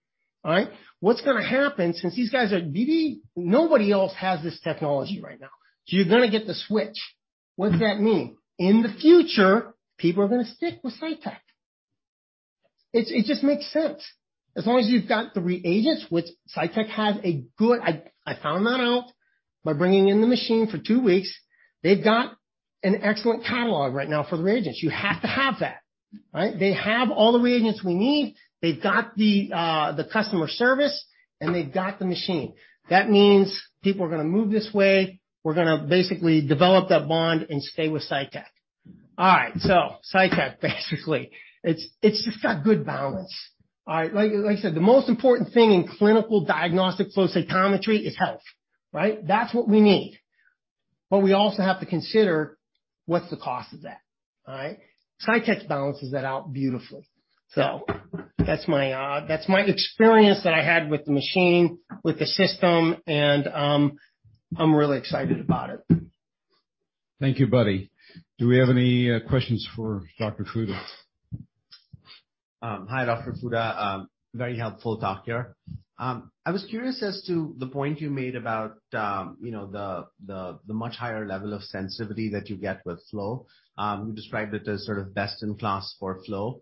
S10: All right? What's gonna happen since these guys are BD, nobody else has this technology right now. You're gonna get the switch. What does that mean? In the future, people are gonna stick with Cytek. It just makes sense. As long as you've got the reagents, which Cytek has. I found that out by bringing in the machine for two weeks. They've got an excellent catalog right now for the reagents. You have to have that, right? They have all the reagents we need. They've got the customer service, and they've got the machine. That means people are gonna move this way. We're gonna basically develop that bond and stay with Cytek. All right. So Cytek, basically. It's just got good balance. All right. Like I said, the most important thing in clinical diagnostic flow cytometry is health, right? That's what we need. We also have to consider what's the cost of that. All right? Cytek balances that out beautifully. That's my experience that I had with the machine, with the system, and I'm really excited about it.
S11: Thank you, Buddy. Do we have any questions for Dr. Fuda?
S12: Hi, Dr. Fuda. Very helpful talk here. I was curious as to the point you made about, you know, the much higher level of sensitivity that you get with flow. You described it as sort of best in class for flow.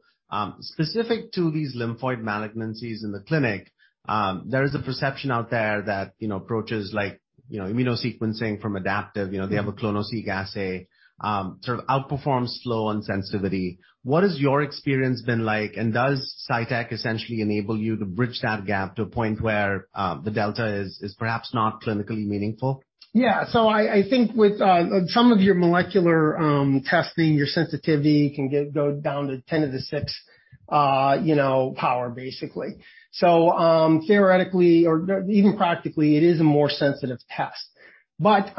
S12: Specific to these lymphoid malignancies in the clinic, there is a perception out there that, you know, approaches like, you know, immunosequencing from Adaptive, you know, they have a clonoSEQ assay, sort of outperforms flow and sensitivity. What has your experience been like? Does Cytek essentially enable you to bridge that gap to a point where, the delta is perhaps not clinically meaningful?
S10: Yeah. I think with some of your molecular testing, your sensitivity can get down to 10 to the six power, basically. Theoretically or even practically, it is a more sensitive test. But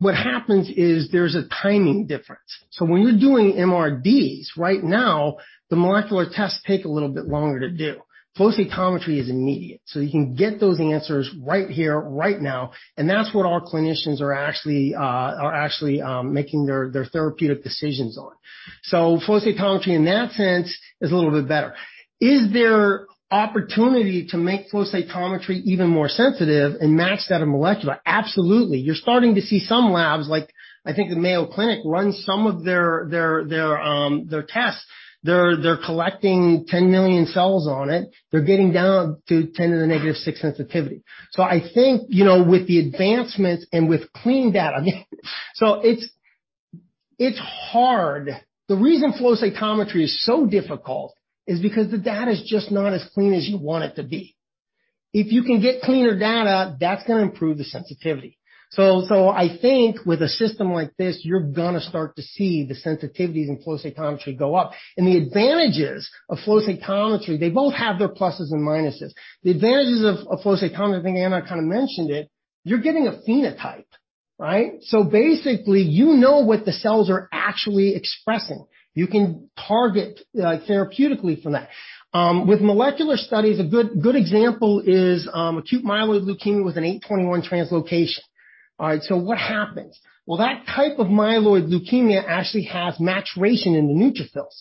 S10: what happens is there's a timing difference. When you're doing MRDs, right now, the molecular tests take a little bit longer to do. Flow cytometry is immediate. You can get those answers right here, right now, and that's what our clinicians are actually making their therapeutic decisions on. Flow cytometry, in that sense, is a little bit better. Is there opportunity to make flow cytometry even more sensitive and match that of molecular? Absolutely. You're starting to see some labs, like, I think, the Mayo Clinic run some of their tests. They're collecting 10 million cells on it. They're getting down to 10-the -6 sensitivity. I think, you know, with the advancements and with clean data, it's hard. The reason flow cytometry is so difficult is because the data is just not as clean as you want it to be. If you can get cleaner data, that's gonna improve the sensitivity. I think with a system like this, you're gonna start to see the sensitivities in flow cytometry go up. The advantages of flow cytometry, they both have their pluses and minuses. The advantages of flow cytometry, I think Anna kinda mentioned it, you're getting a phenotype, right? Basically, you know what the cells are actually expressing. You can target, like, therapeutically from that. With molecular studies, a good example is acute myeloid leukemia with a t(8;21) translocation. All right? What happens? Well, that type of myeloid leukemia actually has maturation in the neutrophils.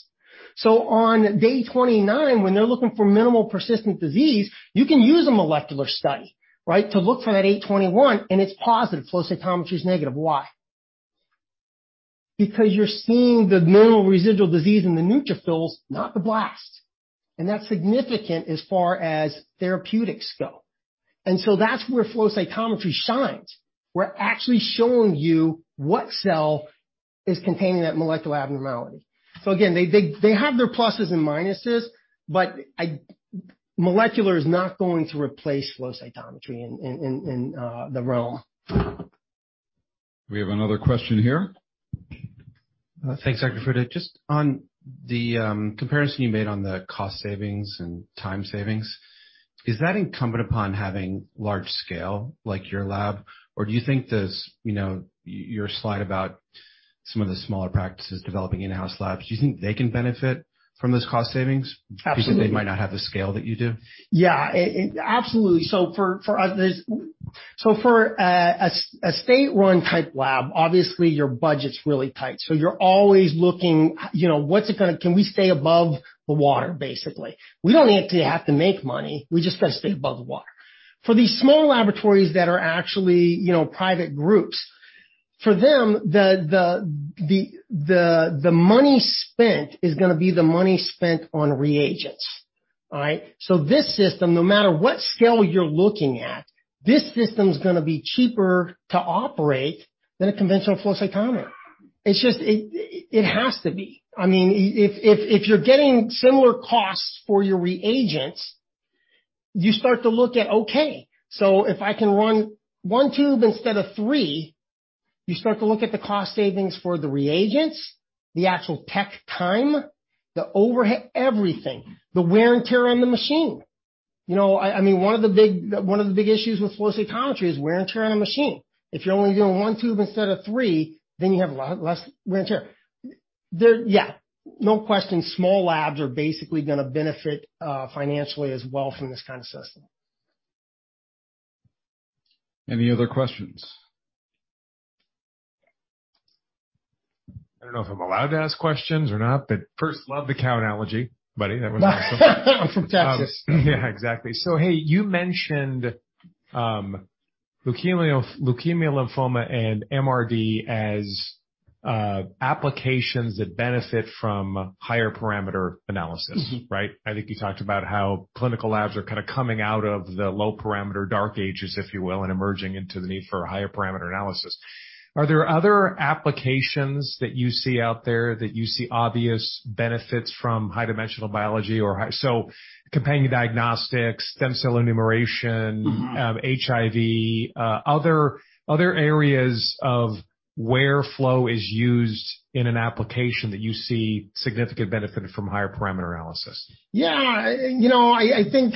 S10: On day 29, when they're looking for minimal residual disease, you can use a molecular study, right? To look for that t(8;21), and it's positive. Flow cytometry is negative. Why? Because you're seeing the minimal residual disease in the neutrophils, not the blast. That's significant as far as therapeutics go. That's where flow cytometry shines. We're actually showing you what cell is containing that molecular abnormality. Again, they have their pluses and minuses, but molecular is not going to replace flow cytometry in the realm.
S11: We have another question here.
S13: Thanks, Dr. Fuda. Just on the comparison you made on the cost savings and time savings, is that incumbent upon having large scale like your lab? Or do you think this, you know, your slide about some of the smaller practices developing in-house labs, do you think they can benefit from those cost savings?
S10: Absolutely.
S13: Because they might not have the scale that you do.
S10: Yeah. Absolutely. For us, a state-run type lab, obviously, your budget's really tight. You're always looking, what's it gonna be. Can we stay above water, basically? We don't have to make money. We just gotta stay above water. For these small laboratories that are private groups, for them, the money spent is gonna be the money spent on reagents. All right? This system, no matter what scale you're looking at, this system's gonna be cheaper to operate than a conventional flow cytometer. It's just, it has to be. I mean, if you're getting similar costs for your reagents, you start to look at, okay, so if I can run one tube instead of three, you start to look at the cost savings for the reagents, the actual tech time, the overhead, everything. The wear and tear on the machine. You know, I mean, one of the big issues with flow cytometry is wear and tear on a machine. If you're only doing one tube instead of three, then you have a lot less wear and tear. No question, small labs are basically gonna benefit financially as well from this kind of system.
S11: Any other questions?
S2: I don't know if I'm allowed to ask questions or not, but first, love the cow analogy, buddy. That was awesome.
S10: I'm from Texas.
S2: Yeah, exactly. Hey, you mentioned leukemia, lymphoma, and MRD as applications that benefit from higher parameter analysis.
S10: Mm-hmm.
S2: Right? I think you talked about how clinical labs are kind of coming out of the low parameter dark ages, if you will, and emerging into the need for higher parameter analysis. Are there other applications that you see out there that you see obvious benefits from high dimensional biology, so companion diagnostics, stem cell enumeration.
S10: Mm-hmm.
S2: HIV, other areas where flow is used in an application that you see significant benefit from higher parameter analysis?
S10: Yeah. You know, I think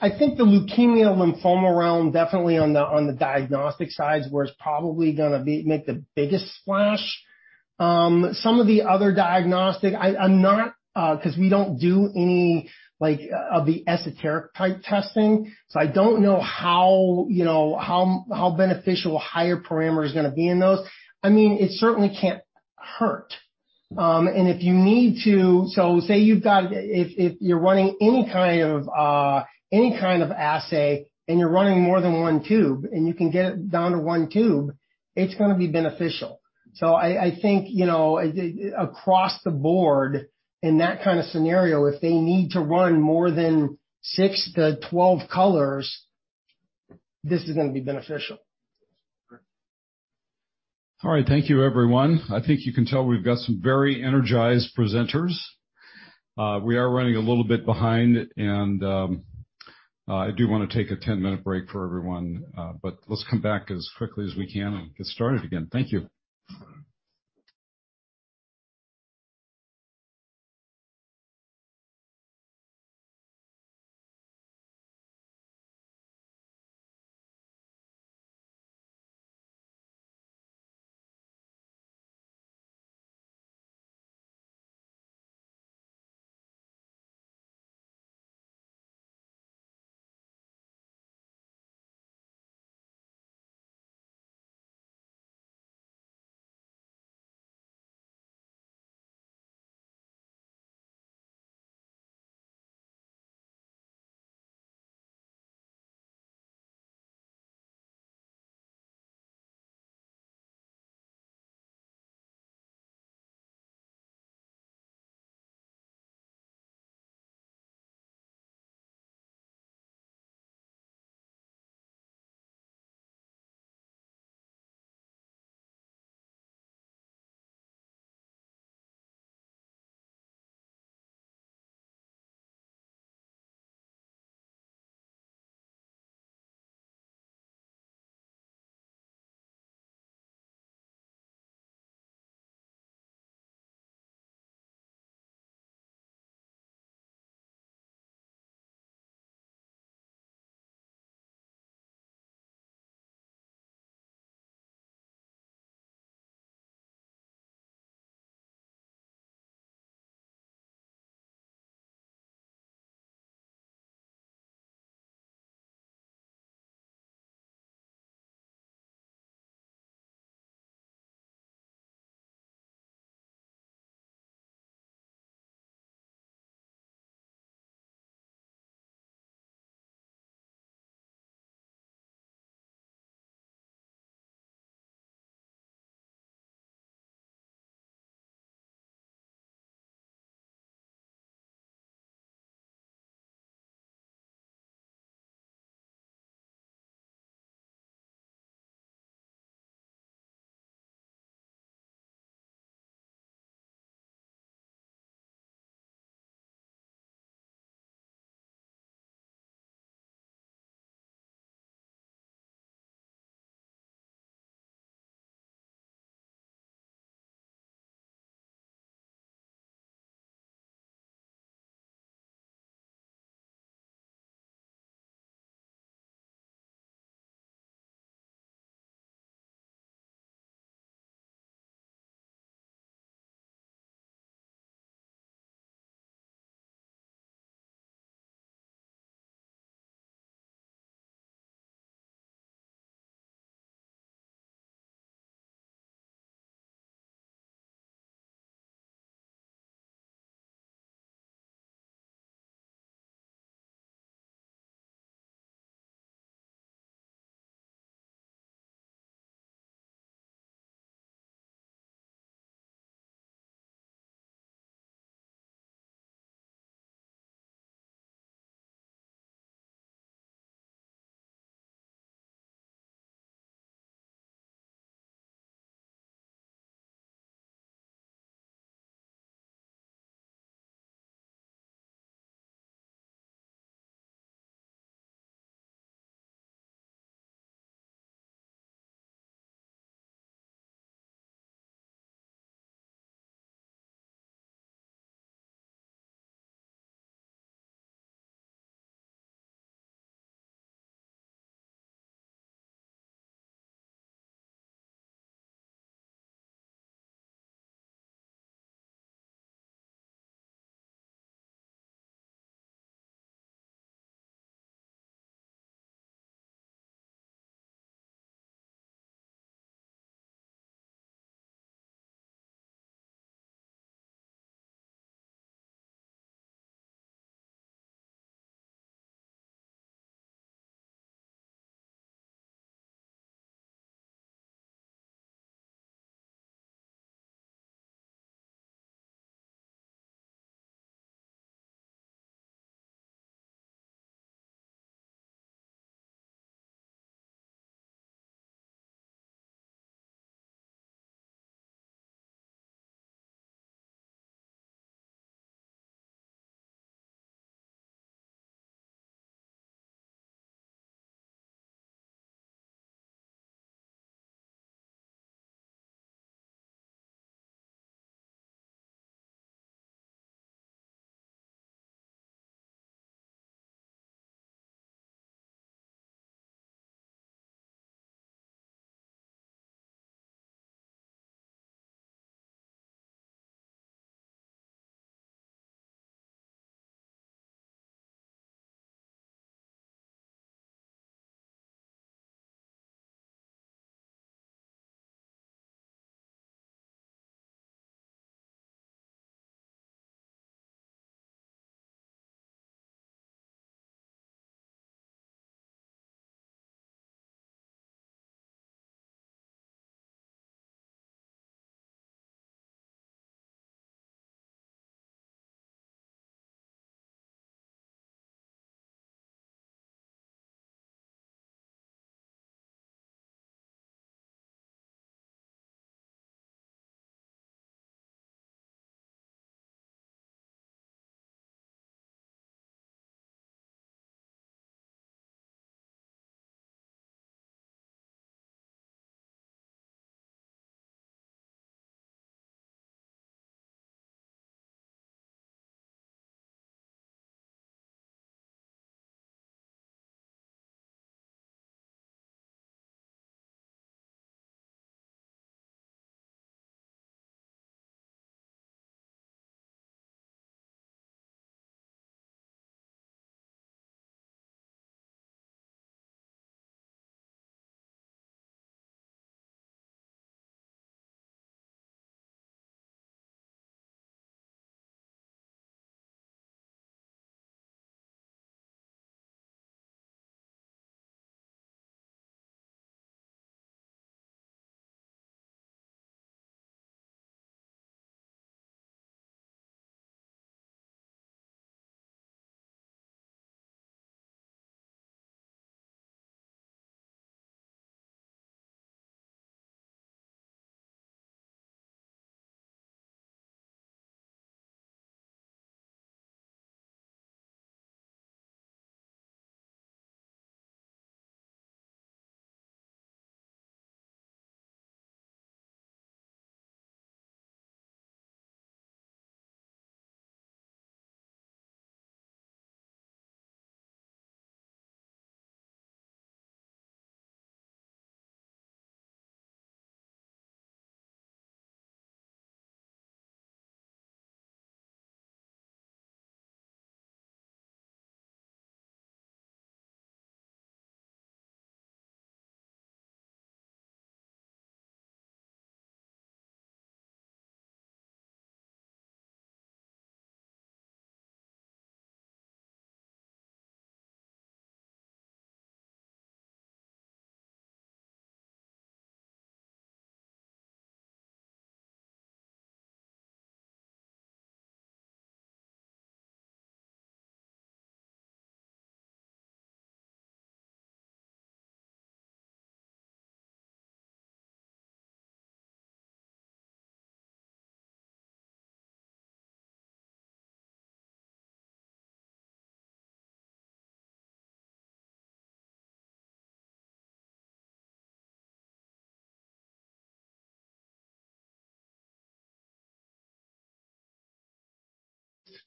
S10: the leukemia/lymphoma realm definitely on the diagnostic side is where it's probably gonna make the biggest splash. Some of the other diagnostic I'm not, 'cause we don't do any, like, of the esoteric type testing, so I don't know how, you know, how beneficial a higher parameter is gonna be in those. I mean, it certainly can't hurt. If you need to, say you've got if you're running any kind of assay and you're running more than one tube and you can get it down to one tube, it's gonna be beneficial. I think, you know, across the board in that kind of scenario, if they need to run more than six-12 colors, this is gonna be beneficial.
S11: All right. Thank you, everyone. I think you can tell we've got some very energized presenters. We are running a little bit behind and, I do wanna take a 10-minute break for everyone, but let's come back as quickly as we can and get started again. Thank you.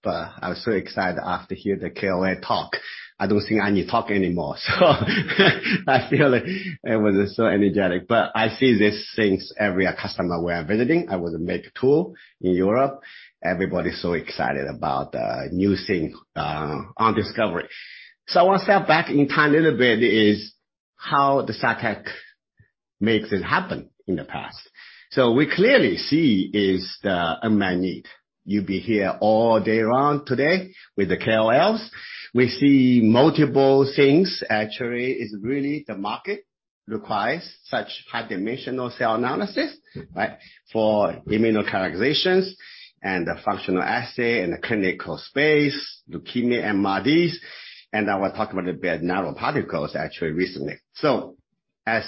S14: I was so excited after hearing the KOL talk. I don't think I need to talk anymore. I feel like it was so energetic. I see these things every customer we are visiting. I was making a tour in Europe. Everybody's so excited about new things and discovery. I wanna step back in time a little bit to how Cytek makes it happen in the past. We clearly see the unmet need. You'll be here all day long today with the KOLs. We see multiple things. Actually, it's really the market requires such high-dimensional cell analysis, right? For immunophenotyping and the functional assay in the clinical space, leukemia, MRDs, and I will talk about the bio-nanoparticles actually recently. As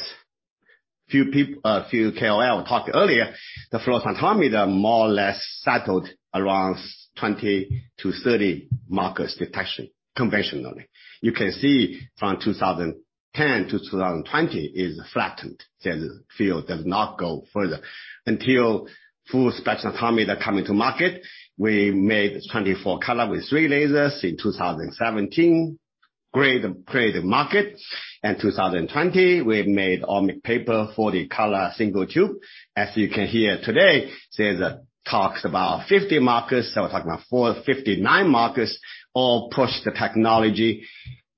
S14: few KOLs talked earlier, the flow cytometry, they're more or less settled around 20-30 markers detection conventionally. You can see from 2010 to 2020 is flattened. The field does not go further until full spectrum cytometry come into market. We made 24-color with three lasers in 2017. We created market. In 2020, we made our 40-color paper 40-color single tube. As you can hear today, there's talks about 50 markers. We're talking about 40-59 markers, all push the technology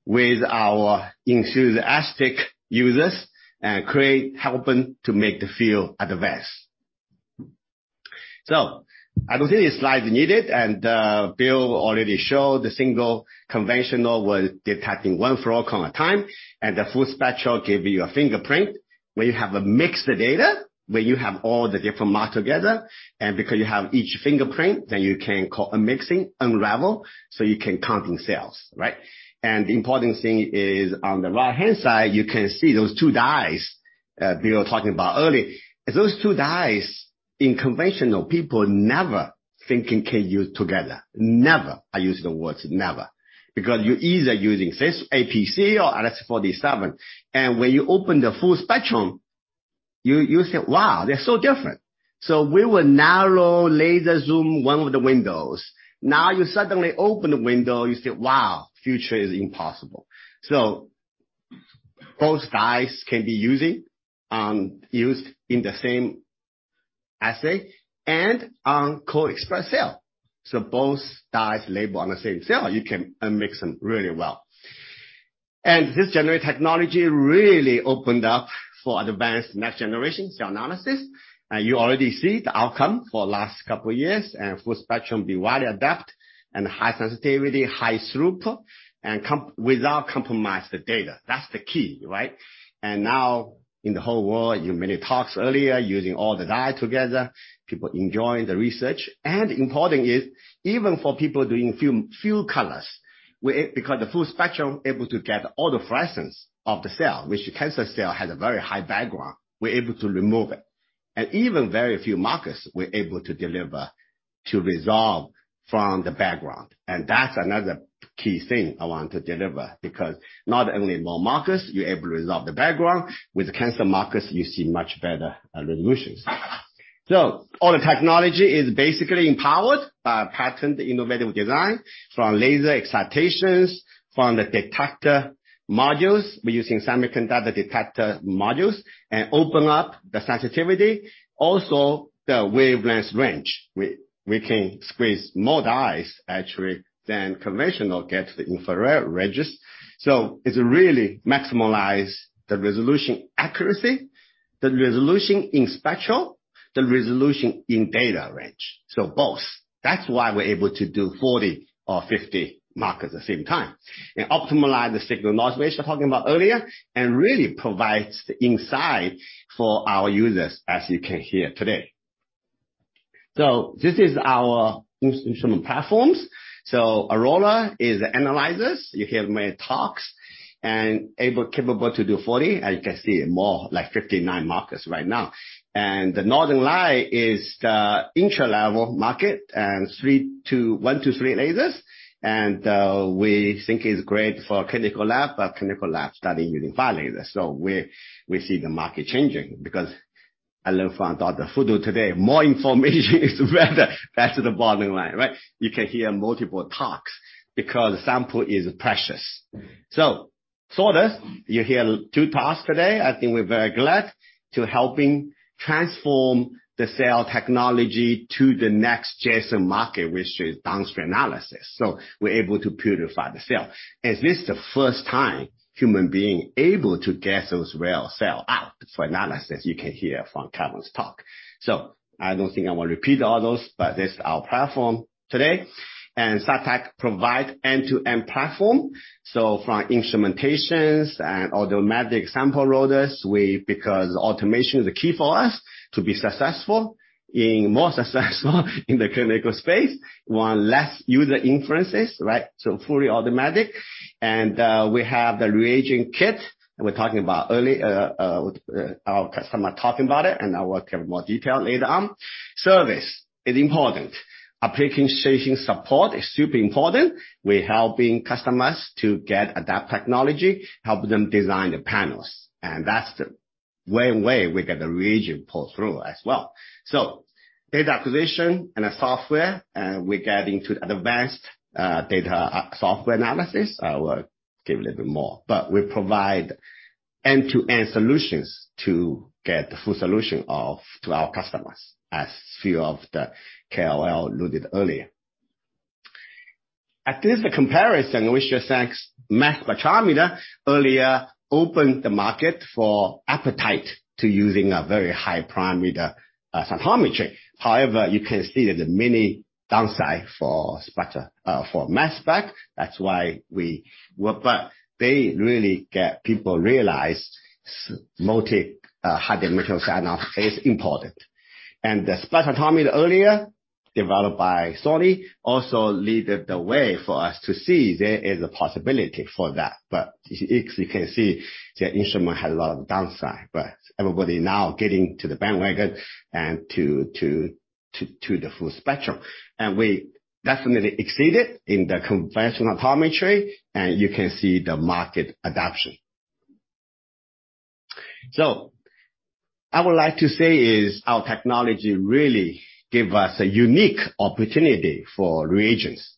S14: with our enthusiastic users and helping to make the field advance. I don't think these slides are needed, and Bill already showed the single conventional was detecting one flow at a time, and the full spectrum give you a fingerprint where you have a mixed data, where you have all the different mark together. Because you have each fingerprint, then you can call unmixing, unravel, so you can counting cells, right? The important thing is on the right-hand side, you can see those two dyes that Bill was talking about earlier. Those two dyes, in conventional, people never thinking can use together. Never. I use the words never. Because you're either using this APC or Alexa Fluor 647. When you open the full spectrum, you say, "Wow, they're so different." We will narrow laser zoom one of the windows. Now you suddenly open the window, you say, "Wow, mixture is impossible." Both dyes can be used in the same assay and co-express cell. Both dyes label on the same cell. You can mix them really well. This generation technology really opened up for advanced next generation cell analysis. You already see the outcome for last couple of years, and Full Spectrum being widely adopted and high sensitivity, high throughput, and without compromise the data. That's the key, right? Now in the whole world, you many talks earlier using all the dye together, people enjoying the research. Important is even for people doing few colors, because the Full Spectrum able to get all the fluorescence of the cell, which cancer cell has a very high background, we're able to remove it. Even very few markers, we're able to deliver to resolve from the background. That's another key thing I want to deliver, because not only more markers, you're able to resolve the background. With cancer markers, you see much better resolutions. All the technology is basically empowered by patented innovative design from laser excitations, from the detector modules. We're using semiconductor detector modules and open up the sensitivity, also the wavelength range. We can squeeze more dyes actually than conventional yet get the infrared ranges. It really maximizes the resolution accuracy, the resolution in spectral, the resolution in data range. Both. That's why we're able to do 40 or 50 markers at the same time and optimize the signal-to-noise ratio, talking about earlier, and really provides the insight for our users, as you can hear today. This is our instrument platforms. Aurora is the analyzers. You hear many talks and able, capable to do 40, as you can see more like 59 markers right now. The Northern Lights is the entry-level market and 1 to 3 lasers. We think is great for clinical lab, but clinical lab study using 5 lasers. We're, we see the market changing because I learn from Dr. Fuda today, more information is better. That's the bottom line, right? You can hear multiple talks because sample is precious. Sorters, you hear two talks today. I think we're very glad to helping transform the cell technology to the next adjacent market, which is downstream analysis. We're able to purify the cell. This is the first time human being able to get those rare cell out for analysis. You can hear from Kevin's talk. I don't think I will repeat all those, but this our platform today. Cytek provide end-to-end platform. From instrumentations and automatic sample loaders, we, because automation is the key for us to be successful, being more successful in the clinical space, want less user interference, right? Fully automatic. We have the reagent kit that we're talking about, our customer talking about it, and I will give more detail later on. Service is important. Application support is super important. We're helping customers to adopt technology, help them design the panels, and that's the way we get the reagent pull through as well. Data acquisition and software, we're getting to the advanced data software analysis. I will give a little bit more. We provide end-to-end solutions to get the full solution to our customers, as few of the KOL alluded earlier. In this comparison, which just like mass spec earlier opened the market for appetite to using a very high parameter cytometry. However, you can see that there are many downsides for spectral, for mass spec. That's why we work. They really get people to realize multi-dimensional is important. The spectral cytometry earlier, developed by Sony, also led the way for us to see there is a possibility for that. As you can see, the instrument had a lot of downside, but everybody now getting on the bandwagon and to the full spectrum. We definitely excel in the conventional cytometry, and you can see the market adoption. I would like to say is, our technology really gives us a unique opportunity for reagents.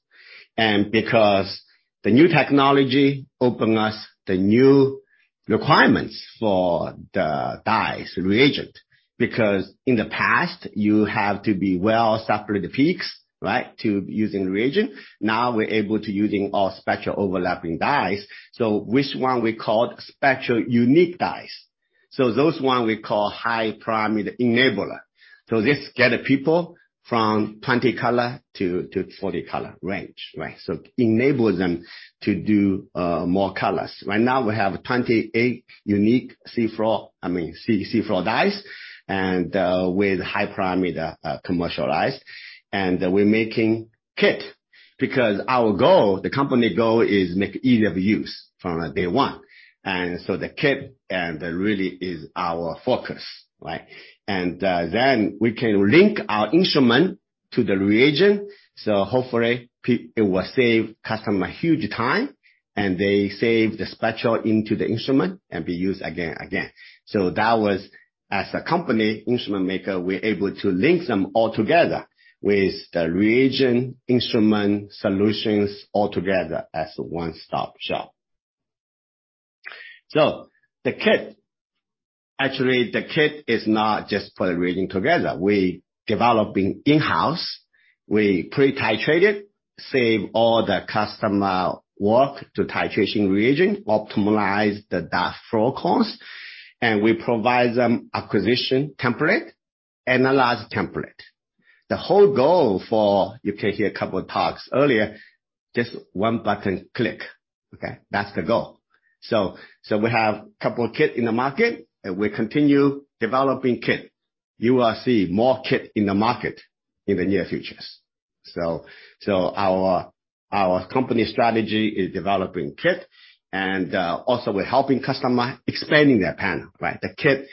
S14: Because the new technology opens up the new requirements for the dyes, reagent. Because in the past, you have to well separate the peaks, right, to use reagent. Now we're able to use all spectral overlapping dyes. Which we call spectral unique dyes. Those we call high parameter enabler. This gets people from 20-color to 40-color range, right? It enables them to do more colors. Right now we have 28 unique cFluor dyes with high-parameter commercialized. We're making kits. Our goal, the company goal, is to make it easy to use from day one. The kit really is our focus, right? Then we can link our instrument to the reagent, so hopefully it will save customers huge time, and they save the spectral into the instrument and be used again. That way, as a company, instrument maker, we're able to link them all together with the reagent, instrument, solutions all together as a one-stop shop. The kit. Actually, the kit is not just put reagent together. We're developing in-house. We pre-titrate it, save all the customer work to titration reagent, optimize the dye flow cost, and we provide them acquisition template, analyze template. The whole goal, you can hear a couple of talks earlier, just one button click. Okay? That's the goal. We have couple kit in the market, and we continue developing kit. You will see more kit in the market in the near future. Our company strategy is developing kit and also we're helping customer expanding their panel, right? The kit,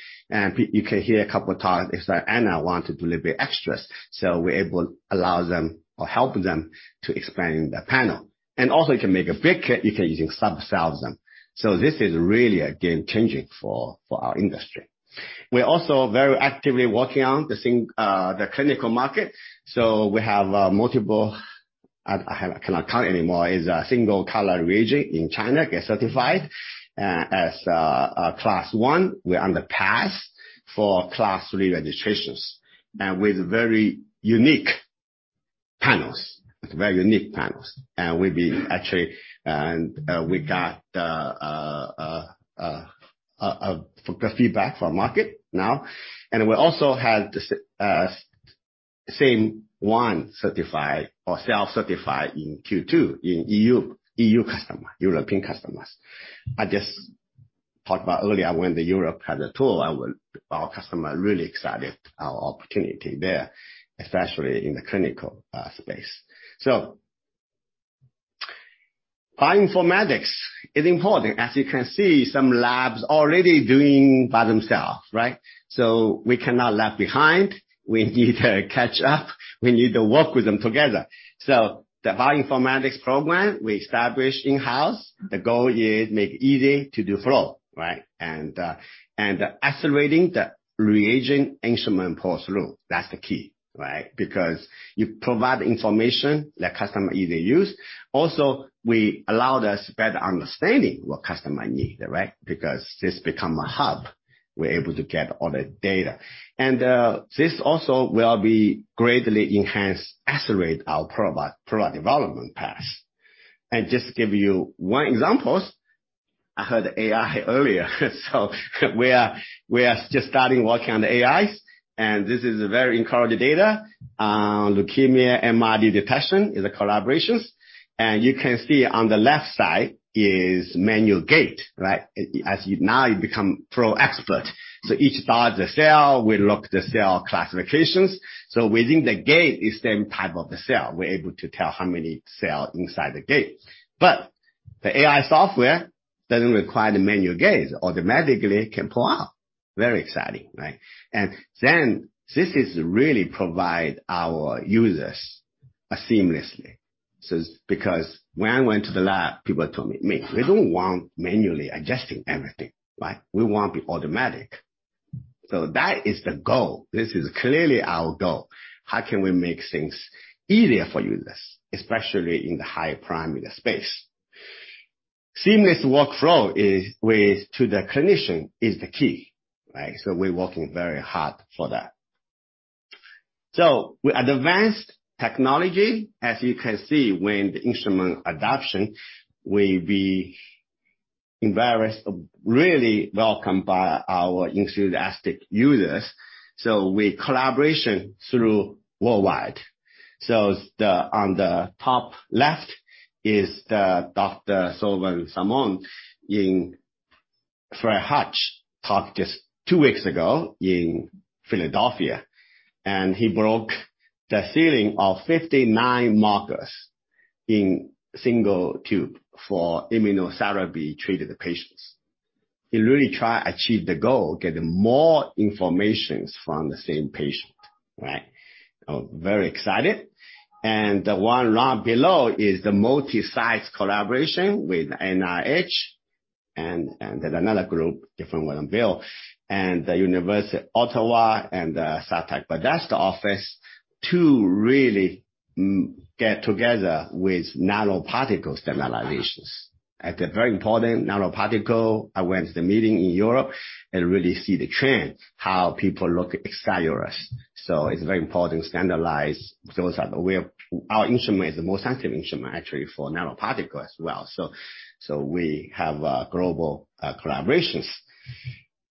S14: you can hear a couple of times, it's like, "Anna want to do a little bit extras." We're able allow them or help them to expand the panel. Also you can make a big kit, you can using sub cells them. This is really a game-changing for our industry. We're also very actively working on the clinical market. We have multiple. I cannot count anymore. It's single color reagent in China get certified as a class one. We're on the path for class three registrations. With very unique panels. We've actually got the feedback from the market now. We also had the same one certified or self-certified in Q2 in EU for EU customers, European customers. I just talked about earlier, when Europe had a tool, our customers really excited about our opportunity there, especially in the clinical space. Bioinformatics is important. As you can see, some labs already doing it by themselves, right? We cannot lag behind. We need to catch up. We need to work with them together. The bioinformatics program, we establish in-house. The goal is make easy to do flow, right? Accelerating the reagent instrument pull through. That's the key, right? Because you provide information that customer easy use. Also, we allow this better understanding what customer need, right? Because this become a hub. We're able to get all the data. This also will be greatly enhance, accelerate our product development path. Just give you one examples. I heard AI earlier, so we are just starting working on the AI, and this is a very encouraging data on leukemia MRD detection is a collaborations. You can see on the left side is manual gate, right? As you now become flow expert. Each dot is a cell, we look the cell classifications. Within the gate is the same type of cell, we're able to tell how many cells inside the gate. The AI software doesn't require the manual gates. Automatically can pull out. Very exciting, right? This really provides our users seamlessly. It's because when I went to the lab, people told me, "We don't want manually adjusting everything," right? "We want to be automatic." That is the goal. This is clearly our goal. How can we make things easier for users, especially in the high parameter space? Seamless workflow vital to the clinician is the key, right? We're working very hard for that. With advanced technology, as you can see when the instrument adoption will be embraced, really welcomed by our enthusiastic users. We collaborate worldwide. Then, on the top left is the Dr. Sylvain Salmon at Fred Hutch talked just two weeks ago in Philadelphia, and he broke the ceiling of 59 markers in single tube for immunotherapy-treated patients. He really tried to achieve the goal, getting more information from the same patient, right? I'm very excited. The one line below is the multi-site collaboration with NIH and then another group, different one than Bill, and the University of Ottawa and Cytek. That's the effort to really get together with nanoparticle standardizations. That's a very important nanoparticle. I went to the meeting in Europe and really saw the trend, how people look exosomes. It's very important to standardize those. Our instrument is the most sensitive instrument actually for nanoparticle as well. We have global collaborations.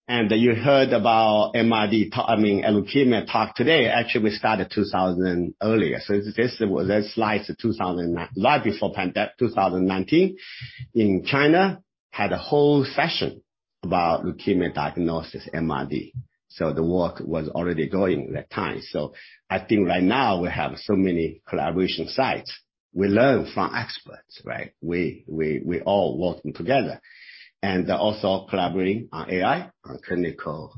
S14: You heard about MRD, I mean, leukemia talk today. We started 2000 earlier. This was a slide to 2009, right before pandemic. 2019 in China had a whole session about leukemia diagnosis MRD. The work was already going that time. I think right now we have so many collaboration sites. We learn from experts, right? We all working together and also collaborating on AI, on clinical,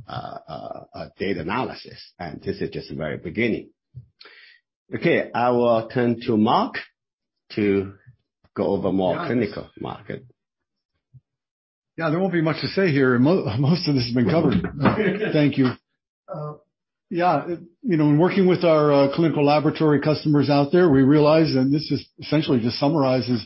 S14: data analysis. This is just the very beginning. Okay, I will turn to Mark to go over more clinical market.
S2: Yeah, there won't be much to say here. Most of this has been covered. Thank you. Yeah, you know, in working with our clinical laboratory customers out there, we realize that this is essentially just summarizes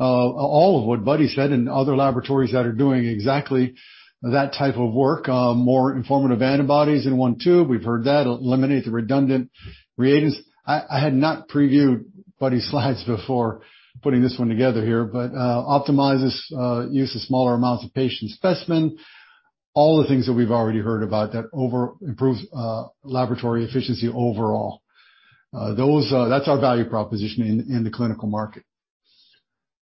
S2: all of what Buddy said and other laboratories that are doing exactly that type of work. More informative antibodies in one tube. We've heard that. Eliminate the redundant reagents. I had not previewed Buddy's slides before putting this one together here, but optimizes use of smaller amounts of patient specimen. All the things that we've already heard about that. Improves laboratory efficiency overall. That's our value proposition in the clinical market.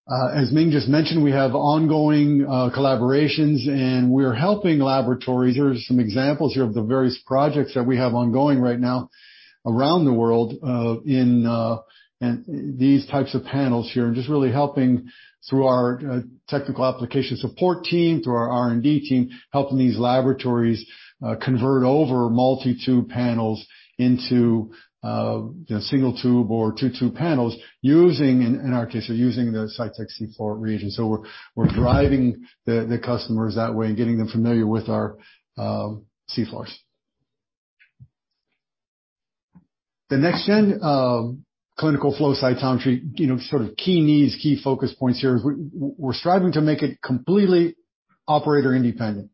S2: As Ming just mentioned, we have ongoing collaborations, and we're helping laboratories. Here are some examples of the various projects that we have ongoing right now around the world, in, and these types of panels here. Just really helping through our technical application support team, through our R&D team, helping these laboratories convert over multi-tube panels into, you know, single tube or two-tube panels using, in our case, using the Cytek cFluor reagent. We're driving the customers that way and getting them familiar with our cFluor. The next gen clinical flow cytometry, you know, sort of key needs, key focus points here, we're striving to make it completely operator independent.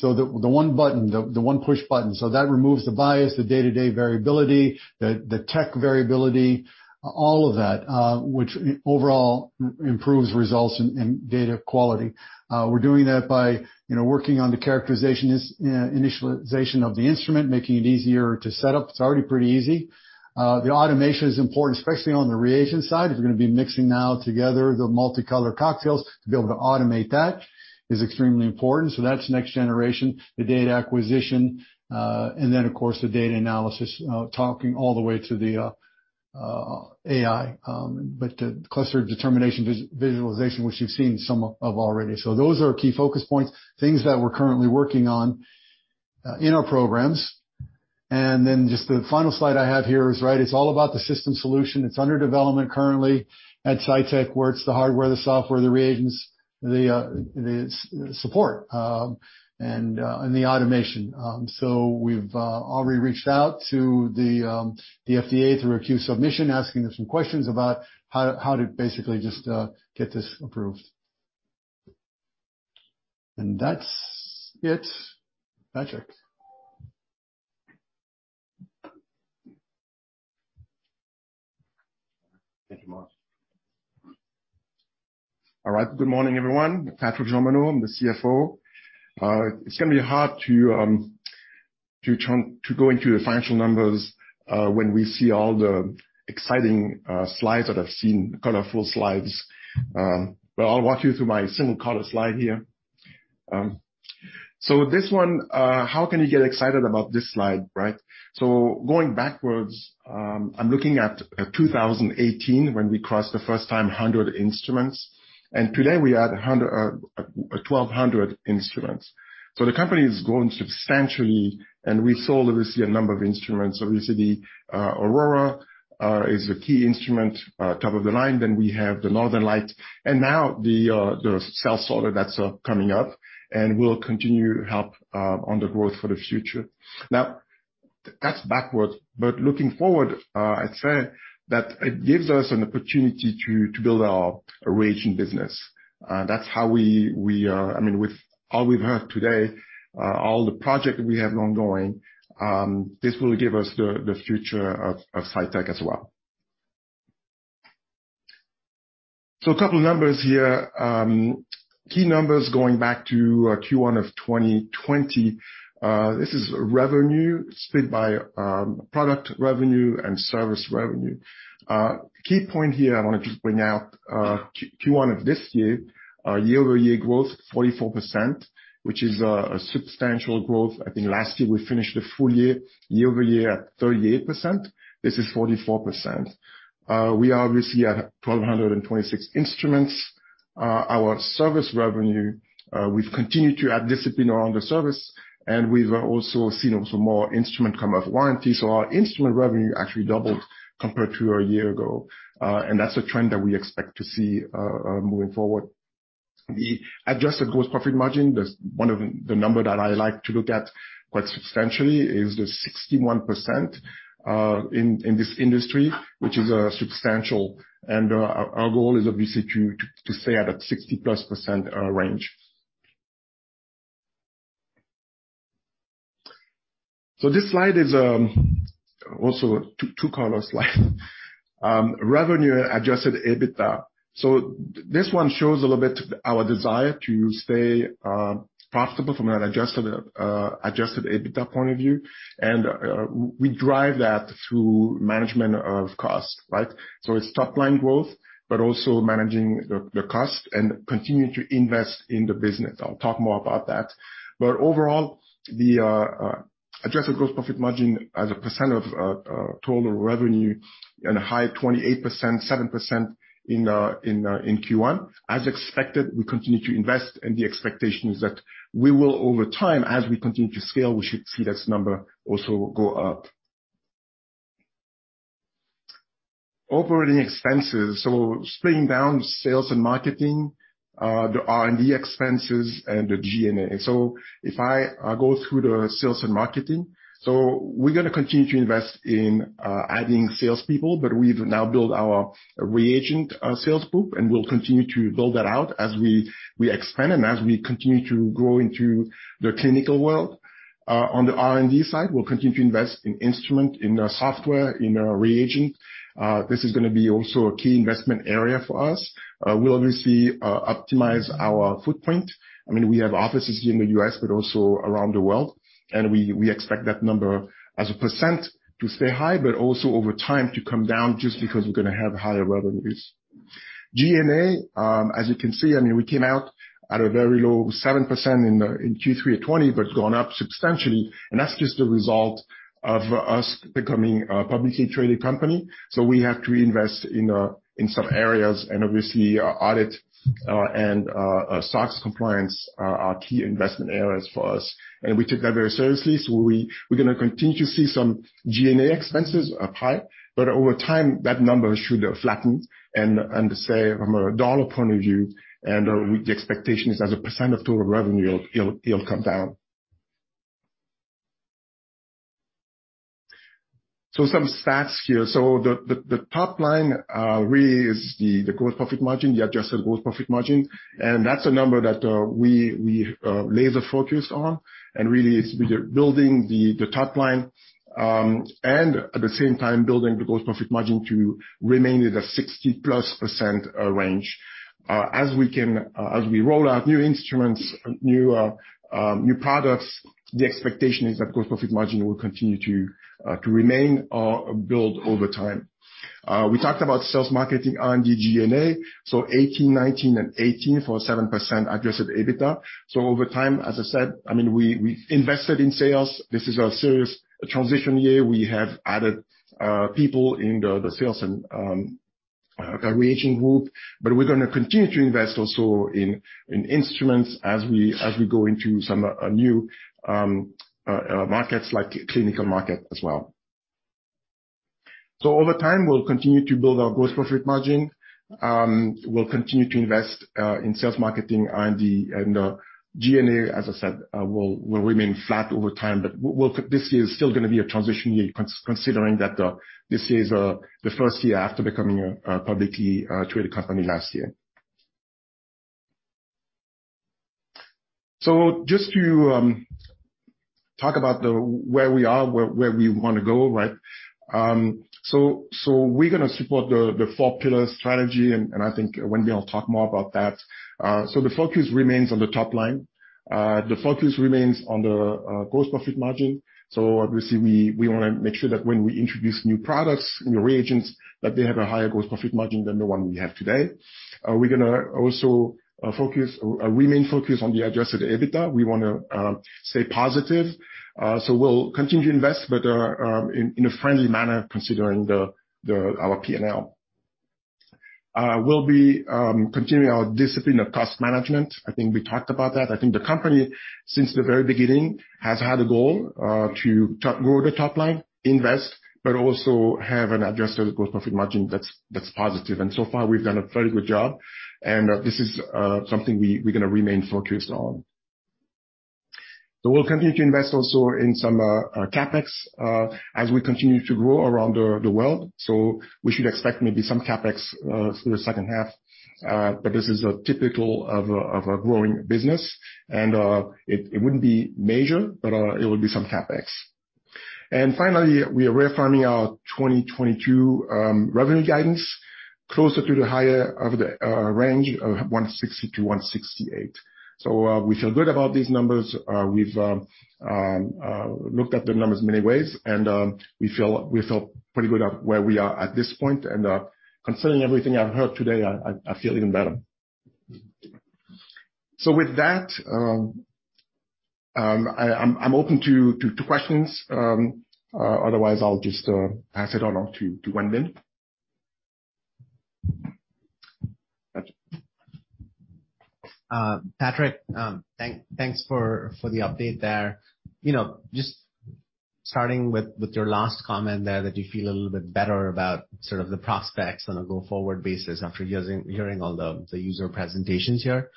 S2: The one button, the one push button. That removes the bias, the day-to-day variability, the tech variability, all of that, which overall improves results and data quality. We're doing that by, you know, working on the initialization of the instrument, making it easier to set up. It's already pretty easy. The automation is important, especially on the reagent side, if you're gonna be mixing them together the multicolor cocktails, to be able to automate that is extremely important. That's next generation. The data acquisition, and then, of course, the data analysis, talking all the way to the AI, but the cluster determination visualization, which you've seen some of already. Those are key focus points, things that we're currently working on in our programs. Just the final slide I have here is, right, it's all about the system solution. It's under development currently at Cytek, where it's the hardware, the software, the reagents, the support, and the automation. We've already reached out to the FDA through a Q submission, asking them some questions about how to basically just get this approved.
S14: That's it. Patrik.
S15: Thank you, Mark. All right. Good morning, everyone. Patrik Jeanmonod, I'm the CFO. It's gonna be hard to go into the financial numbers when we see all the exciting slides that I've seen, colorful slides. But I'll walk you through my single color slide here. This one, how can you get excited about this slide, right? Going backwards, I'm looking at 2018 when we crossed the first time 100 instruments, and today we are at 1,112 instruments. The company is growing substantially, and we saw, obviously, a number of instruments. Obviously, Aurora is a key instrument, top of the line. We have the Northern Lights and now the Cell Sorter that's coming up and will continue help on the growth for the future. That's backwards, but looking forward, I'd say that it gives us an opportunity to build our reagent business. That's how we I mean, with all we've heard today, all the projects we have ongoing, this will give us the future of Cytek as well. A couple numbers here. Key numbers going back to Q1 of 2020. This is revenue split by product revenue and service revenue. Key point here I wanna just bring out, Q1 of this year, our year-over-year growth 44%, which is a substantial growth. I think last year we finished the full year year-over-year at 38%. This is 44%. We are obviously at 1,226 instruments. Our service revenue, we've continued to add discipline around the service, and we've also seen more instruments come off warranty. Our instrument revenue actually doubled compared to a year ago. That's a trend that we expect to see moving forward. The adjusted gross profit margin, that's one of the numbers that I like to look at quite substantially, is the 61% in this industry, which is substantial. Our goal is obviously to stay at a 60%+ range. This slide is also a two-column slide. Revenue, adjusted EBITDA. This one shows a little bit our desire to stay profitable from an adjusted EBITDA point of view, and we drive that through management of cost, right? It's top line growth, but also managing the cost and continue to invest in the business. I'll talk more about that. Overall, the adjusted gross profit margin as a percent of total revenue and a high 28.7% in Q1. As expected, we continue to invest, and the expectation is that we will over time, as we continue to scale, we should see this number also go up. Operating expenses. Breaking down sales and marketing, the R&D expenses and the G&A. If I go through the sales and marketing, we're gonna continue to invest in adding salespeople, but we've now built our reagent sales group, and we'll continue to build that out as we expand and as we continue to grow into the clinical world. On the R&D side, we'll continue to invest in instrument, in software, in reagent. This is gonna be also a key investment area for us. We'll obviously optimize our footprint. I mean, we have offices in the U.S., but also around the world, and we expect that number as a percent to stay high, but also over time to come down just because we're gonna have higher revenues. G&A, as you can see, I mean, we came out at a very low 7% in Q3 of 2020, but gone up substantially, and that's just a result of us becoming a publicly traded company. We have to reinvest in some areas and obviously audit and SOX compliance are key investment areas for us. We take that very seriously, so we're gonna continue to see some G&A expenses up high. Over time, that number should flatten and stay from a dollar point of view, and the expectation is as a percent of total revenue, it'll come down. Some stats here. The top line really is the gross profit margin, the adjusted gross profit margin, and that's a number that we laser focus on and really is building the top line, and at the same time, building the gross profit margin to remain at a 60%+ range. As we roll out new instruments, new products, the expectation is that gross profit margin will continue to remain or build over time. We talked about sales, marketing, R&D, G&A, so 18%, 19%, and 18% for a 7% adjusted EBITDA. Over time, as I said, I mean, we invested in sales. This is a serious transition year. We have added people in the sales and reagent group, but we're gonna continue to invest also in instruments as we go into some new markets like clinical market as well. Over time, we'll continue to build our gross profit margin. We'll continue to invest in sales marketing, R&D and G&A, as I said, will remain flat over time. We'll this year is still gonna be a transition year considering that this year's the first year after becoming a publicly traded company last year. Just to talk about where we are, where we wanna go, right? We're gonna support the four pillar strategy and I think Wendy will talk more about that. The focus remains on the top line. The focus remains on the gross profit margin. Obviously we wanna make sure that when we introduce new products, new reagents, that they have a higher gross profit margin than the one we have today. We're gonna also remain focused on the adjusted EBITDA. We wanna stay positive. We'll continue to invest, but in a friendly manner considering our P&L. We'll be continuing our discipline of cost management. I think we talked about that. I think the company, since the very beginning, has had a goal to grow the top line, invest, but also have an adjusted gross profit margin that's positive. So far we've done a very good job. This is something we're gonna remain focused on. We'll continue to invest also in some CapEx as we continue to grow around the world. We should expect maybe some CapEx through the second half. But this is typical of a growing business and it wouldn't be major, but it would be some CapEx. Finally, we are reaffirming our 2022 revenue guidance closer to the higher end of the range of $160 million-$168 million. We feel good about these numbers. We've looked at the numbers many ways, and we feel pretty good at where we are at this point. Considering everything I've heard today, I feel even better. With that, I'm open to questions. Otherwise I'll just pass it on to Wenbin.
S12: Patrik, thanks for the update there. You know, just starting with your last comment there, that you feel a little bit better about sort of the prospects on a go-forward basis after hearing all the user presentations here.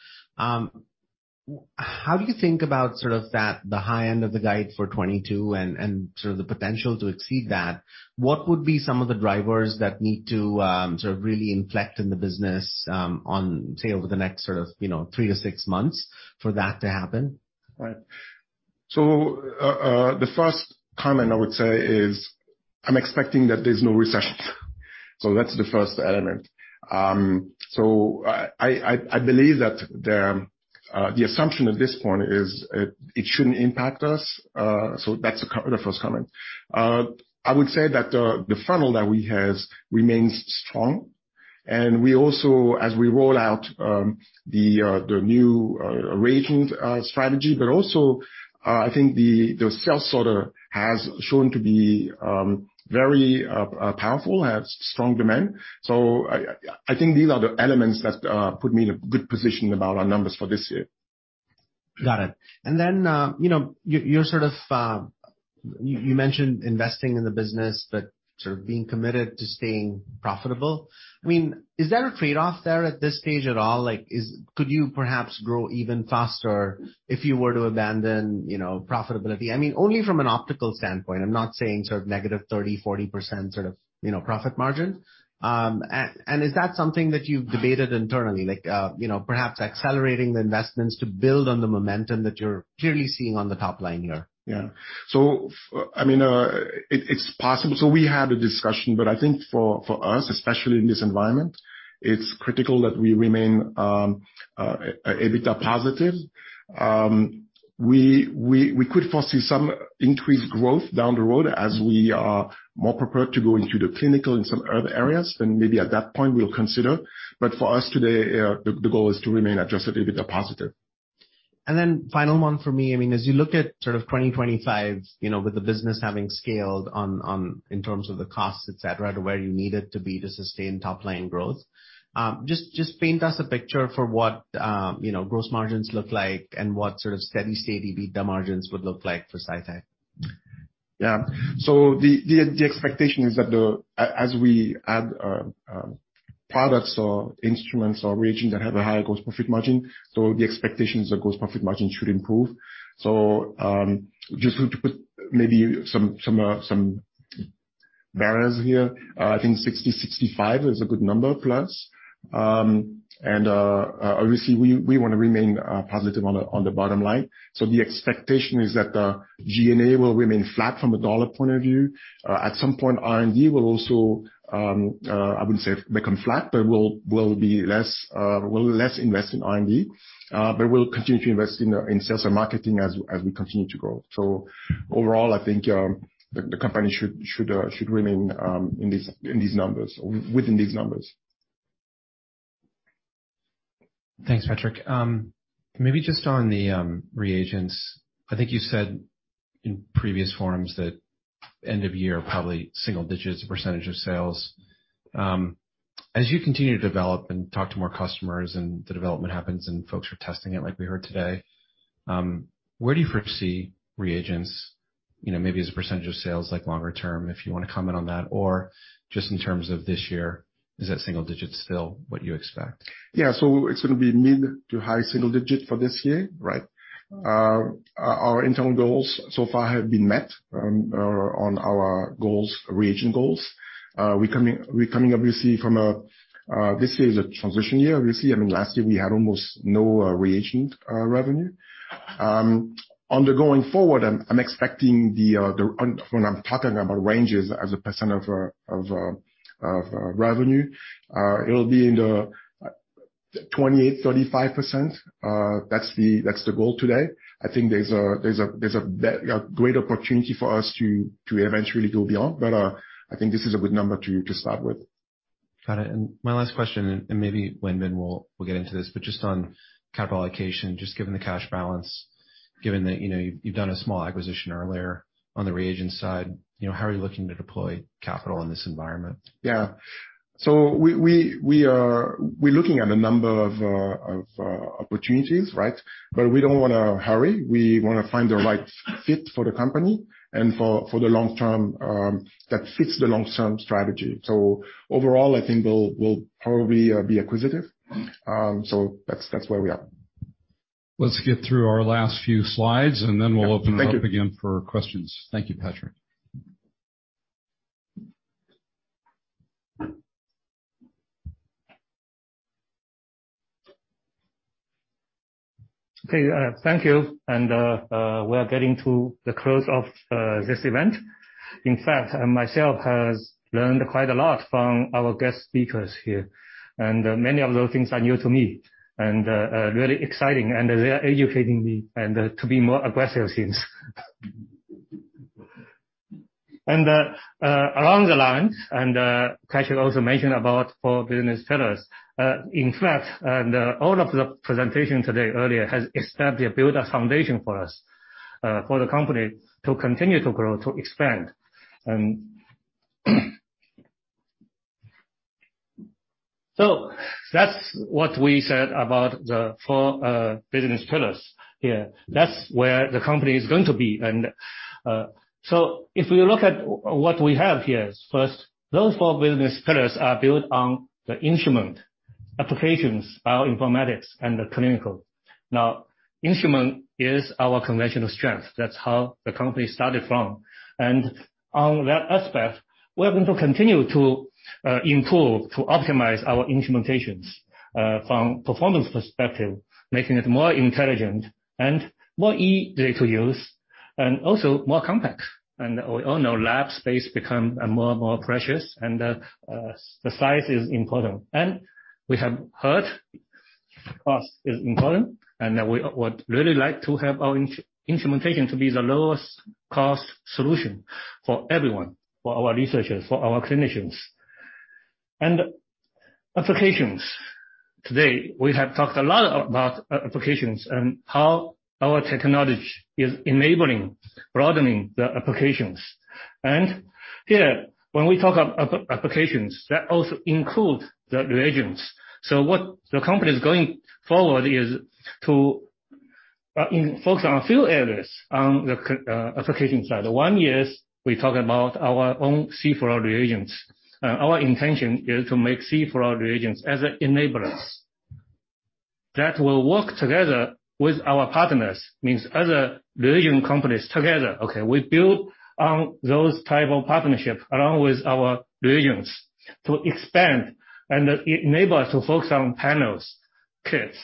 S12: How do you think about sort of the high end of the guide for 2022 and sort of the potential to exceed that? What would be some of the drivers that need to sort of really inflect in the business on, say, over the next sort of, you know, three-six months for that to happen?
S15: Right. The first comment I would say is I'm expecting that there's no recession. That's the first element. I believe that the assumption at this point is it shouldn't impact us. That's the first comment. I would say that the funnel that we have remains strong. We also, as we roll out the new reagents strategy, but also, I think the cell sorter has shown to be very powerful, has strong demand. I think these are the elements that put me in a good position about our numbers for this year.
S12: Got it. You know, you're sort of, you mentioned investing in the business, but sort of being committed to staying profitable. I mean, is there a trade-off there at this stage at all? Like, could you perhaps grow even faster if you were to abandon, you know, profitability? I mean, only from an optics standpoint. I'm not saying sort of negative 30%-40% sort of, you know, profit margin. Is that something that you've debated internally, like, you know, perhaps accelerating the investments to build on the momentum that you're clearly seeing on the top line here?
S15: Yeah. I mean, it's possible. We had a discussion. I think for us, especially in this environment, it's critical that we remain EBITDA positive. We could foresee some increased growth down the road as we are more prepared to go into the clinical in some other areas. Maybe at that point we'll consider. For us today, the goal is to remain adjusted EBITDA positive.
S12: Final one for me, I mean, as you look at sort of 2025, you know, with the business having scaled on, in terms of the costs, et cetera, to where you need it to be to sustain top line growth, just paint us a picture for what, you know, gross margins look like and what sort of steady-state EBITDA margins would look like for Cytek.
S15: Yeah. The expectation is that as we add products or instruments or reagents that have a higher gross profit margin, the gross profit margin should improve. Just to put some barriers here, I think 65%+ is a good number. And obviously we wanna remain positive on the bottom line. The expectation is that the G&A will remain flat from a dollar point of view. At some point, R&D will also, I wouldn't say become flat, but will be less, we'll invest less in R&D. But we'll continue to invest in sales and marketing as we continue to grow. Overall, I think, the company should remain in these numbers, within these numbers.
S13: Thanks, Patrik. Maybe just on the reagents. I think you said in previous forums that end-of-year, probably single-digit percentage of sales. As you continue to develop and talk to more customers and the development happens and folks are testing it, like we heard today, where do you foresee reagents, you know, maybe as a % of sales, like longer term, if you wanna comment on that, or just in terms of this year, is that single-digit still what you expect?
S15: Yeah. It's gonna be mid- to high-single-digit for this year, right? Our internal goals so far have been met on our goals, reagent goals. We're coming obviously from a this year is a transition year, obviously. I mean, last year we had almost no reagent revenue. Going forward, I'm expecting the. When I'm talking about ranges as a percent of revenue, it'll be in the 28%-35%. That's the goal today. I think there's a great opportunity for us to eventually go beyond. I think this is a good number to start with.
S13: Got it. My last question, and maybe Wenbin will get into this, but just on capital allocation, just given the cash balance, given that, you know, you've done a small acquisition earlier on the reagent side, you know, how are you looking to deploy capital in this environment?
S15: Yeah. We're looking at a number of opportunities, right? But we don't wanna hurry. We wanna find the right fit for the company and for the long term that fits the long-term strategy. Overall, I think we'll probably be acquisitive. That's where we are.
S11: Let's get through our last few slides, and then we'll open it up again for questions. Thank you, Patrik.
S1: Okay, thank you. We are getting to the close of this event. In fact, myself has learned quite a lot from our guest speakers here, and many of those things are new to me and really exciting, and they are educating me and to be more aggressive since. Along the lines, Patrik also mentioned about four business pillars. In fact, all of the presentation today earlier has established, built a foundation for us, for the company to continue to grow, to expand. That's what we said about the four business pillars here. That's where the company is going to be. If we look at what we have here, first, those four business pillars are built on the instrument, applications, bioinformatics and the clinical. Now, instrument is our conventional strength. That's how the company started from. On that aspect, we're going to continue to improve, to optimize our instrumentations from performance perspective, making it more intelligent and more easy to use and also more compact. We all know lab space become more and more precious and the size is important. We have heard cost is important, and we would really like to have our instrumentation to be the lowest cost solution for everyone, for our researchers, for our clinicians. Applications. Today, we have talked a lot about applications and how our technology is enabling, broadening the applications. Here when we talk applications, that also includes the reagents. What the company is going forward is to focus on a few areas on the applications side. One is we talk about our own cFluor reagents. Our intention is to make cFluor reagents as an enabler that will work together with our partners, means other reagent companies together. We build on those type of partnership along with our reagents to expand and enable us to focus on panels, kits.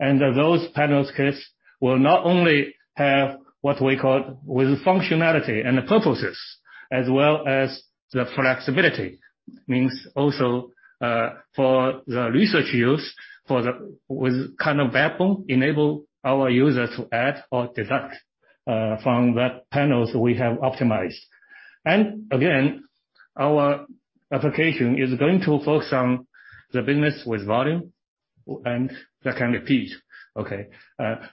S1: Those panels, kits will not only have what we call with functionality and the purposes as well as the flexibility. Means also, for the research use, with kind of backbone, enable our users to add or deduct from that panels we have optimized. Our application is going to focus on the business with volume and that can repeat.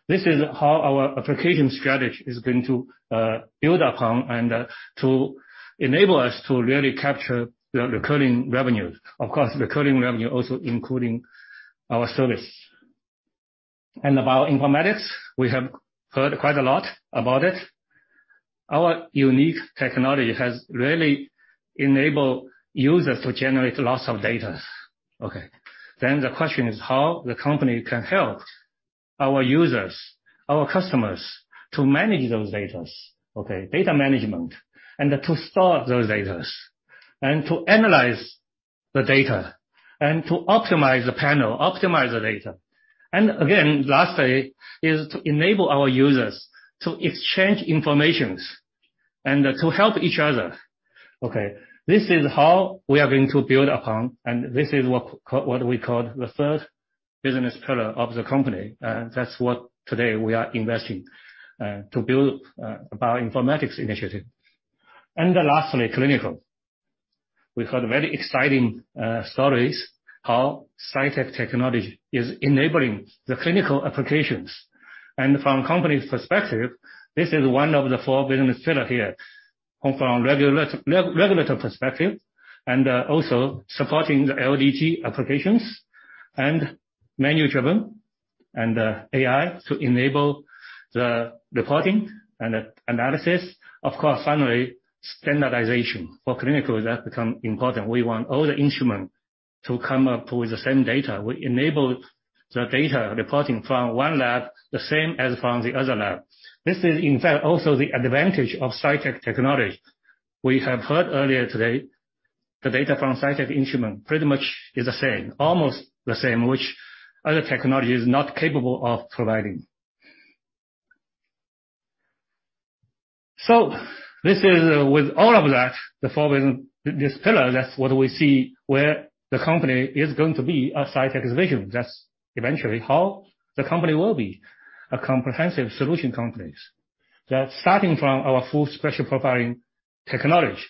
S1: This is how our application strategy is going to build upon and to enable us to really capture the recurring revenues. Of course, recurring revenue also including our service. The bioinformatics, we have heard quite a lot about it. Our unique technology has really enabled users to generate lots of data. The question is how the company can help our users, our customers, to manage those data. Data management, and to store those data, and to analyze the data, and to optimize the panel, optimize the data. Again, lastly, is to enable our users to exchange information and to help each other. This is how we are going to build upon and this is what we call the third business pillar of the company. That's what today we are investing to build the bioinformatics initiative. Lastly, clinical. We've heard very exciting stories how Cytek technology is enabling the clinical applications. From company's perspective, this is one of the four business pillars here. From regulatory perspective and also supporting the LDT applications and menu-driven and AI to enable the reporting and analysis. Of course, finally, standardization. For clinical, that become important. We want all the instrument to come up with the same data. We enable the data reporting from one lab, the same as from the other lab. This is in fact also the advantage of Cytek technology. We have heard earlier today, the data from Cytek instrument pretty much is the same, almost the same, which other technology is not capable of providing. This is with all of that, the four business pillar, that's what we see where the company is going to be as Cytek's vision. That's eventually how the company will be. A comprehensive solution companies. That starting from our Full Spectrum Profiling technology,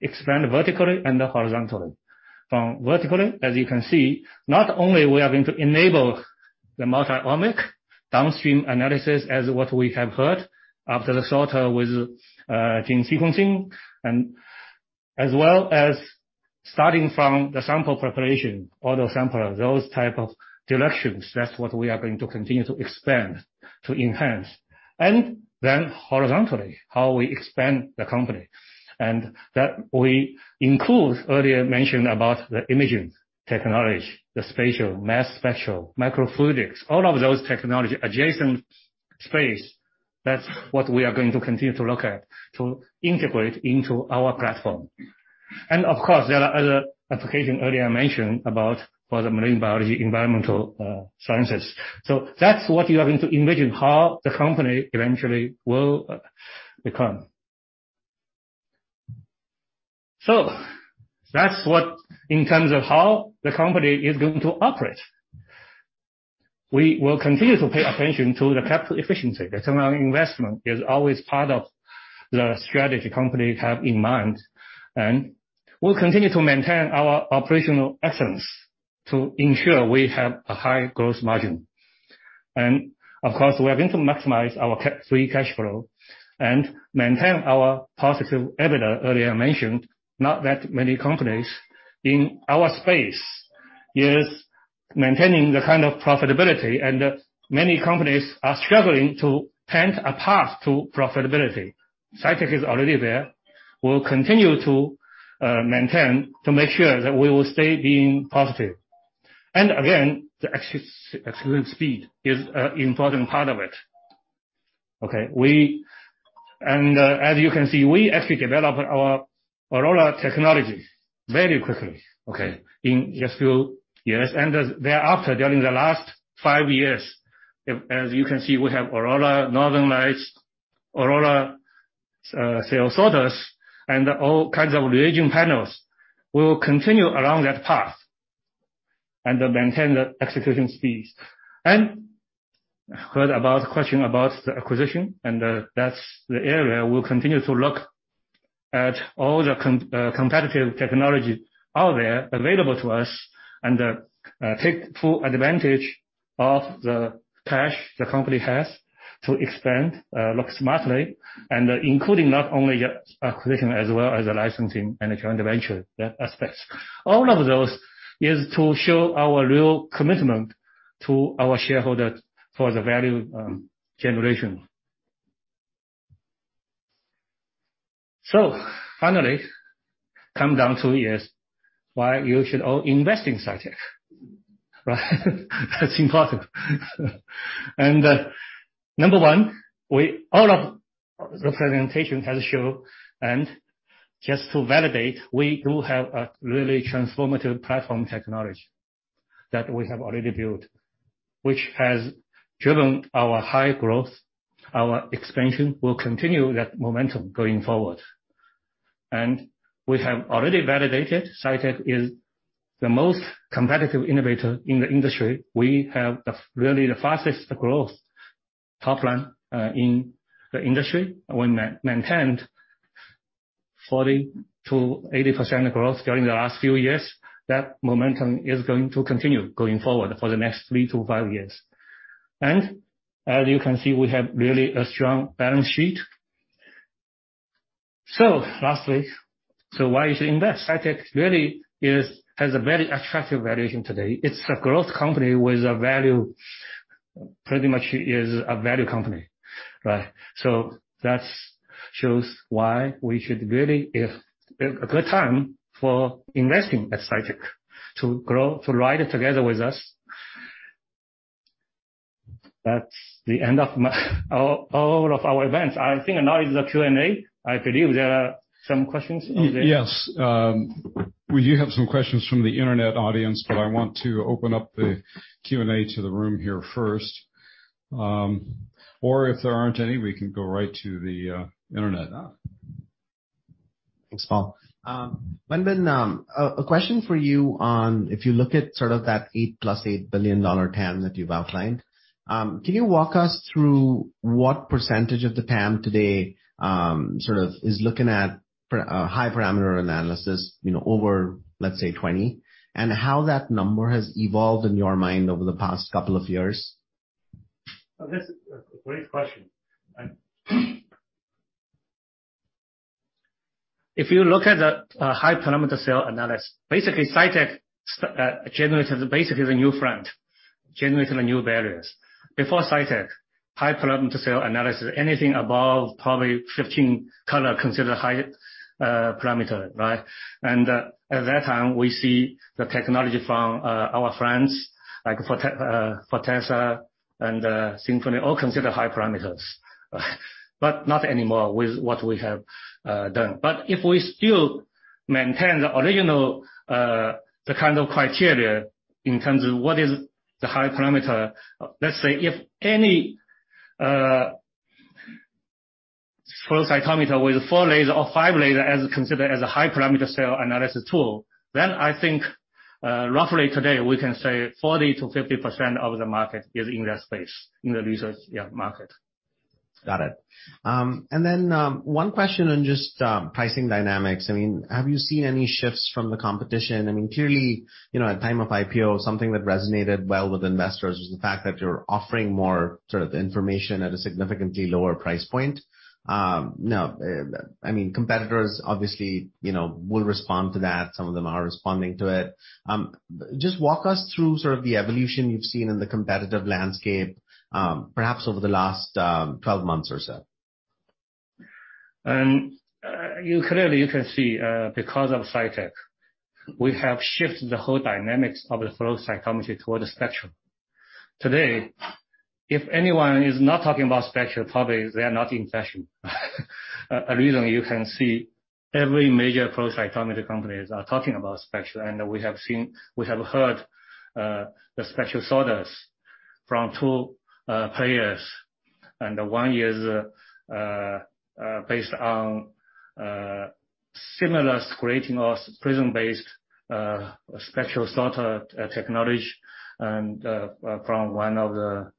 S1: expand vertically and horizontally. Vertically, as you can see, not only we are going to enable the multi-omic downstream analysis as what we have heard after the sorter with gene sequencing. As well as starting from the sample preparation, auto sampler, those type of directions, that's what we are going to continue to expand, to enhance. Horizontally, how we expand the company. That includes earlier mention about the imaging technology, the spatial, mass spatial, microfluidics, all of those technology adjacent space, that's what we are going to continue to look at to integrate into our platform. Of course, there are other application earlier I mentioned about for the marine biology environmental sciences. That's what you are going to envision how the company eventually will become. That's what in terms of how the company is going to operate. We will continue to pay attention to the capital efficiency. Return on investment is always part of the strategy company have in mind. We'll continue to maintain our operational excellence to ensure we have a high growth margin. Of course, we are going to maximize our free cash flow and maintain our positive EBITDA earlier mentioned. Not that many companies in our space is maintaining the kind of profitability and many companies are struggling to paint a path to profitability. Cytek is already there. We'll continue to maintain to make sure that we will stay being positive. Again, the execution speed is an important part of it. Okay. As you can see, we actually developed our Aurora technologies very quickly, okay, in just few years. Thereafter during the last five years, as you can see, we have Aurora, Northern Lights, Aurora sales orders and all kinds of reagent panels. We will continue along that path and maintain the execution speeds. Heard about question about the acquisition, and that's the area we'll continue to look at all the competitive technology out there available to us and take full advantage of the cash the company has to expand, look smartly and including not only acquisition as well as the licensing and joint venture aspects. All of those is to show our real commitment to our shareholders for the value generation. Finally, come down to is why you should all invest in Cytek, right? That's important. Number one, all of the presentation has shown, and just to validate, we do have a really transformative platform technology that we have already built, which has driven our high growth. Our expansion will continue that momentum going forward. We have already validated Cytek is the most competitive innovator in the industry. We have the, really the fastest growth top line, in the industry and we maintained 40%-80% growth during the last few years. That momentum is going to continue going forward for the next three-five years. As you can see, we have really a strong balance sheet. Lastly, why you should invest? Cytek really is, has a very attractive valuation today. It's a growth company with a value, pretty much is a value company, right? That shows why we should really, it's a good time for investing at Cytek to grow, to ride it together with us. That's the end of my call, all of our events. I think now is the Q&A. I believe there are some questions.
S11: Yes. We do have some questions from the internet audience, but I want to open up the Q&A to the room here first. If there aren't any, we can go right to the internet.
S12: Thanks, Paul. Wenbin, a question for you on if you look at sort of that $8 billion-+$8 billion TAM that you've outlined, can you walk us through what percentage of the TAM today, sort of is looking at a high parameter analysis, you know, over, let's say, 20, and how that number has evolved in your mind over the past couple of years?
S1: This is a great question. If you look at the high-parameter cell analysis, basically Cytek generated basically the new front, generating the new barriers. Before Cytek, high-parameter cell analysis, anything above probably 15-color considered high parameter, right? At that time, we see the technology from our friends like Fortessa and FACSymphony all consider high parameters. Not anymore with what we have done. If we still maintain the original the kind of criteria in terms of what is the high parameter. Let's say if any flow cytometer with 4-laser or 5-laser is considered as a high-parameter cell analysis tool, then I think roughly today we can say 40%-50% of the market is in that space, in the research yeah market.
S12: Got it. One question on just pricing dynamics. I mean, have you seen any shifts from the competition? I mean, clearly, you know, at time of IPO, something that resonated well with investors was the fact that you're offering more sort of information at a significantly lower price point. Now, I mean, competitors obviously, you know, will respond to that. Some of them are responding to it. Just walk us through sort of the evolution you've seen in the competitive landscape, perhaps over the last 12 months or so.
S1: You clearly can see, because of Cytek, we have shifted the whole dynamics of the flow cytometry toward the spectrum. Today, if anyone is not talking about spectral, probably they are not in fashion. Recently you can see every major flow cytometry companies are talking about spectral. We have heard the spectral sorters from two players, and one is based on similar screening or prism-based spectral sorter technology. From one of the,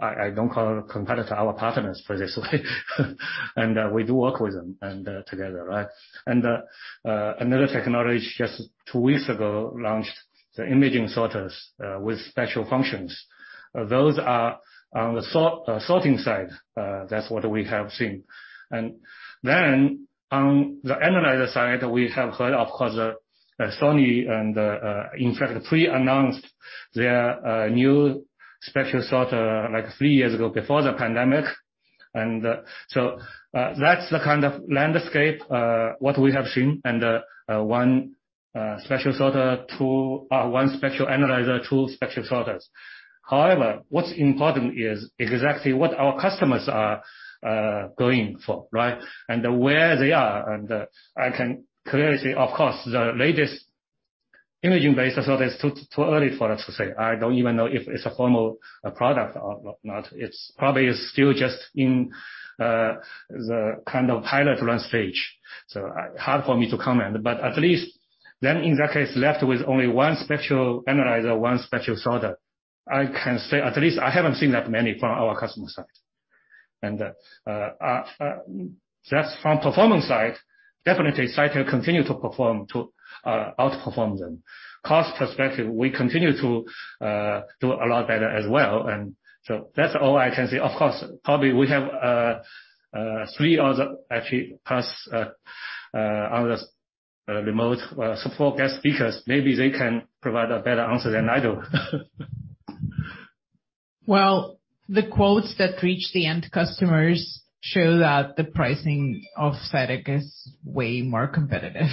S1: I don't call it a competitor, our partners, put it this way. Another technology just two weeks ago launched the imaging sorters with spectral functions. Those are on the sort sorting side. That's what we have seen. Then on the analyzer side, we have heard, of course, Sony and, in fact, pre-announced their new spectral sorter like three years ago before the pandemic. That's the kind of landscape what we have seen. One spectral sorter, one spectral analyzer, two spectral sorters. However, what's important is exactly what our customers are going for, right? Where they are. I can clearly say, of course, the latest imaging-based sorter is too early for us to say. I don't even know if it's a formal product or not. It's probably still just in the kind of pilot run stage, so hard for me to comment. At least then in that case, left with only one spectral analyzer, one spectral sorter. I can say at least I haven't seen that many from our customer side. Just from performance side, definitely Cytek continue to perform to outperform them. Cost perspective, we continue to do a lot better as well. That's all I can say. Of course, probably we have three other actually perhaps on the remote support guest speakers. Maybe they can provide a better answer than I do.
S8: Well, the quotes that reach the end customers show that the pricing of Cytek is way more competitive.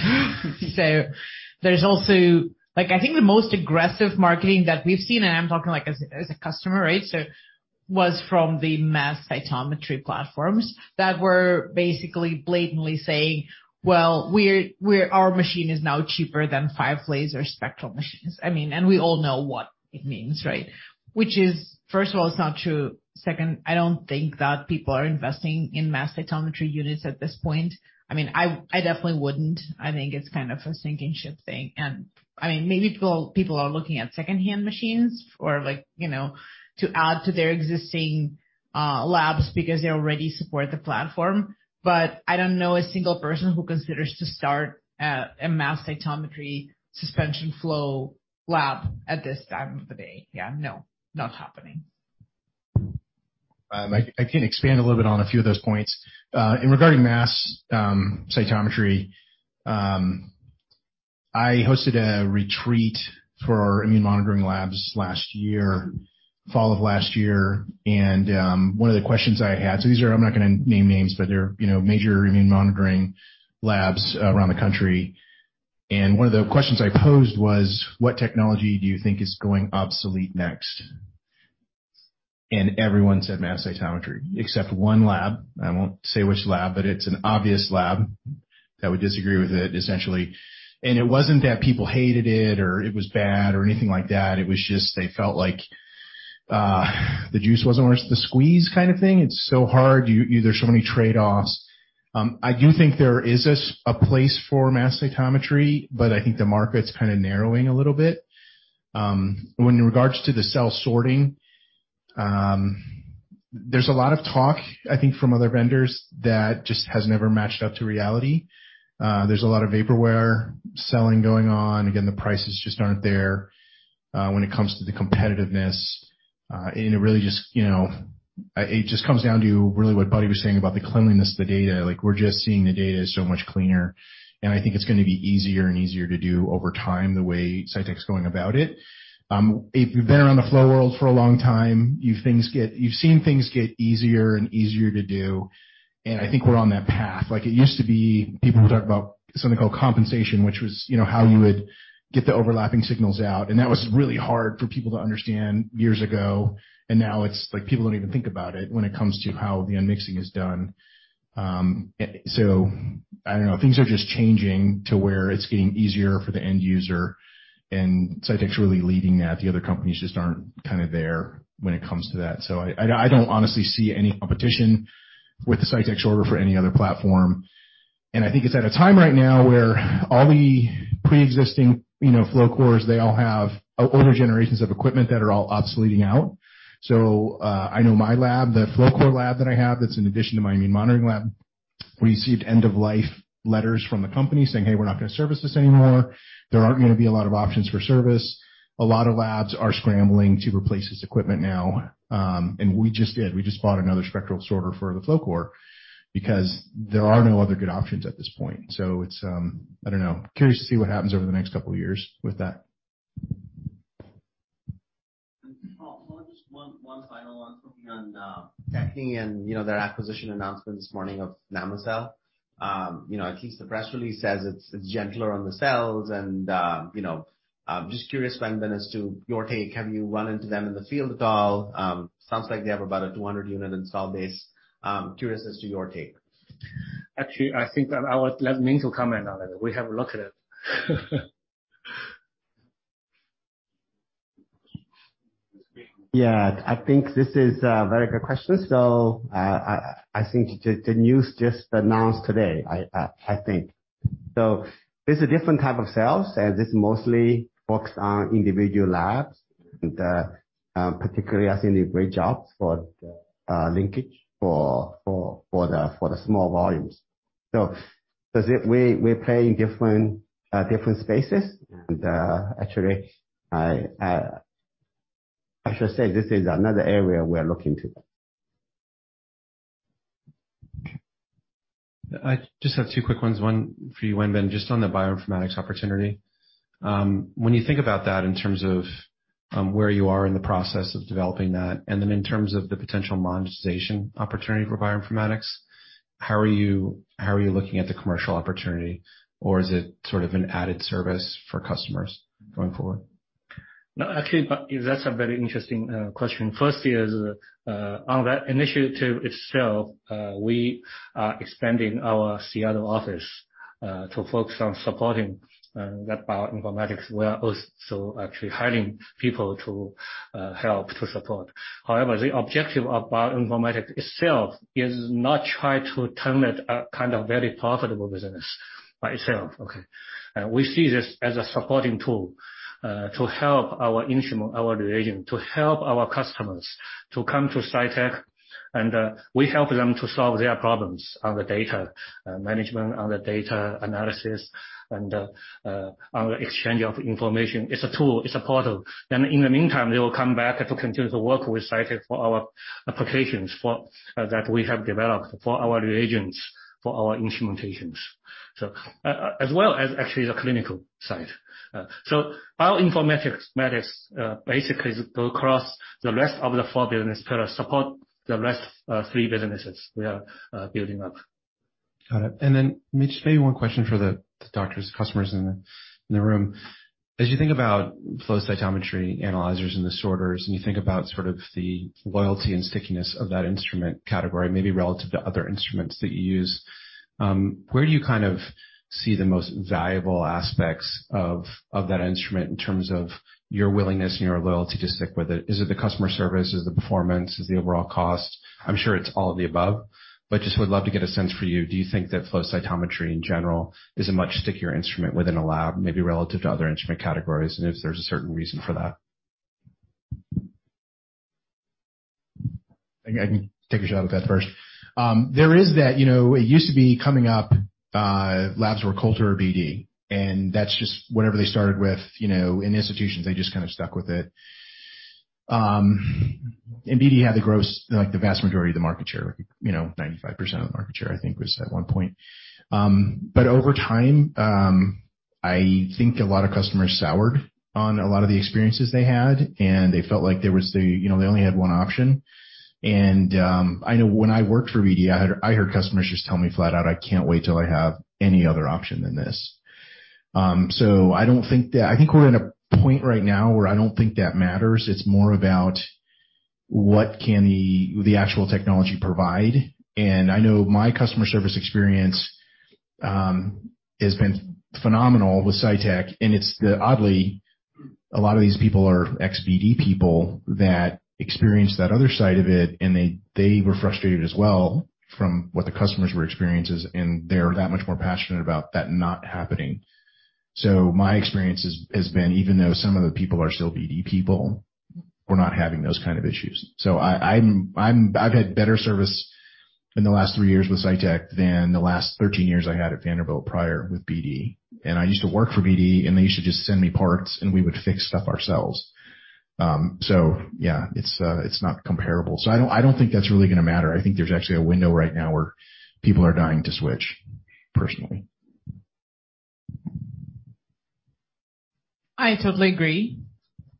S8: Like I think the most aggressive marketing that we've seen, and I'm talking like as a customer, right, so, was from the mass cytometry platforms that were basically blatantly saying, "Well, we're our machine is now cheaper than five laser spectral machines." I mean, we all know what it means, right? Which is, first of all, it's not true. Second, I don't think that people are investing in mass cytometry units at this point. I mean, I definitely wouldn't. I think it's kind of a sinking ship thing. I mean, maybe people are looking at secondhand machines or like, you know, to add to their existing labs because they already support the platform. I don't know a single person who considers to start a mass cytometry suspension flow lab at this time of the day. Yeah. No, not happening.
S4: I can expand a little bit on a few of those points. In regard to mass cytometry, I hosted a retreat for our immune monitoring labs last year, fall of last year. One of the questions I had. These are, I'm not gonna name names, but they're, you know, major immune monitoring labs around the country. One of the questions I posed was, what technology do you think is going obsolete next? Everyone said, mass cytometry, except one lab. I won't say which lab, but it's an obvious lab that would disagree with it, essentially. It wasn't that people hated it or it was bad or anything like that. It was just they felt like, the juice wasn't worth the squeeze kind of thing. It's so hard. There's so many trade-offs. I do think there is a place for mass cytometry, but I think the market's kinda narrowing a little bit. When in regards to the cell sorting, there's a lot of talk, I think, from other vendors that just has never matched up to reality. There's a lot of vaporware selling going on. Again, the prices just aren't there when it comes to the competitiveness. It really just, you know, it just comes down to really what Buddy was saying about the cleanliness of the data. Like, we're just seeing the data is so much cleaner, and I think it's gonna be easier and easier to do over time, the way Cytek's going about it. If you've been around the flow world for a long time, you've seen things get easier and easier to do, and I think we're on that path. Like it used to be, people would talk about something called compensation, which was, you know, how you would get the overlapping signals out. That was really hard for people to understand years ago. Now it's like people don't even think about it when it comes to how the unmixing is done. I don't know. Things are just changing to where it's getting easier for the end user, and Cytek's really leading that. The other companies just aren't kinda there when it comes to that. I don't honestly see any competition with the Cytek sorter for any other platform. I think it's at a time right now where all the pre-existing, you know, flow cores, they all have older generations of equipment that are all obsoleting out. I know my lab, the flow core lab that I have, that's an addition to my immune monitoring lab, received end of life letters from the company saying, "Hey, we're not gonna service this anymore. There aren't gonna be a lot of options for service." A lot of labs are scrambling to replace this equipment now. We just did. We just bought another spectral sorter for the flow core because there are no other good options at this point. It's, I don't know. Curious to see what happens over the next couple of years with that.
S12: One final one for me on Cytek and, you know, their acquisition announcement this morning of Namocell. You know, at least the press release says it's gentler on the cells and, you know, I'm just curious, Wenbin, as to your take. Have you run into them in the field at all? Sounds like they have about a 200 unit install base. Curious as to your take.
S1: Actually, I think that I would let Ming to comment on it. We have looked at it.
S14: Yeah. I think this is a very good question. I think the news just announced today. I think. This is different type of cells, and this mostly focused on individual labs that particularly as in the great jobs for the linkage for the small volumes. Does it? We play in different spaces. Actually, I should say this is another area we are looking to.
S13: I just have two quick ones. One for you, Wenbin, just on the bioinformatics opportunity. When you think about that in terms of where you are in the process of developing that, and then in terms of the potential monetization opportunity for bioinformatics, how are you looking at the commercial opportunity, or is it sort of an added service for customers going forward?
S1: No, actually, that's a very interesting question. First is, on that initiative itself, we are expanding our Seattle office, to focus on supporting, that bioinformatics. We are also actually hiring people to, help to support. However, the objective of bioinformatics itself is not try to turn it a kind of very profitable business by itself. Okay. We see this as a supporting tool, to help our instrument, our reagent, to help our customers to come to Cytek, and, we help them to solve their problems on the data, management, on the data analysis, and, on the exchange of information. It's a tool. It's a portal. In the meantime, they will come back and to continue to work with Cytek for our applications that we have developed for our reagents, for our instrumentations. As well as actually the clinical side. Bioinformatics matters, basically go across the rest of the four business to support the rest, three businesses we are, building up.
S13: Got it. Ming, maybe one question for the doctors, customers in the room. As you think about flow cytometry analyzers and the sorters, and you think about sort of the loyalty and stickiness of that instrument category, maybe relative to other instruments that you use, where do you kind of see the most valuable aspects of that instrument in terms of your willingness and your loyalty to stick with it? Is it the customer service? Is the performance? Is the overall cost? I'm sure it's all of the above, but just would love to get a sense for you. Do you think that flow cytometry in general is a much stickier instrument within a lab, maybe relative to other instrument categories, and if there's a certain reason for that?
S4: I can take a shot at that first. There is that, you know, it used to be coming up, labs were Coulter or BD, and that's just whatever they started with, you know, in institutions, they just kind of stuck with it. BD had the gross, like, the vast majority of the market share, you know, 95% of the market share, I think, was at one point. Over time, I think a lot of customers soured on a lot of the experiences they had, and they felt like there was, you know, they only had one option. I know when I worked for BD, I heard customers just tell me flat out, "I can't wait till I have any other option than this." I don't think that. I think we're in a point right now where I don't think that matters. It's more about what can the actual technology provide. I know my customer service experience has been phenomenal with Cytek, and it's oddly, a lot of these people are ex-BD people that experienced that other side of it, and they were frustrated as well from what the customers were experiencing, and they're that much more passionate about that not happening. My experience has been, even though some of the people are still BD people, we're not having those kind of issues. I've had better service in the last three years with Cytek than the last 13 years I had at Vanderbilt prior with BD. I used to work for BD, and they used to just send me parts, and we would fix stuff ourselves. It's not comparable. I don't think that's really gonna matter. I think there's actually a window right now where people are dying to switch, personally.
S8: I totally agree.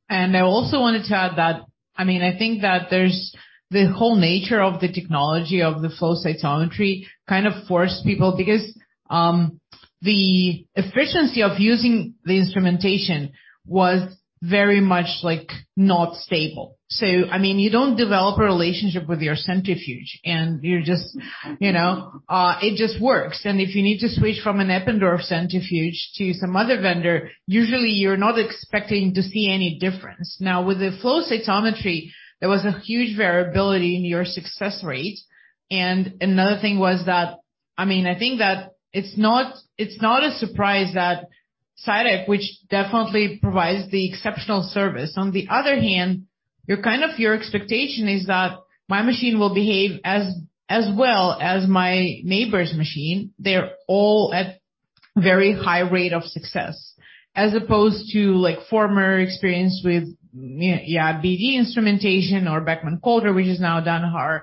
S8: I also wanted to add that, I mean, I think that there's the whole nature of the technology of the flow cytometry kind of forced people because the efficiency of using the instrumentation was very much, like, not stable. I mean, you don't develop a relationship with your centrifuge, and you're just, you know, it just works. If you need to switch from an Eppendorf centrifuge to some other vendor, usually you're not expecting to see any difference. Now, with the flow cytometry, there was a huge variability in your success rate. Another thing was that, I mean, I think that it's not a surprise that Cytek, which definitely provides the exceptional service. On the other hand, your kind of your expectation is that my machine will behave as well as my neighbor's machine. They're all at very high rate of success as opposed to, like, former experience with BD instrumentation or Beckman Coulter, which is now Danaher.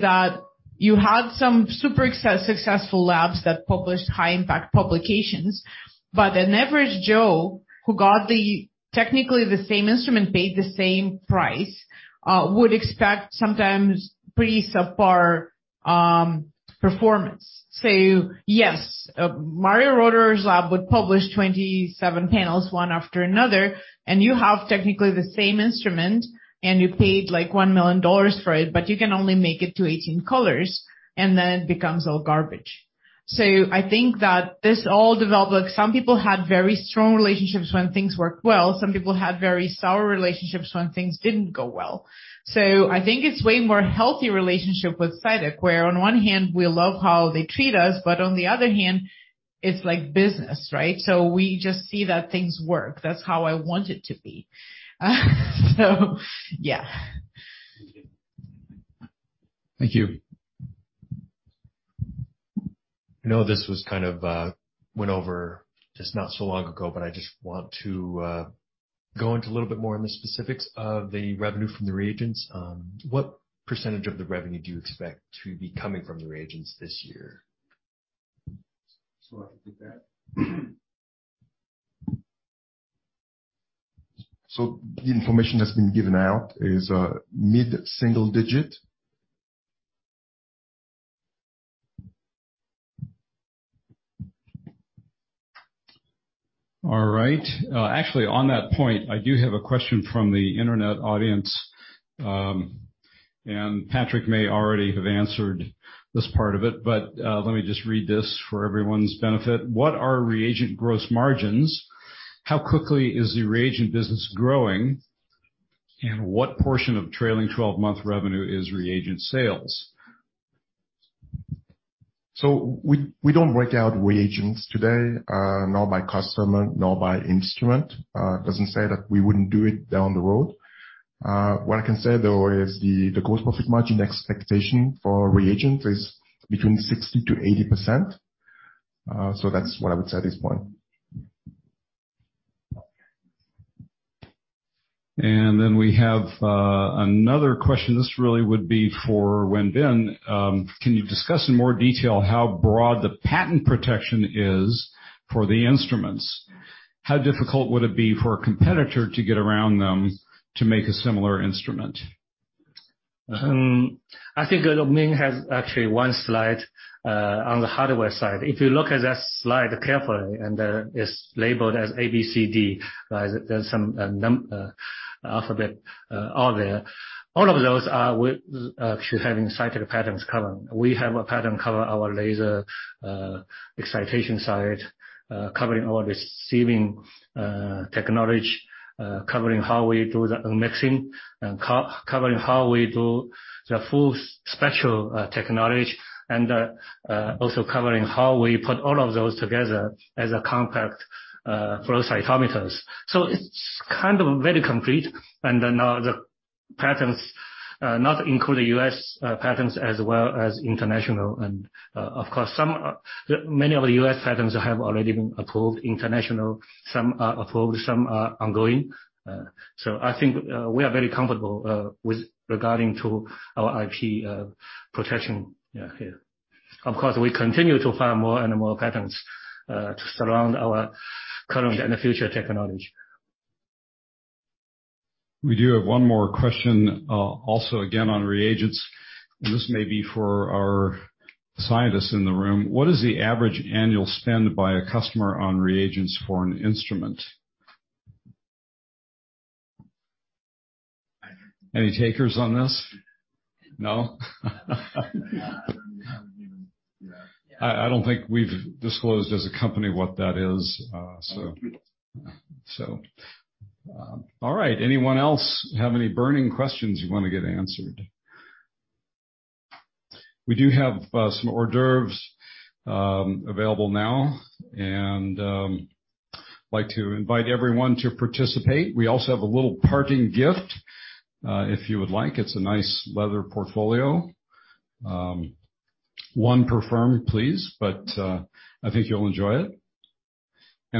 S8: That's you had some super successful labs that published high impact publications, but an average Joe who got the, technically the same instrument, paid the same price, would expect sometimes pretty subpar performance. Yes, Mario Roederer's lab would publish 27 panels one after another, and you have technically the same instrument, and you paid, like, $1 million for it, but you can only make it to 18 colors, and then it becomes all garbage. I think that this all developed, like, some people had very strong relationships when things worked well. Some people had very sour relationships when things didn't go well. I think it's way more healthy relationship with Cytek, where on one hand, we love how they treat us, but on the other hand, it's like business, right? Yeah.
S11: Thank you.
S13: I know this was kind of, went over just not so long ago, but I just want to, go into a little bit more on the specifics of the revenue from the reagents. What percentage of the revenue do you expect to be coming from the reagents this year?
S15: I can take that. The information that's been given out is mid-single digit.
S11: All right. Actually, on that point, I do have a question from the Internet audience, and Patrick may already have answered this part of it, but, let me just read this for everyone's benefit. What are reagent gross margins? How quickly is the reagent business growing? And what portion of trailing 12-month revenue is reagent sales?
S15: We don't break out reagents today, nor by customer, nor by instrument. Doesn't say that we wouldn't do it down the road. What I can say, though, is the gross profit margin expectation for reagent is between 60%-80%. That's what I would say at this point.
S11: We have another question. This really would be for Wenbin. Can you discuss in more detail how broad the patent protection is for the instruments? How difficult would it be for a competitor to get around them to make a similar instrument?
S1: I think Ming has actually one slide on the hardware side. If you look at that slide carefully, it's labeled as A, B, C, D. There's some alphabet all there. All of those are with should have Cytek patents covered. We have a patent cover our laser excitation side, covering all receiving technology, covering how we do the mixing, covering how we do the full spectrum technology, and also covering how we put all of those together as a compact flow cytometers. So it's kind of very complete. Now the patents not including U.S. patents as well as international. Of course, many of the U.S. patents have already been approved, international, some are approved, some are ongoing. I think we are very comfortable with regarding to our IP protection, yeah, here. Of course, we continue to file more and more patents to surround our current and the future technology.
S11: We do have one more question, also again on reagents, and this may be for our scientists in the room. What is the average annual spend by a customer on reagents for an instrument? Any takers on this? No?
S15: We haven't even.
S1: Yeah.
S11: I don't think we've disclosed as a company what that is.
S15: Yeah.
S11: All right, anyone else have any burning questions you wanna get answered? We do have some hors d'oeuvres available now, and I'd like to invite everyone to participate. We also have a little parting gift, if you would like. It's a nice leather portfolio. One per firm, please. I think you'll enjoy it.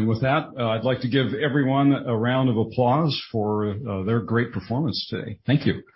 S11: With that, I'd like to give everyone a round of applause for their great performance today. Thank you.